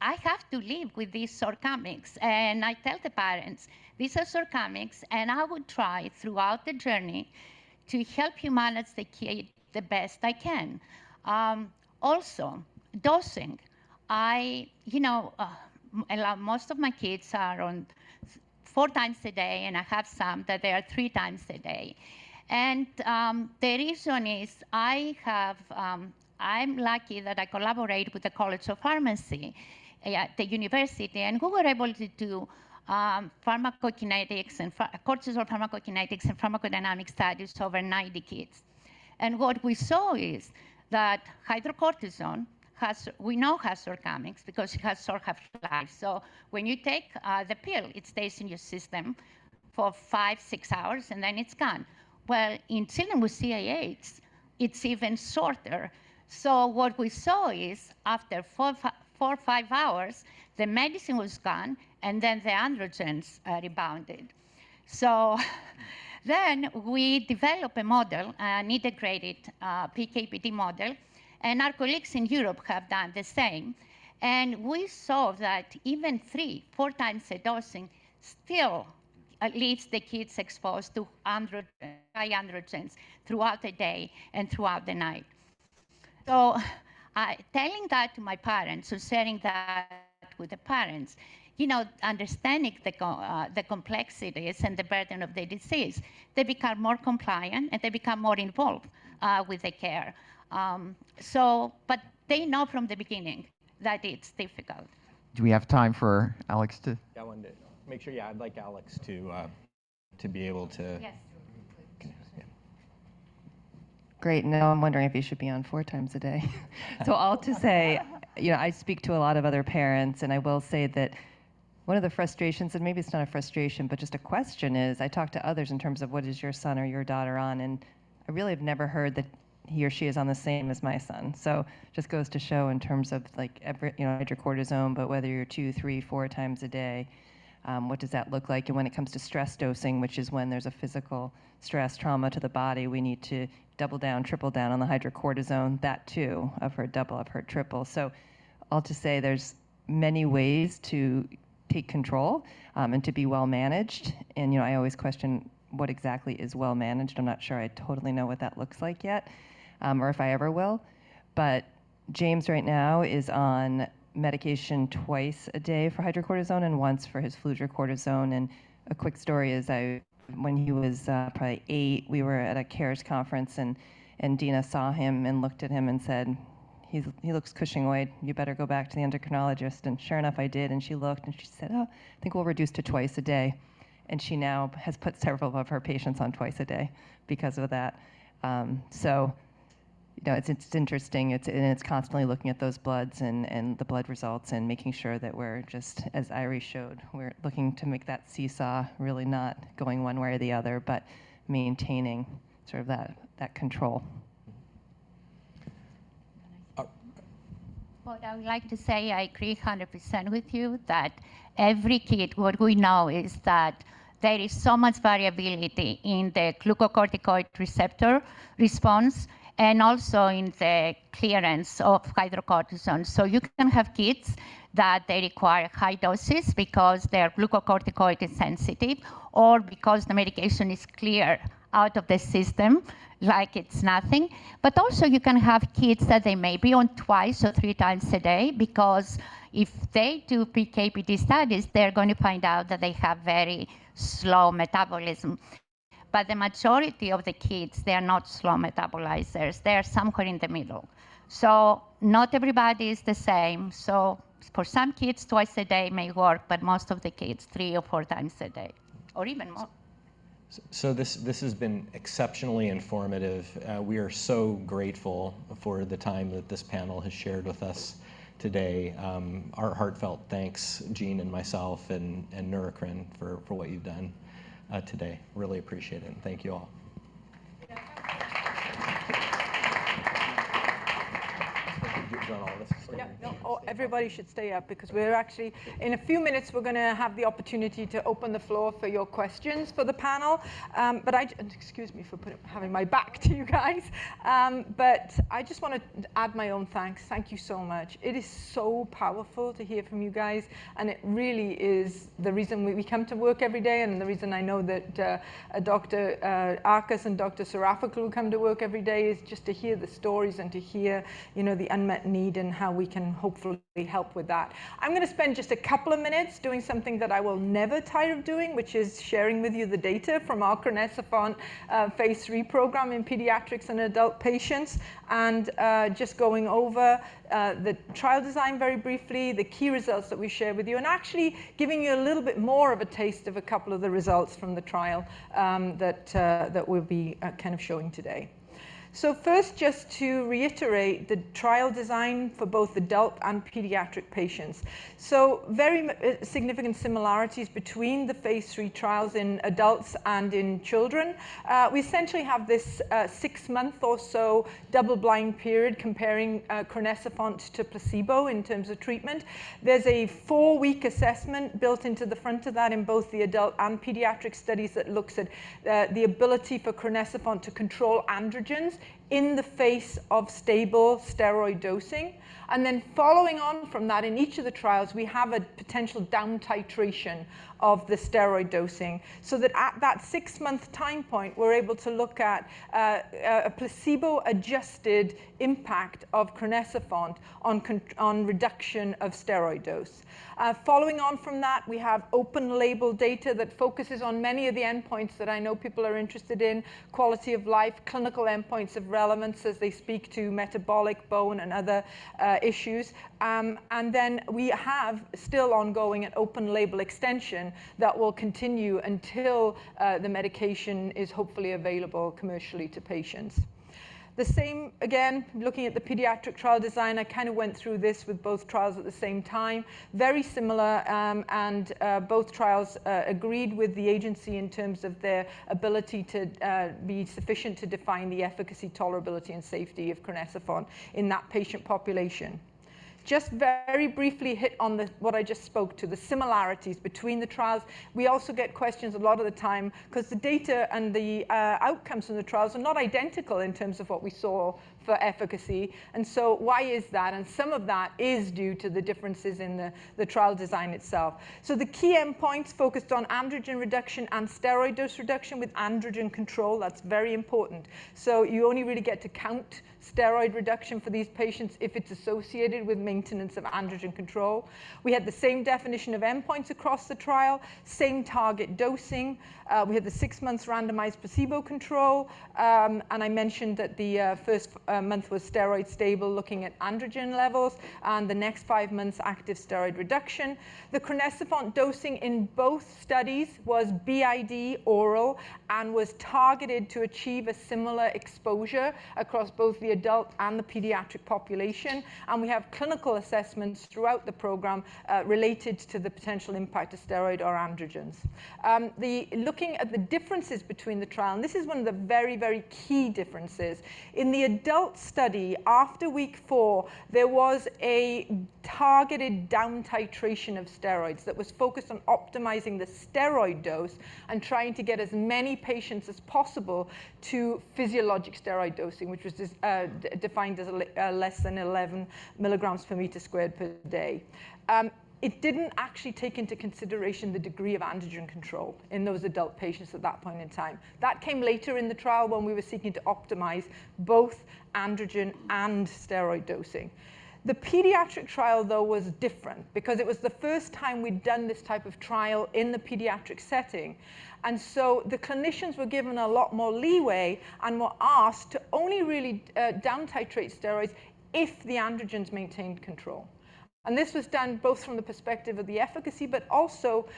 I have to live with these shortcomings. I tell the parents, "These are shortcomings, and I would try throughout the journey to help you manage the kid the best I can." Also, dosing. I, you know, a lot—most of my kids are on 4 times a day, and I have some that they are 3 times a day. The reason is, I have... I'm lucky that I collaborate with the College of Pharmacy at the university, and we were able to do pharmacokinetics and cortisol pharmacokinetics and pharmacodynamic studies to over 90 kids. And what we saw is that hydrocortisone has, we know, has shortcomings because it has short half-life. So when you take the pill, it stays in your system for 5, 6 hours, and then it's gone. Well, in children with CAH, it's even shorter. So what we saw is, after 4-5 hours, the medicine was gone, and then the androgens rebounded. So then we developed a model, an integrated PKPD model, and our colleagues in Europe have done the same. And we saw that even 3-4 times the dosing still leaves the kids exposed to androgen, high androgens throughout the day and throughout the night. So telling that to my parents or sharing that with the parents, you know, understanding the complexities and the burden of the disease, they become more compliant, and they become more involved with the care. So but they know from the beginning that it's difficult. Do we have time for Alex to- Yeah, I wanted to make sure, yeah, I'd like Alex to be able to- Yes. Yeah. Great, now I'm wondering if he should be on four times a day. So all to say, you know, I speak to a lot of other parents, and I will say that one of the frustrations, and maybe it's not a frustration, but just a question, is I talk to others in terms of: "What is your son or your daughter on?" And I really have never heard that he or she is on the same as my son. So just goes to show in terms of, like, every, you know, hydrocortisone, but whether you're two, three, four times a day, what does that look like? And when it comes to stress dosing, which is when there's a physical stress, trauma to the body, we need to double down, triple down on the hydrocortisone. That, too, I've heard double, I've heard triple. So all to say, there's many ways to take control, and to be well managed. And, you know, I always question what exactly is well managed. I'm not sure I totally know what that looks like yet, or if I ever will. But James, right now, is on medication twice a day for hydrocortisone and once for his fludrocortisone. And a quick story is, I, when he was probably eight, we were at a CARES conference, and Dina saw him and looked at him and said, "He, he looks Cushingoid. You better go back to the endocrinologist." And sure enough, I did, and she looked, and she said, "Oh, I think we'll reduce to twice a day." And she now has put several of her patients on twice a day because of that. So you know, it's interesting, and it's constantly looking at those bloods and the blood results and making sure that we're just, as Iris showed, we're looking to make that seesaw really not going one way or the other, but maintaining sort of that control. Uh- What I would like to say, I agree 100% with you that every kid, what we know is that there is so much variability in the glucocorticoid receptor response and also in the clearance of hydrocortisone. So you can have kids that they require high doses because they are glucocorticoid insensitive or because the medication is cleared out of the system like it's nothing. But also you can have kids that they may be on twice or three times a day, because if they do PK/PD studies, they're going to find out that they have very slow metabolism. But the majority of the kids, they are not slow metabolizers, they are somewhere in the middle. So not everybody is the same. So for some kids, twice a day may work, but most of the kids, three or four times a day, or even more. This has been exceptionally informative. We are so grateful for the time that this panel has shared with us today. Our heartfelt thanks, Gene and myself and Neurocrine for what you've done today. Really appreciate it, and thank you all. You've done all this- Everybody should stay up because we're actually in a few minutes gonna have the opportunity to open the floor for your questions for the panel. But excuse me for having my back to you guys. But I just wanna add my own thanks. Thank you so much. It is so powerful to hear from you guys, and it really is the reason we come to work every day and the reason I know that Dr. Arcas and Dr. Serafica will come to work every day, is just to hear the stories and to hear, you know, the unmet need and how we can hopefully help with that. I'm gonna spend just a couple of minutes doing something that I will never tire of doing, which is sharing with you the data from our crinecerfont phase 3 program in pediatrics and adult patients, and just going over the trial design very briefly, the key results that we share with you, and actually giving you a little bit more of a taste of a couple of the results from the trial, that we'll be kind of showing today. So first, just to reiterate the trial design for both adult and pediatric patients. So very significant similarities between the phase 3 trials in adults and in children. We essentially have this 6-month or so double-blind period comparing crinecerfont to placebo in terms of treatment. There's a 4-week assessment built into the front of that in both the adult and pediatric studies that looks at the ability for crinecerfont to control androgens in the face of stable steroid dosing. And then, following on from that, in each of the trials, we have a potential down titration of the steroid dosing, so that at that 6-month time point, we're able to look at a placebo-adjusted impact of crinecerfont on reduction of steroid dose. Following on from that, we have open-label data that focuses on many of the endpoints that I know people are interested in: quality of life, clinical endpoints of relevance as they speak to metabolic, bone, and other issues. And then we have still ongoing an open-label extension that will continue until the medication is hopefully available commercially to patients. The same, again, looking at the pediatric trial design, I kind of went through this with both trials at the same time. Very similar, and both trials agreed with the agency in terms of their ability to be sufficient to define the efficacy, tolerability, and safety of crinecerfont in that patient population. Just very briefly hit on the, what I just spoke to, the similarities between the trials. We also get questions a lot of the time, 'cause the data and the outcomes from the trials are not identical in terms of what we saw for efficacy. And so why is that? And some of that is due to the differences in the trial design itself. So the key endpoints focused on androgen reduction and steroid dose reduction with androgen control. That's very important. So you only really get to count steroid reduction for these patients if it's associated with maintenance of androgen control. We had the same definition of endpoints across the trial, same target dosing. We had the six months randomized placebo control, and I mentioned that the first month was steroid stable, looking at androgen levels, and the next five months, active steroid reduction. The crinecerfont dosing in both studies was BID oral and was targeted to achieve a similar exposure across both the adult and the pediatric population. And we have clinical assessments throughout the program, related to the potential impact of steroid or androgens. Looking at the differences between the trial, and this is one of the very, very key differences. In the adult study, after week 4, there was a targeted down titration of steroids that was focused on optimizing the steroid dose and trying to get as many patients as possible to physiologic steroid dosing, which was defined as less than 11 milligrams per square meter per day. It didn't actually take into consideration the degree of androgen control in those adult patients at that point in time. That came later in the trial when we were seeking to optimize both androgen and steroid dosing. The pediatric trial, though, was different because it was the first time we'd done this type of trial in the pediatric setting, and so the clinicians were given a lot more leeway and were asked to only really down titrate steroids if the androgens maintained control. This was done both from the perspective of the efficacy, but also,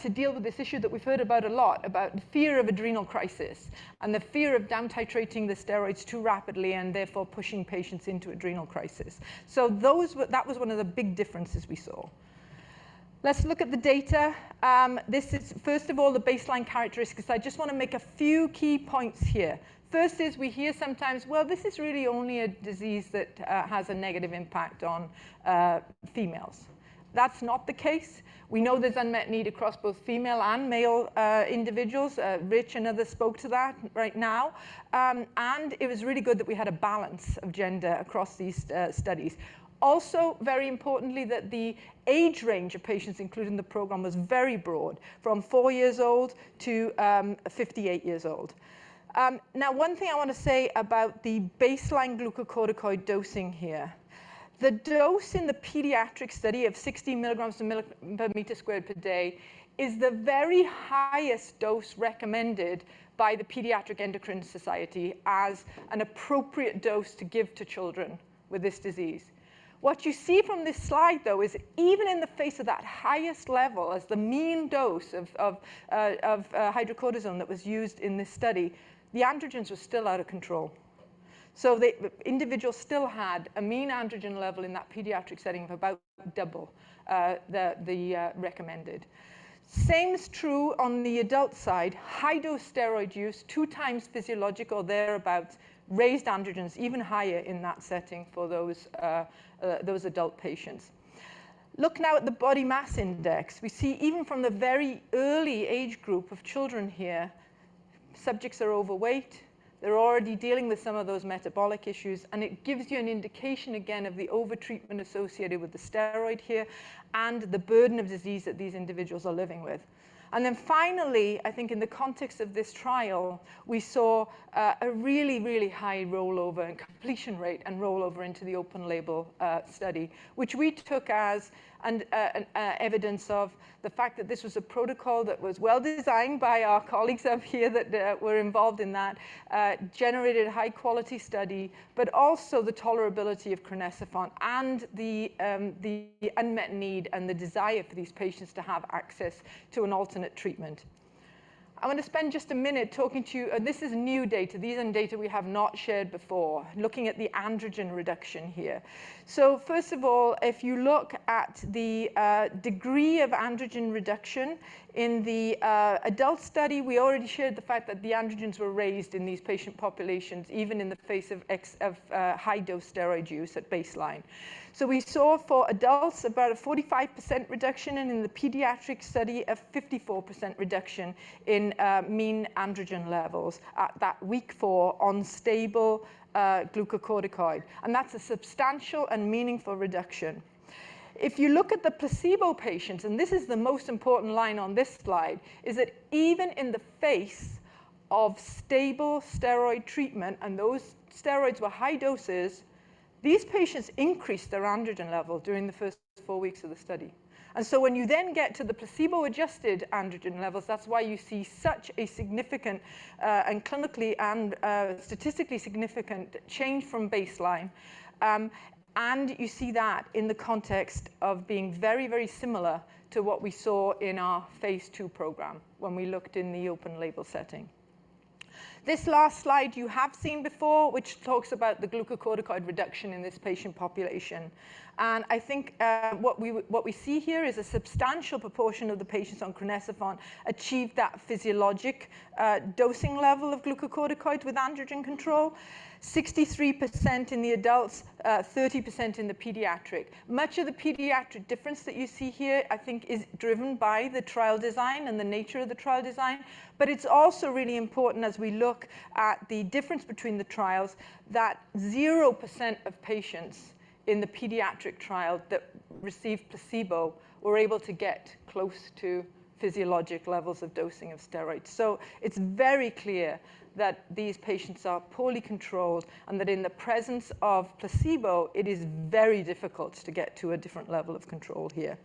to deal with this issue that we've heard about a lot, about the fear of adrenal crisis and the fear of down titrating the steroids too rapidly and therefore pushing patients into adrenal crisis. So that was one of the big differences we saw. Let's look at the data. This is first of all, the baseline characteristics. I just wanna make a few key points here. First is, we hear sometimes: "Well, this is really only a disease that has a negative impact on females." That's not the case. We know there's unmet need across both female and male individuals. Rich and others spoke to that right now. And it was really good that we had a balance of gender across these studies. Also, very importantly, that the age range of patients included in the program was very broad, from 4 years old to 58 years old. Now, one thing I wanna say about the baseline glucocorticoid dosing here. The dose in the pediatric study of 60 milligrams per meter squared per day is the very highest dose recommended by the Pediatric Endocrine Society as an appropriate dose to give to children with this disease. What you see from this slide, though, is even in the face of that highest level, as the mean dose of hydrocortisone that was used in this study, the androgens were still out of control. So the individual still had a mean androgen level in that pediatric setting of about double the recommended. Same is true on the adult side. High-dose steroid use, 2 times physiological, thereabout, raised androgens even higher in that setting for those adult patients. Look now at the body mass index. We see even from the very early age group of children here, subjects are overweight. They're already dealing with some of those metabolic issues, and it gives you an indication, again, of the overtreatment associated with the steroid here and the burden of disease that these individuals are living with. Then finally, I think in the context of this trial, we saw a really, really high rollover and completion rate and rollover into the open label study, which we took as an evidence of the fact that this was a protocol that was well designed by our colleagues up here that were involved in that generated a high-quality study, but also the tolerability of crinecerfont and the unmet need and the desire for these patients to have access to an alternate treatment. I wanna spend just a minute talking to you. This is new data. These are data we have not shared before, looking at the androgen reduction here. So first of all, if you look at the degree of androgen reduction in the adult study, we already shared the fact that the androgens were raised in these patient populations, even in the face of high-dose steroid use at baseline. We saw for adults, about a 45% reduction, and in the pediatric study, a 54% reduction in mean androgen levels at that week 4 on stable glucocorticoid. That's a substantial and meaningful reduction. If you look at the placebo patients, and this is the most important line on this slide, is that even in the face of stable steroid treatment, and those steroids were high doses, these patients increased their androgen level during the first 4 weeks of the study. And so when you then get to the placebo-adjusted androgen levels, that's why you see such a significant, and clinically and, statistically significant change from baseline. And you see that in the context of being very, very similar to what we saw in our phase 2 program when we looked in the open label setting. This last slide you have seen before, which talks about the glucocorticoid reduction in this patient population. And I think, what we, what we see here is a substantial proportion of the patients on crinecerfont achieved that physiologic, dosing level of glucocorticoid with androgen control, 63% in the adults, thirty percent in the pediatric. Much of the pediatric difference that you see here, I think, is driven by the trial design and the nature of the trial design, but it's also really important as we look at the difference between the trials, that 0% of patients in the pediatric trial that received placebo were able to get close to physiologic levels of dosing of steroids. So it's very clear that these patients are poorly controlled, and that in the presence of placebo, it is very difficult to get to a different level of control here.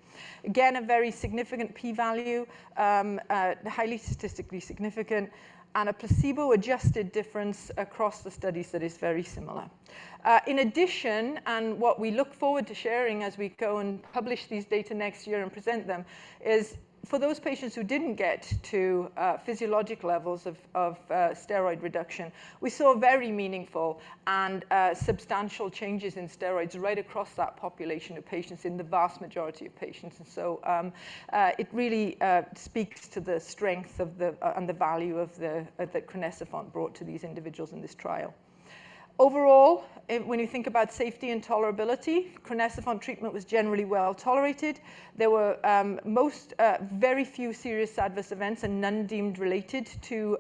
Again, a very significant P value, highly statistically significant, and a placebo-adjusted difference across the studies that is very similar. In addition, and what we look forward to sharing as we go and publish these data next year and present them, is for those patients who didn't get to physiologic levels of steroid reduction, we saw very meaningful and substantial changes in steroids right across that population of patients, in the vast majority of patients. And so, it really speaks to the strength of the and the value of the the crinecerfont brought to these individuals in this trial. Overall, when you think about safety and tolerability, crinecerfont treatment was generally well tolerated. There were very few serious adverse events and none deemed related to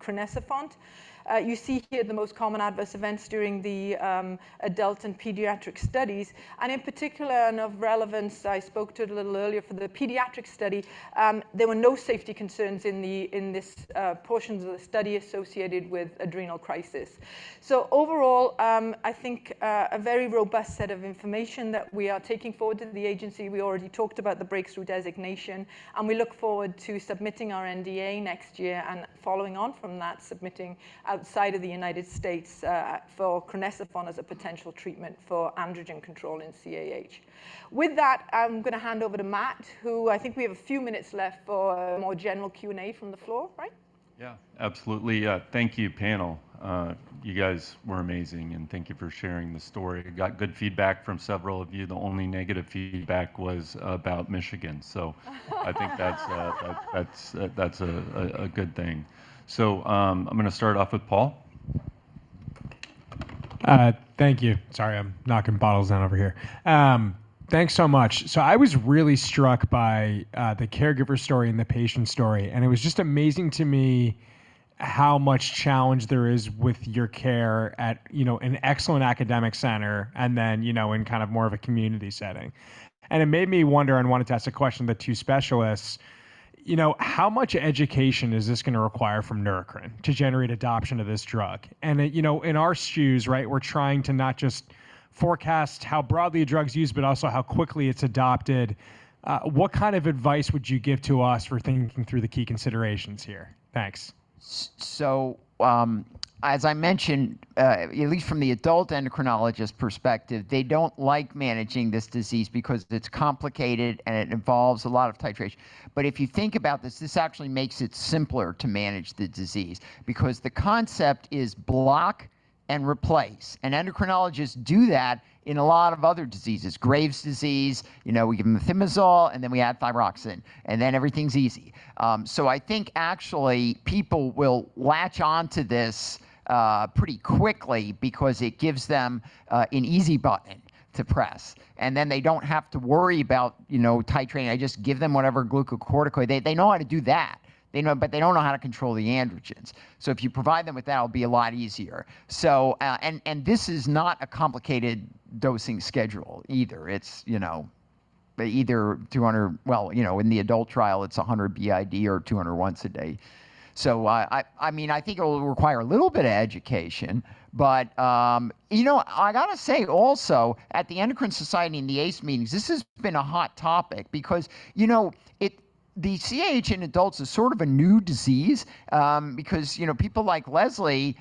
crinecerfont. You see here the most common adverse events during the adult and pediatric studies. In particular, and of relevance, I spoke to it a little earlier for the pediatric study. There were no safety concerns in this portion of the study associated with adrenal crisis. So overall, I think a very robust set of information that we are taking forward to the agency. We already talked about the Breakthrough Therapy designation, and we look forward to submitting our NDA next year, and following on from that, submitting outside of the United States for crinecerfont as a potential treatment for androgen control in CAH. With that, I'm gonna hand over to Matt, who I think we have a few minutes left for a more general Q&A from the floor, right?... Yeah, absolutely. Thank you, panel. You guys were amazing, and thank you for sharing the story. I got good feedback from several of you. The only negative feedback was about Michigan, so I think that's a good thing. So, I'm gonna start off with Paul. Thank you. Sorry, I'm knocking bottles down over here. Thanks so much. So I was really struck by the caregiver's story and the patient's story, and it was just amazing to me how much challenge there is with your care at, you know, an excellent academic center and then, you know, in kind of more of a community setting. And it made me wonder and want to ask a question to the two specialists, you know, how much education is this gonna require from Neurocrine to generate adoption of this drug? And, you know, in our shoes, right, we're trying to not just forecast how broadly a drug's used, but also how quickly it's adopted. What kind of advice would you give to us for thinking through the key considerations here? Thanks. So, as I mentioned, at least from the adult endocrinologist perspective, they don't like managing this disease because it's complicated, and it involves a lot of titration. But if you think about this, this actually makes it simpler to manage the disease because the concept is block and replace, and endocrinologists do that in a lot of other diseases. Graves' disease, you know, we give methimazole, and then we add thyroxine, and then everything's easy. So I think actually people will latch on to this, pretty quickly because it gives them, an easy button to press, and then they don't have to worry about, you know, titrating. I just give them whatever glucocorticoid. They, they know how to do that. They know, but they don't know how to control the androgens. So if you provide them with that, it'll be a lot easier. So, and this is not a complicated dosing schedule either. It's, you know, either 200-- well, you know, in the adult trial, it's 100 BID or 200 once a day. So I mean, I think it will require a little bit of education, but, you know, I gotta say also, at the Endocrine Society and the AACE meetings, this has been a hot topic because, you know, it CAH in adults is sort of a new disease, because, you know, people like Leslie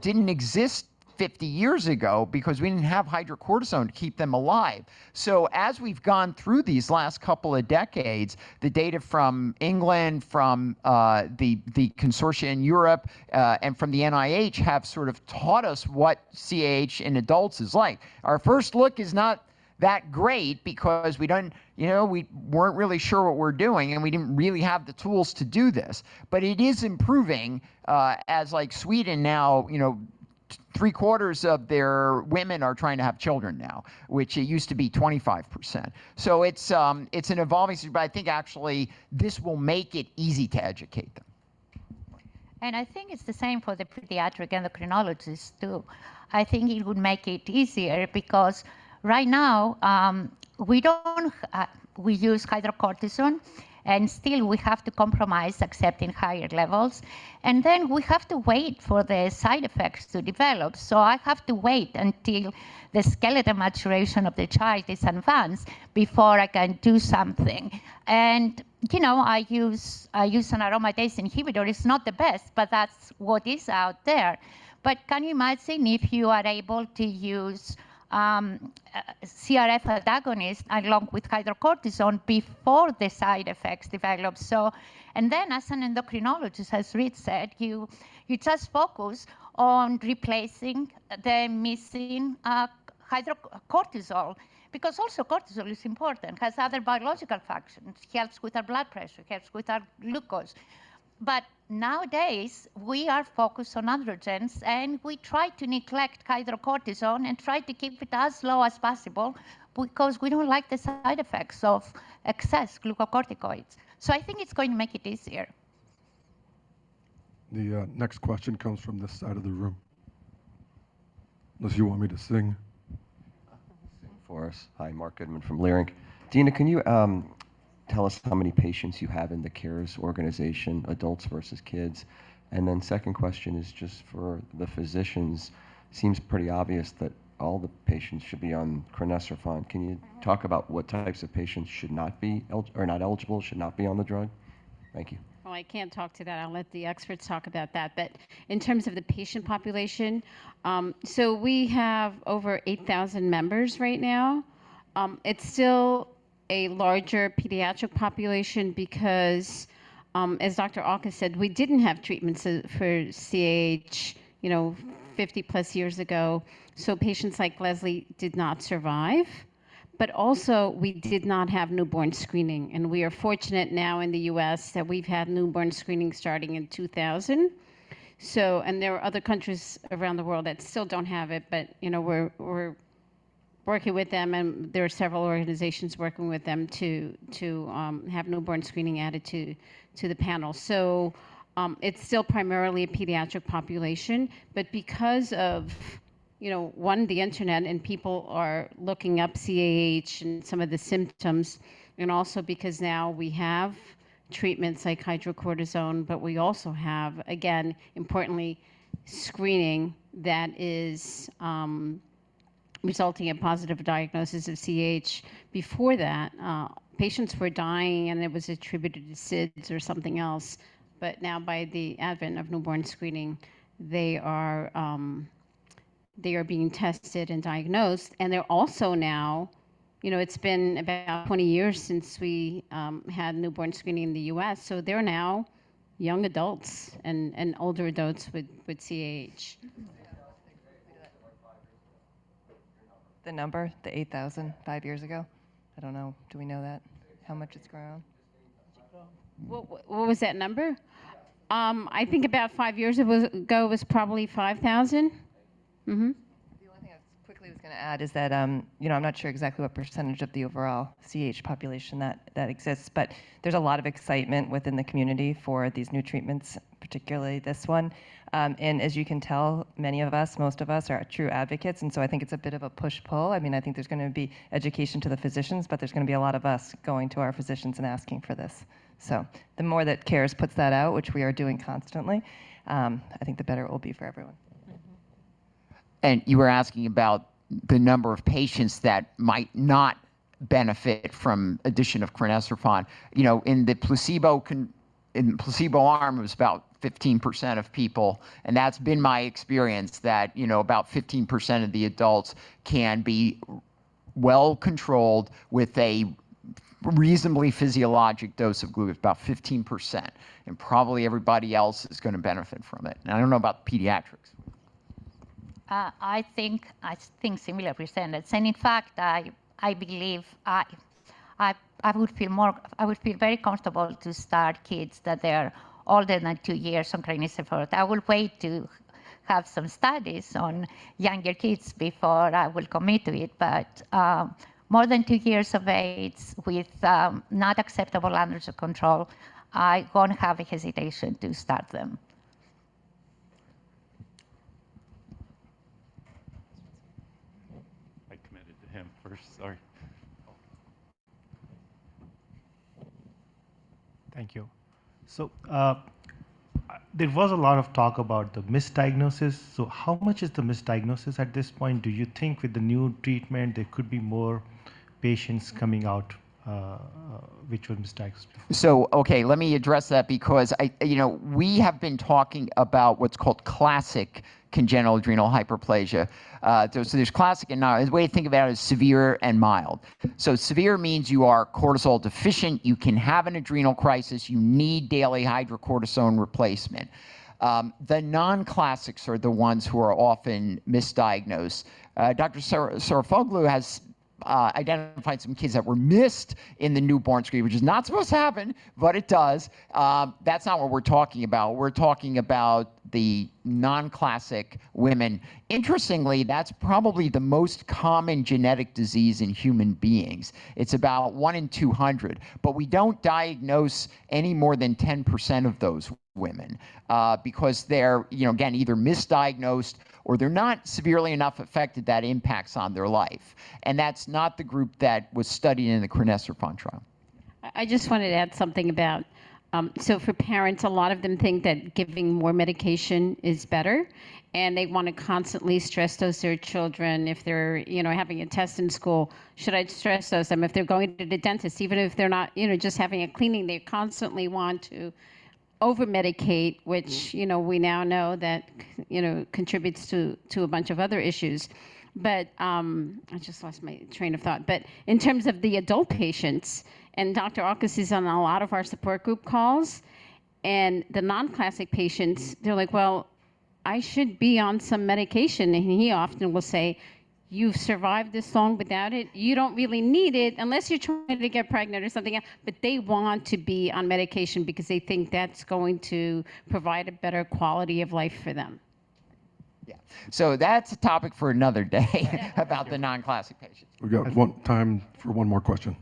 didn't exist 50 years ago because we didn't have hydrocortisone to keep them alive. So as we've gone through these last couple of decades, the data from England, from the consortia in Europe, and from the NIH, have sort of taught us what CAH in adults is like. Our first look is not that great because we don't... You know, we weren't really sure what we're doing, and we didn't really have the tools to do this. But it is improving, as like Sweden now, you know, three-quarters of their women are trying to have children now, which it used to be 25%. So it's an evolving situation, but I think actually this will make it easy to educate them. I think it's the same for the pediatric endocrinologists, too. I think it would make it easier because right now, we don't, we use hydrocortisone, and still we have to compromise, accepting higher levels, and then we have to wait for the side effects to develop. I have to wait until the skeletal maturation of the child is advanced before I can do something. You know, I use an aromatase inhibitor. It's not the best, but that's what is out there. Can you imagine if you are able to use a CRF antagonist along with hydrocortisone before the side effects develop? Then, as an endocrinologist, as Reed said, you just focus on replacing the missing cortisol, because also cortisol is important, has other biological functions, helps with our blood pressure, helps with our glucose. Nowadays, we are focused on androgens, and we try to neglect hydrocortisone and try to keep it as low as possible because we don't like the side effects of excess glucocorticoids. I think it's going to make it easier. The next question comes from this side of the room. Unless you want me to sing. You can sing for us. Hi, Mark Goodman from Leerink. Dina, can you tell us how many patients you have in the CARES Foundation, adults versus kids? And then second question is just for the physicians. Seems pretty obvious that all the patients should be on crinecerfont. Can you talk about what types of patients should not be eligible, are not eligible, should not be on the drug? Thank you. Well, I can't talk to that. I'll let the experts talk about that. But in terms of the patient population, so we have over 8,000 members right now. It's still a larger pediatric population because, as Dr. Auchus said, we didn't have treatments for CAH, you know, 50+ years ago, so patients like Leslie did not survive. But also, we did not have newborn screening, and we are fortunate now in the U.S. that we've had newborn screening starting in 2000. So, and there are other countries around the world that still don't have it, but, you know, we're, we're working with them, and there are several organizations working with them to, to, have newborn screening added to, to the panel. So, it's still primarily a pediatric population, but because of, you know, one, the internet, and people are looking up CAH and some of the symptoms, and also because now we have treatments like hydrocortisone, but we also have, again, importantly, screening that is resulting in positive diagnosis of CAH. Before that, patients were dying, and it was attributed to SIDS or something else. But now, by the advent of newborn screening, they are being tested and diagnosed, and they're also now, you know, it's been about 20 years since we had newborn screening in the U.S., so they're now young adults and older adults with CAH. The number, the 8,000, five years ago? I don't know. Do we know that, how much it's grown? Well, what was that number? I think about five years ago was probably 5,000. Mm-hmm. The only thing I quickly was gonna add is that, you know, I'm not sure exactly what percentage of the overall CAH population that, that exists, but there's a lot of excitement within the community for these new treatments, particularly this one. And as you can tell, many of us, most of us, are true advocates, and so I think it's a bit of a push/pull. I mean, I think there's gonna be education to the physicians, but there's gonna be a lot of us going to our physicians and asking for this. So the more that CARES puts that out, which we are doing constantly, I think the better it will be for everyone. You were asking about the number of patients that might not benefit from addition of crinecerfont. You know, in the placebo arm, it was about 15% of people, and that's been my experience, that, you know, about 15% of the adults can be well controlled with a reasonably physiologic dose of glucocorticoid, about 15%, and probably everybody else is gonna benefit from it. Now, I don't know about pediatrics. I think similar percentages, and in fact, I believe I would feel very comfortable to start kids that they are older than two years on crinecerfont. I will wait to have some studies on younger kids before I will commit to it, but more than two years of age with not acceptable levels of control, I won't have a hesitation to start them. I committed to him first. Sorry. Thank you. There was a lot of talk about the misdiagnosis. How much is the misdiagnosis at this point? Do you think with the new treatment, there could be more patients coming out, which were misdiagnosed? Okay, let me address that because I, you know, we have been talking about what's called classic congenital adrenal hyperplasia. So there's classic and not. The way to think about it is severe and mild. Severe means you are cortisol deficient, you can have an adrenal crisis, you need daily hydrocortisone replacement. The non-classics are the ones who are often misdiagnosed. Dr. Sarafoglou has identified some kids that were missed in the newborn screen, which is not supposed to happen, but it does. That's not what we're talking about. We're talking about the non-classic women. Interestingly, that's probably the most common genetic disease in human beings. It's about 1 in 200, but we don't diagnose any more than 10% of those women, because they're, you know, again, either misdiagnosed or they're not severely enough affected that impacts on their life, and that's not the group that was studied in the crinecerfont trial. I just wanted to add something about. So for parents, a lot of them think that giving more medication is better, and they wanna constantly stress dose their children. If they're, you know, having a test in school, "Should I stress dose them?" If they're going to the dentist, even if they're not, you know, just having a cleaning, they constantly want to overmedicate, which, you know, we now know that, you know, contributes to, to a bunch of other issues. But, I just lost my train of thought. But in terms of the adult patients, and Dr. Auchus is on a lot of our support group calls, and the non-classic patients, they're like: "Well, I should be on some medication," and he often will say: "You've survived this long without it. You don't really need it, unless you're trying to get pregnant or something else," but they want to be on medication because they think that's going to provide a better quality of life for them. Yeah. That's a topic for another day, about the non-classic patients. We've got one time for one more question.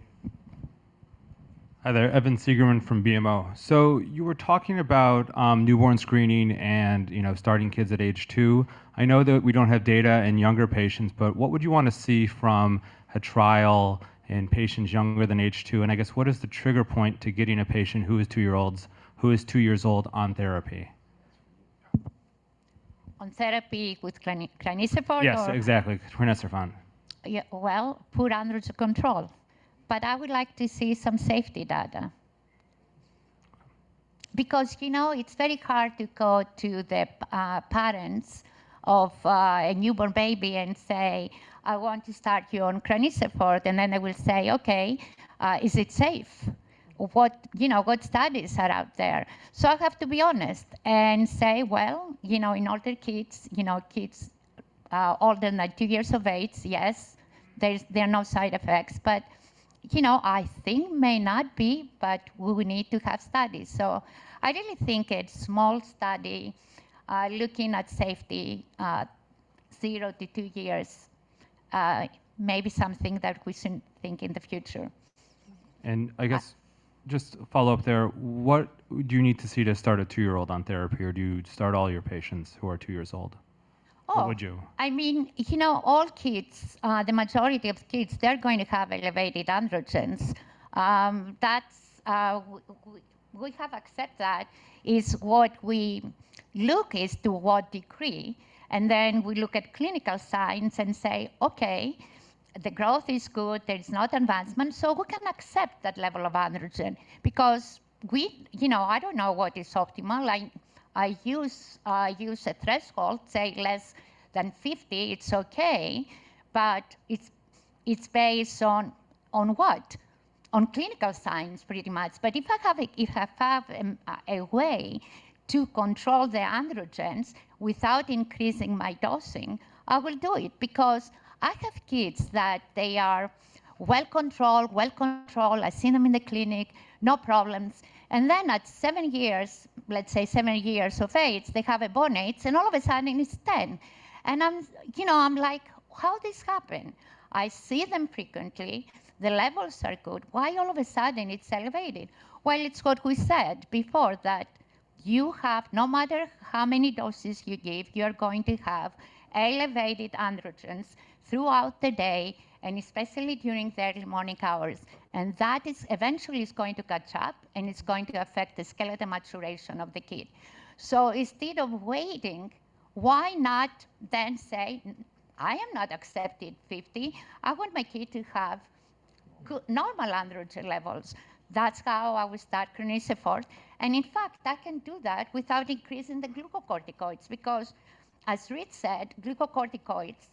Hi there, Evan Segerman from BMO. So you were talking about newborn screening and, you know, starting kids at age two. I know that we don't have data in younger patients, but what would you wanna see from a trial in patients younger than age two? And I guess, what is the trigger point to getting a patient who is two-year-olds, who is two years old, on therapy? On therapy with crinecerfont or- Yes, exactly, Crinecerfont. Yeah, well, poor androgen control. But I would like to see some safety data. Because, you know, it's very hard to go to the parents of a newborn baby and say: "I want to start you on crinecerfont." And then they will say: "Okay, is it safe? What-- You know, what studies are out there?" So I have to be honest and say: "Well, you know, in older kids, you know, kids older than 2 years of age, yes, there is, there are no side effects." But, you know, I think may not be, but we would need to have studies. So I really think a small study looking at safety 0-2 years may be something that we should think in the future. I guess, just follow up there, what do you need to see to start a two-year-old on therapy, or do you start all your patients who are two years old? Or would you? Oh! I mean, you know, all kids, the majority of kids, they're going to have elevated androgens. That's, we have accept that, is what we look is to what degree, and then we look at clinical signs and say, "Okay, the growth is good, there is not advancement, so we can accept that level of androgen. Because we, you know, I don't know what is optimal. I use a threshold, say, less than 50, it's okay, but it's based on what? On clinical signs, pretty much. But if I have a way to control the androgens without increasing my dosing, I will do it. Because I have kids that they are well-controlled, well-controlled, I've seen them in the clinic, no problems, and then at 7 years, let's say 7 years of age, they have a bone age, and all of a sudden it's 10. And I'm, you know, I'm like: "How this happen? I see them frequently, the levels are good. Why all of a sudden it's elevated?" Well, it's what we said before, that you have no matter how many doses you give, you're going to have elevated androgens throughout the day and especially during the early morning hours. And that is eventually is going to catch up, and it's going to affect the skeletal maturation of the kid. So instead of waiting, why not then say, "I am not accepting 50. I want my kid to have good normal androgen levels." That's how I will start crinecerfont. In fact, I can do that without increasing the glucocorticoids, because as Reed said, glucocorticoids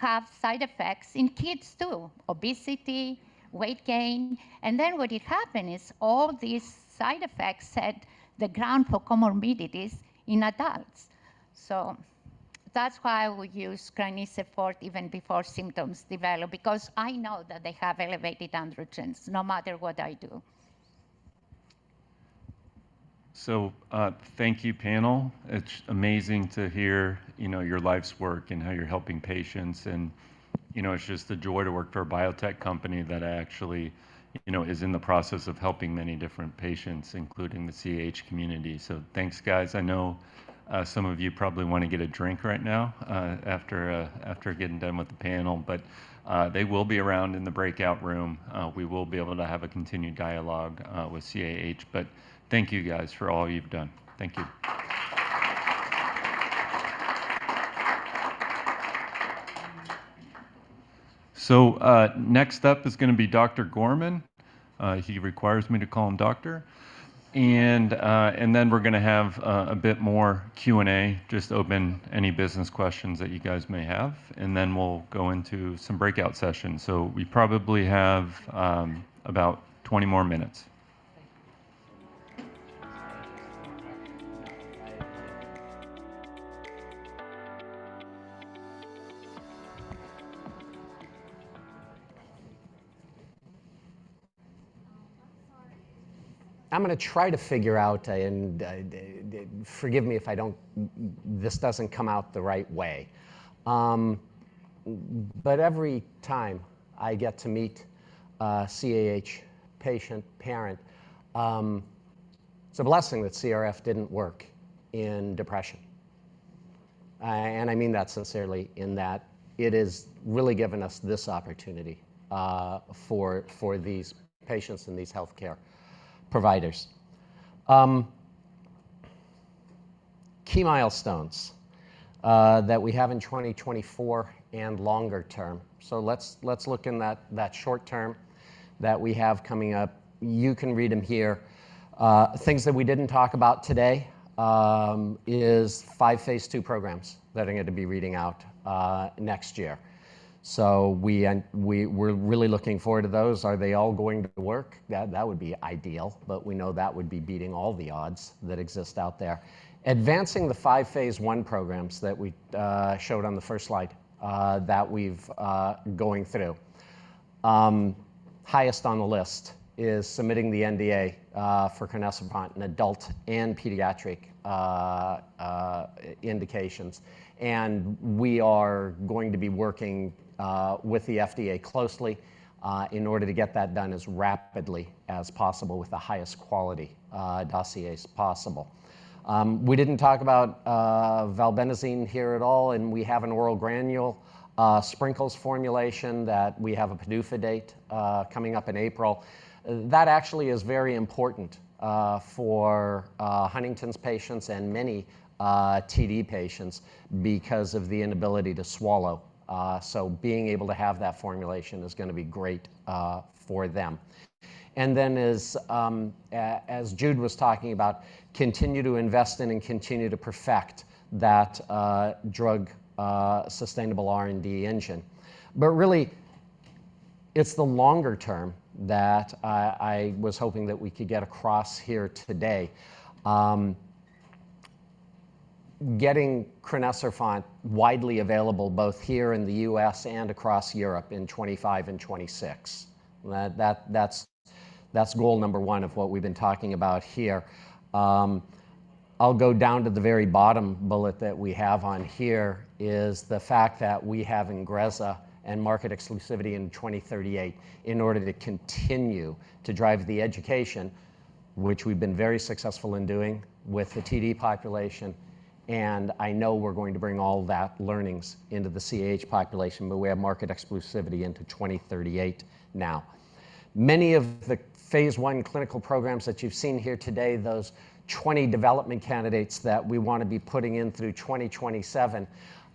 have side effects in kids, too: obesity, weight gain. Then what will happen is all these side effects set the ground for comorbidities in adults. That's why I will use crinecerfont even before symptoms develop, because I know that they have elevated androgens no matter what I do. So, thank you, panel. It's amazing to hear, you know, your life's work and how you're helping patients. And, you know, it's just a joy to work for a biotech company that actually, you know, is in the process of helping many different patients, including the CAH community. So thanks, guys. I know, some of you probably want to get a drink right now, after getting done with the panel, but, they will be around in the breakout room. We will be able to have a continued dialogue with CAH. But thank you guys, for all you've done. Thank you. So, next up is gonna be Dr. Gorman. He requires me to call him Doctor. And then we're gonna have a bit more Q&A, just open any business questions that you guys may have, and then we'll go into some breakout sessions. So we probably have about 20 more minutes. I'm gonna try to figure out, and forgive me if I don't—this doesn't come out the right way. But every time I get to meet a CAH patient, parent, it's a blessing that CRF didn't work in depression. And I mean that sincerely in that it has really given us this opportunity, for these patients and these healthcare providers. Key milestones, that we have in 2024 and longer term. So let's look in that short term that we have coming up. You can read them here. Things that we didn't talk about today is 5 phase 2 programs that are going to be reading out, next year. So we, and we're really looking forward to those. Are they all going to work? That, that would be ideal, but we know that would be beating all the odds that exist out there. Advancing the 5 phase 1 programs that we showed on the first slide that we've going through. Highest on the list is submitting the NDA for crinecerfont in adult and pediatric indications. We are going to be working with the FDA closely in order to get that done as rapidly as possible with the highest quality dossiers possible. We didn't talk about valbenazine here at all, and we have an oral granule sprinkles formulation that we have a PDUFA date coming up in April. That actually is very important for Huntington's patients and many TD patients because of the inability to swallow. So being able to have that formulation is gonna be great for them. And then as Jude was talking about, continue to invest in and continue to perfect that drug sustainable R&D engine. But really, it's the longer term that I was hoping that we could get across here today. Getting crinecerfont widely available both here in the U.S. and across Europe in 2025 and 2026. That's goal number one of what we've been talking about here. I'll go down to the very bottom bullet that we have on here, is the fact that we have INGREZZA and market exclusivity in 2038 in order to continue to drive the education, which we've been very successful in doing with the TD population, and I know we're going to bring all that learnings into the CAH population, but we have market exclusivity into 2038 now. Many of the phase I clinical programs that you've seen here today, those 20 development candidates that we want to be putting in through 2027,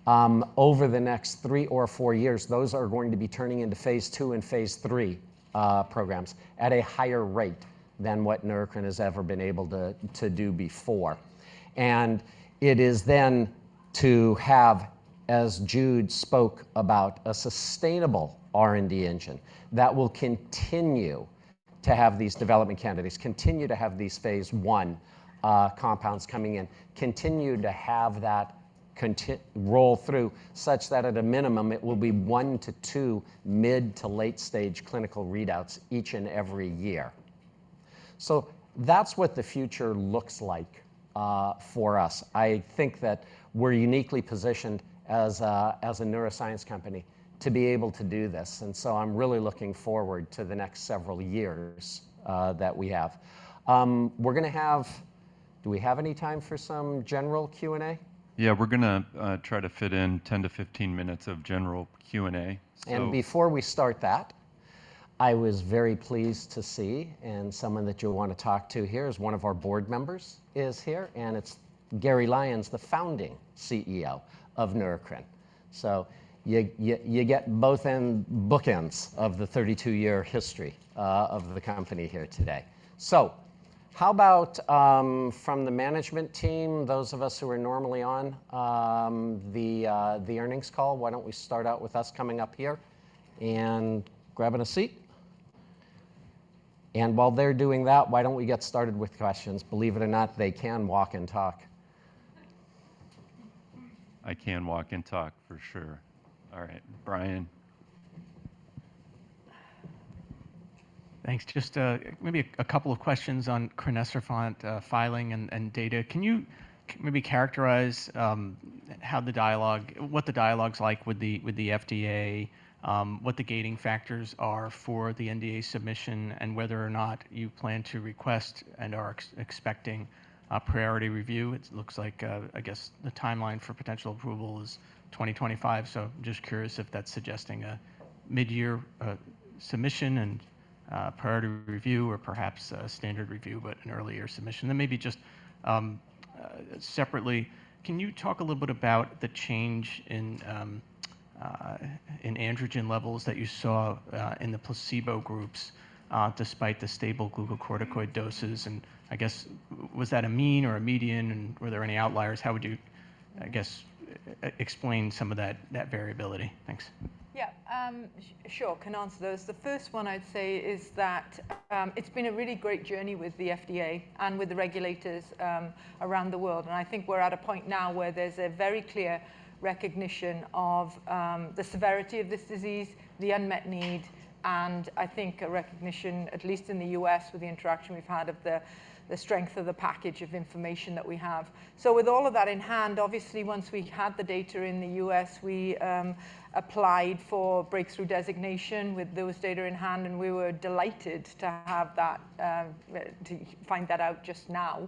over the next three or four years, those are going to be turning into phase II and phase III programs at a higher rate than what Neurocrine has ever been able to do before. It is then to have, as Jude spoke about, a sustainable R&D engine that will continue to have these development candidates, continue to have these phase I compounds coming in, continue to have that roll through, such that at a minimum it will be 1-2 mid- to late-stage clinical readouts each and every year. That's what the future looks like for us. I think that we're uniquely positioned as a neuroscience company to be able to do this, and so I'm really looking forward to the next several years that we have. Do we have any time for some general Q&A? Yeah, we're gonna try to fit in 10-15 minutes of general Q&A, so- Before we start that, I was very pleased to see, and someone that you'll want to talk to here, is one of our board members here, and it's Gary Lyons, the founding CEO of Neurocrine. So you get both bookends of the 32-year history of the company here today. So how about, from the management team, those of us who are normally on the earnings call, why don't we start out with us coming up here and grabbing a seat? While they're doing that, why don't we get started with questions? Believe it or not, they can walk and talk. I can walk and talk, for sure. All right, Brian. Thanks. Just maybe a couple of questions on crinecerfont, filing and data. Can you maybe characterize how the dialogue—what the dialogue's like with the FDA, what the gating factors are for the NDA submission, and whether or not you plan to request and are expecting a priority review? It looks like, I guess, the timeline for potential approval is 2025, so just curious if that's suggesting a mid-year submission and priority review, or perhaps a standard review, but an earlier submission. Then maybe just separately, can you talk a little bit about the change in in androgen levels that you saw in the placebo groups despite the stable glucocorticoid doses? And I guess, was that a mean or a median, and were there any outliers? How would you, I guess, explain some of that, that variability? Thanks. Yeah, sure, can answer those. The first one I'd say is that, it's been a really great journey with the FDA and with the regulators, around the world. And I think we're at a point now where there's a very clear recognition of, the severity of this disease, the unmet need, and I think a recognition, at least in the US, with the interaction we've had, of the, the strength of the package of information that we have. So with all of that in hand, obviously, once we had the data in the US, we, applied for breakthrough designation with those data in hand, and we were delighted to have that, to find that out just now.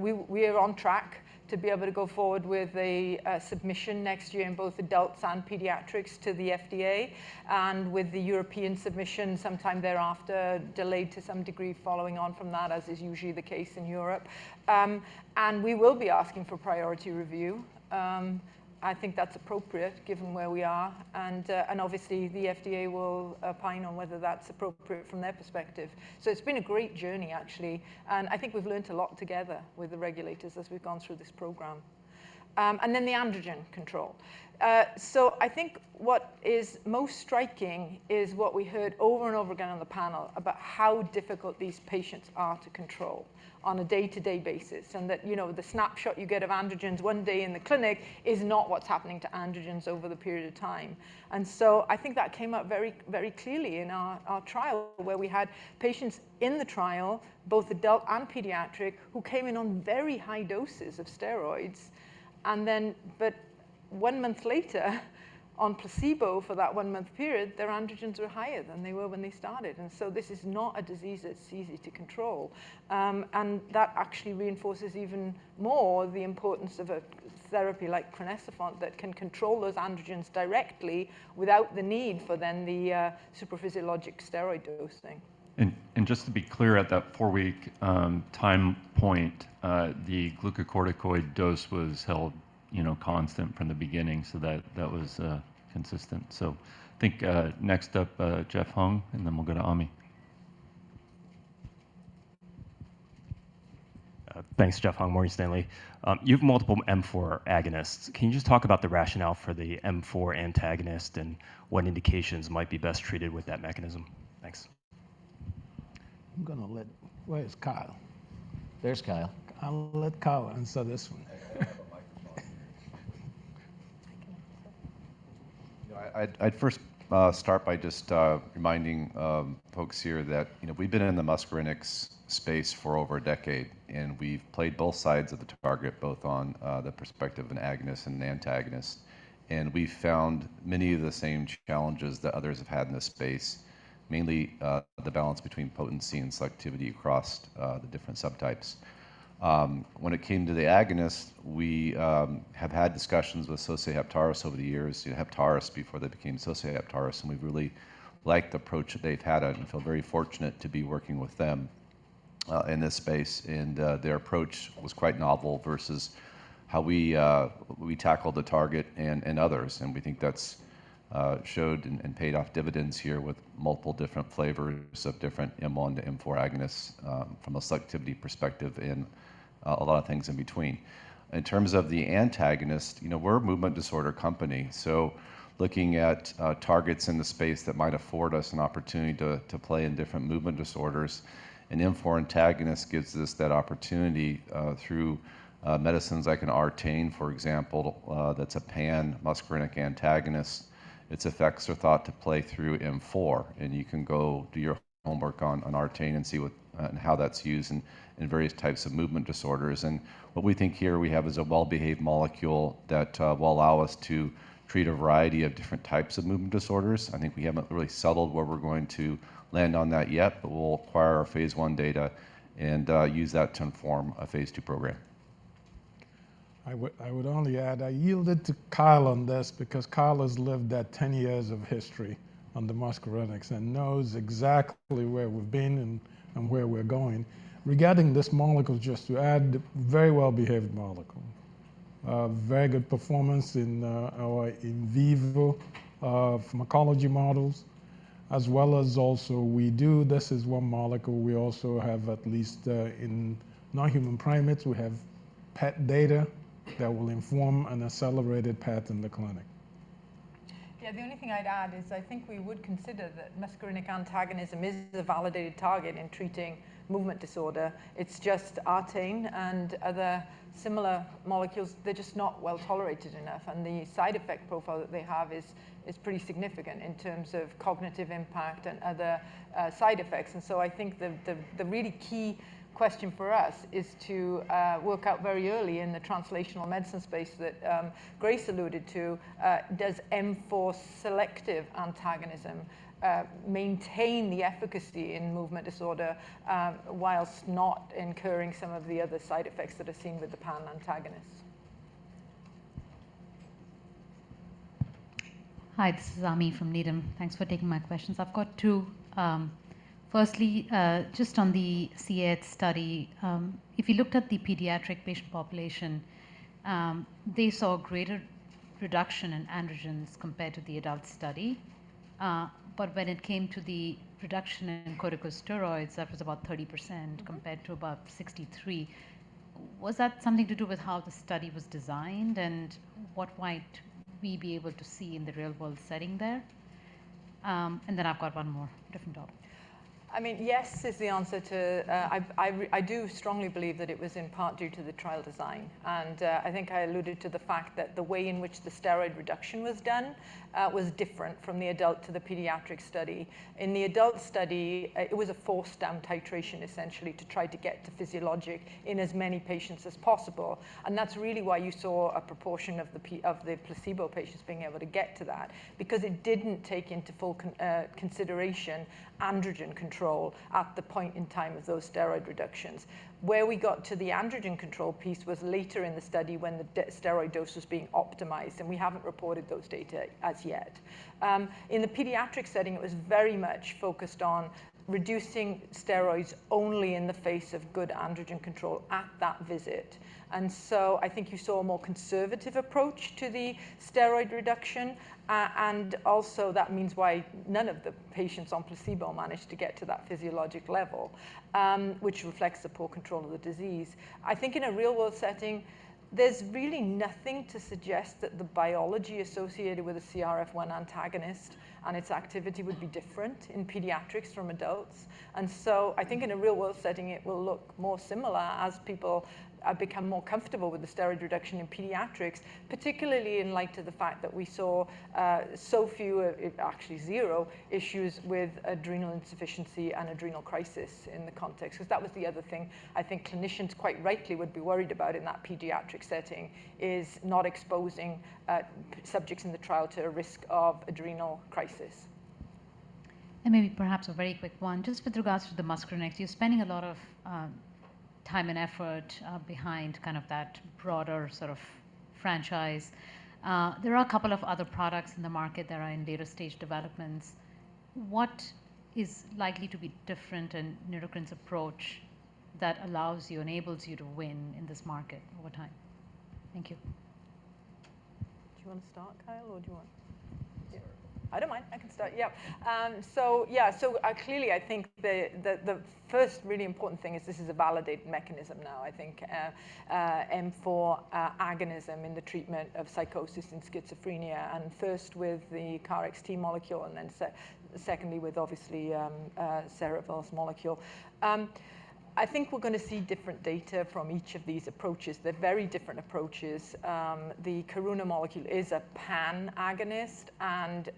We are on track to be able to go forward with a submission next year in both adults and pediatrics to the FDA, and with the European submission sometime thereafter, delayed to some degree following on from that, as is usually the case in Europe. We will be asking for Priority Review. I think that's appropriate, given where we are, and obviously, the FDA will opine on whether that's appropriate from their perspective. So it's been a great journey, actually, and I think we've learned a lot together with the regulators as we've gone through this program. And then the androgen control. I think what is most striking is what we heard over and over again on the panel about how difficult these patients are to control on a day-to-day basis, and that, you know, the snapshot you get of androgens one day in the clinic is not what's happening to androgens over the period of time. I think that came up very, very clearly in our trial, where we had patients in the trial, both adult and pediatric, who came in on very high doses of steroids, and then but 1 month later, on placebo for that 1-month period, their androgens were higher than they were when they started, and so this is not a disease that's easy to control. That actually reinforces even more the importance of a therapy like crinecerfont that can control those androgens directly without the need for then the supraphysiologic steroid dosing. And, and just to be clear, at that four-week time point, the glucocorticoid dose was held, you know, constant from the beginning, so that, that was consistent. So I think, next up, Jeff Hung, and then we'll go to Ami. Thanks, Jeff Hung, Morgan Stanley. You have multiple M four agonists. Can you just talk about the rationale for the M four antagonist and what indications might be best treated with that mechanism? Thanks. I'm gonna let... Where is Kyle? There's Kyle. I'll let Kyle answer this one. I have a microphone. I can answer. I'd first start by just reminding folks here that, you know, we've been in the muscarinic space for over a decade, and we've played both sides of the target, both on the perspective of an agonist and an antagonist. We've found many of the same challenges that others have had in this space, mainly the balance between potency and selectivity across the different subtypes. When it came to the agonist, we have had discussions with Sosei Heptares over the years, Heptares before they became Sosei Heptares, and we've really liked the approach that they've had on it and feel very fortunate to be working with them in this space, and their approach was quite novel versus how we tackled the target and others. We think that's shown and paid off dividends here with multiple different flavors of different M1 to M4 agonists from a selectivity perspective and a lot of things in between. In terms of the antagonist, you know, we're a movement disorder company, so looking at targets in the space that might afford us an opportunity to play in different movement disorders, an M4 antagonist gives us that opportunity through medicines like Artane, for example, that's a pan-muscarinic antagonist. Its effects are thought to play through M4, and you can go do your homework on Artane and see what and how that's used in various types of movement disorders. And what we think here we have is a well-behaved molecule that will allow us to treat a variety of different types of movement disorders. I think we haven't really settled where we're going to land on that yet, but we'll acquire our phase 1 data and use that to inform a phase 2 program. I would, I would only add. I yielded to Kyle on this because Kyle has lived that 10 years of history on the muscarinics and knows exactly where we've been and, and where we're going. Regarding this molecule, just to add, very well-behaved molecule. A very good performance in our in vivo pharmacology models, as well as also we do. This is one molecule we also have, at least in non-human primates. We have PET data that will inform an accelerated path in the clinic. Yeah, the only thing I'd add is I think we would consider that muscarinic antagonism is a validated target in treating movement disorder. It's just Artane and other similar molecules; they're just not well-tolerated enough, and the side effect profile that they have is pretty significant in terms of cognitive impact and other side effects. So I think the really key question for us is to work out very early in the translational medicine space that Grace alluded to: Does M4 selective antagonism maintain the efficacy in movement disorder whilst not incurring some of the other side effects that are seen with the pan-antagonist? Hi, this is Ami from Needham. Thanks for taking my questions. I've got two. Firstly, just on the CAH study, if you looked at the pediatric patient population, they saw greater reduction in androgens compared to the adult study. But when it came to the reduction in corticosteroids, that was about 30%- Mm-hmm.... compared to about 63. Was that something to do with how the study was designed, and what might we be able to see in the real-world setting there? And then I've got one more, different topic. I mean, yes, is the answer to. I do strongly believe that it was in part due to the trial design. And I think I alluded to the fact that the way in which the steroid reduction was done was different from the adult to the pediatric study. In the adult study, it was a forced down titration, essentially, to try to get to physiologic in as many patients as possible, and that's really why you saw a proportion of the placebo patients being able to get to that. Because it didn't take into full consideration androgen control at the point in time of those steroid reductions. Where we got to the androgen control piece was later in the study when the steroid dose was being optimized, and we haven't reported those data as yet. In the pediatric setting, it was very much focused on reducing steroids only in the face of good androgen control at that visit. And so I think you saw a more conservative approach to the steroid reduction, and also that means why none of the patients on placebo managed to get to that physiologic level, which reflects the poor control of the disease. I think in a real-world setting, there's really nothing to suggest that the biology associated with a CRF1 antagonist and its activity would be different in pediatrics from adults. And so I think in a real-world setting, it will look more similar as people become more comfortable with the steroid reduction in pediatrics, particularly in light of the fact that we saw so few, actually 0, issues with adrenal insufficiency and adrenal crisis in the context. 'Cause that was the other thing I think clinicians quite rightly would be worried about in that pediatric setting, is not exposing subjects in the trial to a risk of adrenal crisis. And maybe perhaps a very quick one, just with regards to the muscarinics. You're spending a lot of time and effort behind kind of that broader sort of franchise. There are a couple of other products in the market that are in later-stage developments. What is likely to be different in Neurocrine's approach that allows you, enables you to win in this market over time? Thank you. Do you wanna start, Kyle, or do you want- Sure. I don't mind. I can start, yep. Clearly, I think the first really important thing is this is a validated mechanism now. I think M4 agonism in the treatment of psychosis and schizophrenia, and first with the KarXT molecule and then secondly, with obviously Cerevel's molecule. I think we're gonna see different data from each of these approaches. They're very different approaches. The Karuna molecule is a pan agonist and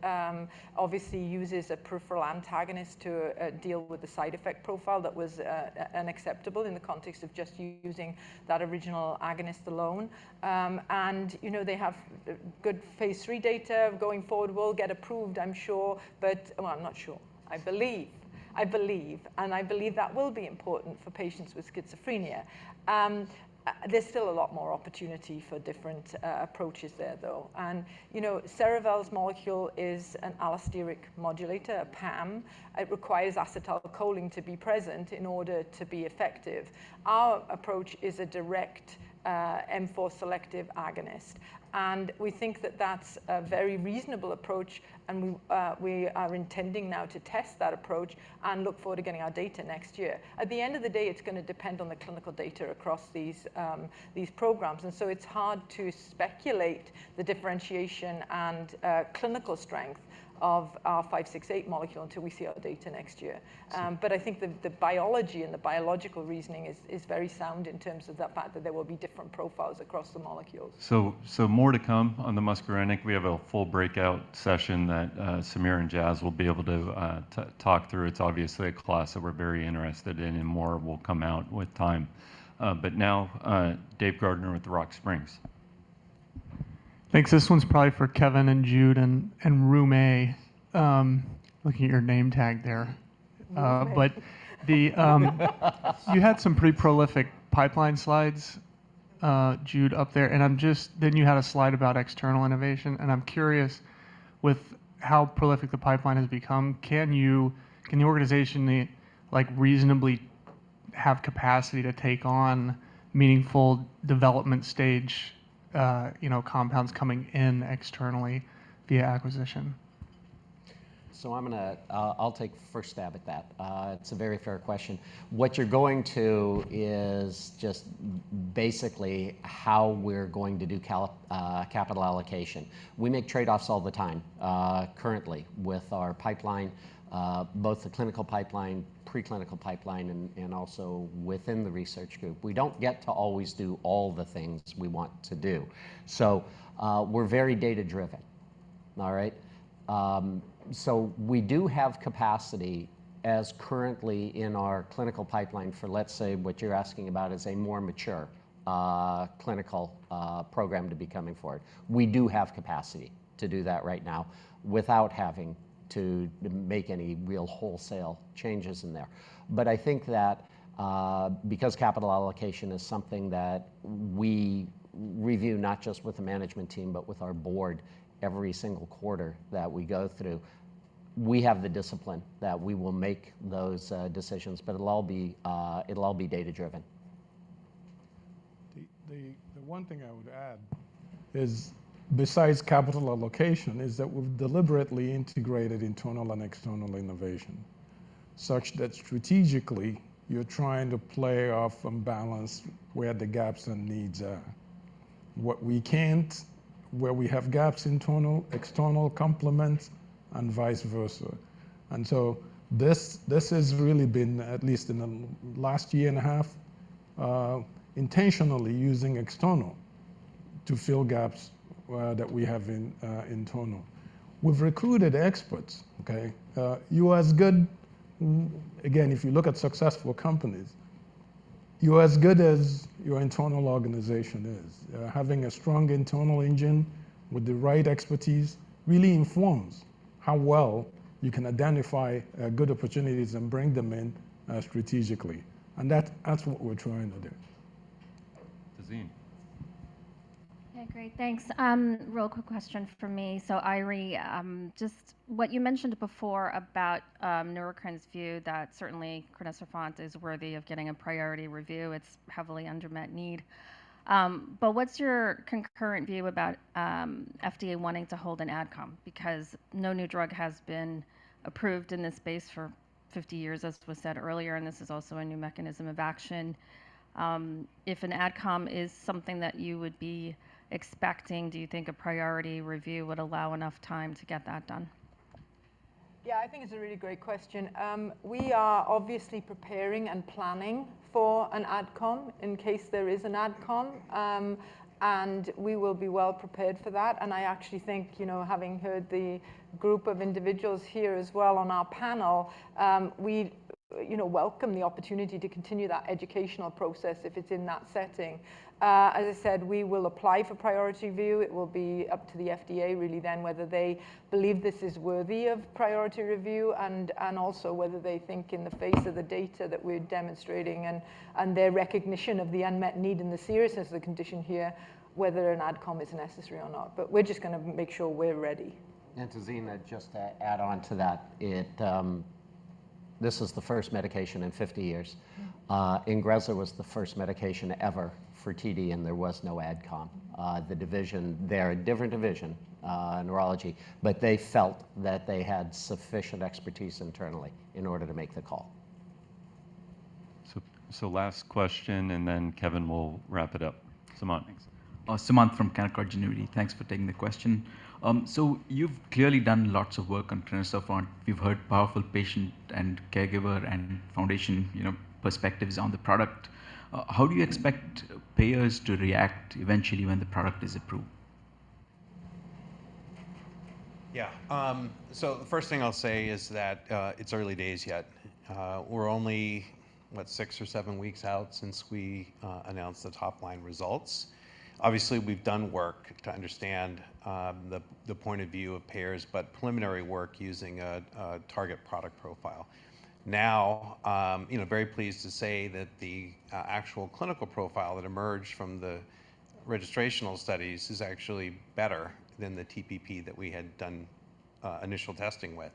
obviously uses a peripheral antagonist to deal with the side effect profile that was unacceptable in the context of just using that original agonist alone. And, you know, they have good phase 3 data going forward, will get approved, I'm sure, but... Well, I'm not sure. I believe. I believe, and I believe that will be important for patients with schizophrenia. There's still a lot more opportunity for different approaches there, though. And, you know, Cerevel's molecule is an allosteric modulator, a PAM. It requires acetylcholine to be present in order to be effective. Our approach is a direct M4 selective agonist. And we think that that's a very reasonable approach, and we are intending now to test that approach and look forward to getting our data next year. At the end of the day, it's gonna depend on the clinical data across these programs. And so it's hard to speculate the differentiation and clinical strength of our NBI-568 molecule until we see our data next year. But I think the biology and the biological reasoning is very sound in terms of the fact that there will be different profiles across the molecules. So more to come on the muscarinic. We have a full breakout session that Samir and Jas will be able to to talk through. It's obviously a class that we're very interested in, and more will come out with time. But now, Dave Gardner with Rock Springs. Thanks. This one's probably for Kevin and Jude, and Roumeïum, looking at your name tag there. Roumeï. You had some pretty prolific pipeline slides, Jude, up there, and then you had a slide about external innovation, and I'm curious with how prolific the pipeline has become. Can you, can the organization, like, reasonably have capacity to take on meaningful development stage, you know, compounds coming in externally via acquisition? So I'm gonna, I'll take the first stab at that. It's a very fair question. What you're going to is just basically how we're going to do capital allocation. We make trade-offs all the time, currently with our pipeline, both the clinical pipeline, preclinical pipeline, and also within the research group. We don't get to always do all the things we want to do, so, we're very data-driven. All right? So we do have capacity as currently in our clinical pipeline for, let's say, what you're asking about is a more mature, clinical program to be coming forward. We do have capacity to do that right now without having to make any real wholesale changes in there. But I think that, because capital allocation is something that we review not just with the management team, but with our board, every single quarter that we go through, we have the discipline that we will make those decisions, but it'll all be data-driven. The one thing I would add is, besides capital allocation, is that we've deliberately integrated internal and external innovation, such that strategically, you're trying to play off and balance where the gaps and needs are. What we can't, where we have gaps, internal, external complements, and vice versa. And so this has really been, at least in the last year and a half, intentionally using external to fill gaps that we have in internal. We've recruited experts, okay? Again, if you look at successful companies, you're as good as your internal organization is. Having a strong internal engine with the right expertise really informs how well you can identify good opportunities and bring them in strategically. And that's what we're trying to do. Tazine. Okay, great. Thanks. Real quick question from me. So, Eiry, just what you mentioned before about, Neurocrine's view, that certainly crinecerfont is worthy of getting a priority review. It's heavily unmet need. But what's your current view about, FDA wanting to hold an ad com? Because no new drug has been approved in this space for 50 years, as was said earlier, and this is also a new mechanism of action. If an ad com is something that you would be expecting, do you think a priority review would allow enough time to get that done? Yeah, I think it's a really great question. We are obviously preparing and planning for an ad com in case there is an ad com. And we will be well prepared for that. And I actually think, you know, having heard the group of individuals here as well on our panel, we, you know, welcome the opportunity to continue that educational process if it's in that setting. As I said, we will apply for Priority Review. It will be up to the FDA really then, whether they believe this is worthy of Priority Review, and also whether they think in the face of the data that we're demonstrating and their recognition of the unmet need and the seriousness of the condition here, whether an ad com is necessary or not. But we're just gonna make sure we're ready. Tazine, just to add on to that, it. This is the first medication in 50 years. Mm. INGREZZA was the first medication ever for TD, and there was no ad com. The division, they're a different division, neurology, but they felt that they had sufficient expertise internally in order to make the call. So, last question, and then Kevin will wrap it up. Sumant. Sumant from Canaccord Genuity. Thanks for taking the question. So you've clearly done lots of work on Spinraza. We've heard powerful patient and caregiver and foundation, you know, perspectives on the product. How do you expect payers to react eventually when the product is approved? Yeah, so the first thing I'll say is that, it's early days yet. We're only, what, six or seven weeks out since we announced the top-line results. Obviously, we've done work to understand, the point of view of payers, but preliminary work using a target product profile. Now, you know, very pleased to say that the actual clinical profile that emerged from the registrational studies is actually better than the TPP that we had done initial testing with.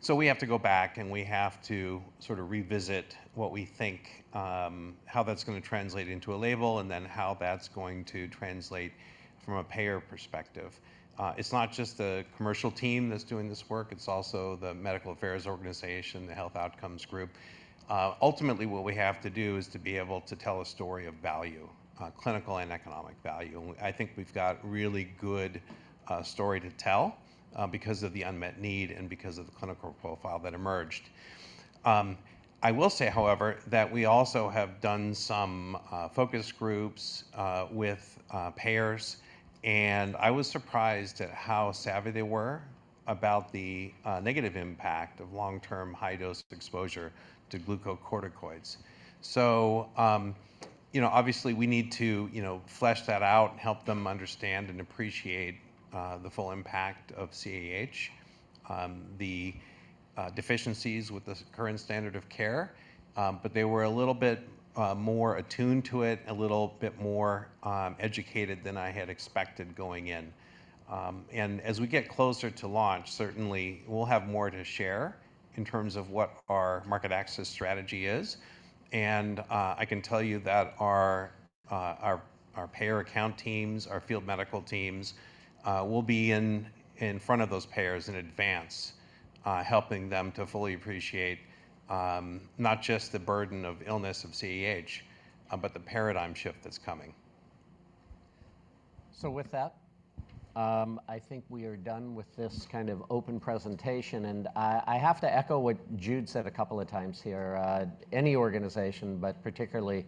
So we have to go back, and we have to sort of revisit what we think, how that's gonna translate into a label, and then how that's going to translate from a payer perspective. It's not just the commercial team that's doing this work, it's also the medical affairs organization, the health outcomes group. Ultimately, what we have to do is to be able to tell a story of value, clinical and economic value, and I think we've got a really good story to tell, because of the unmet need and because of the clinical profile that emerged. I will say, however, that we also have done some focus groups with payers, and I was surprised at how savvy they were about the negative impact of long-term, high-dose exposure to glucocorticoids. So, you know, obviously we need to, you know, flesh that out and help them understand and appreciate the full impact of CAH, the deficiencies with the current standard of care. But they were a little bit more attuned to it, a little bit more educated than I had expected going in. As we get closer to launch, certainly we'll have more to share in terms of what our market access strategy is. I can tell you that our payer account teams, our field medical teams, will be in front of those payers in advance, helping them to fully appreciate not just the burden of illness of CAH, but the paradigm shift that's coming. So with that, I think we are done with this kind of open presentation, and I have to echo what Jude said a couple of times here. Any organization, but particularly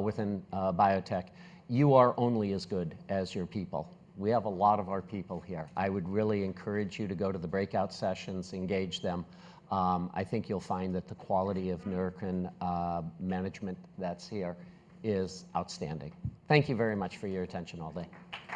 within biotech, you are only as good as your people. We have a lot of our people here. I would really encourage you to go to the breakout sessions, engage them. I think you'll find that the quality of Neurocrine management that's here is o utstanding. Thank you very much for your attention all day.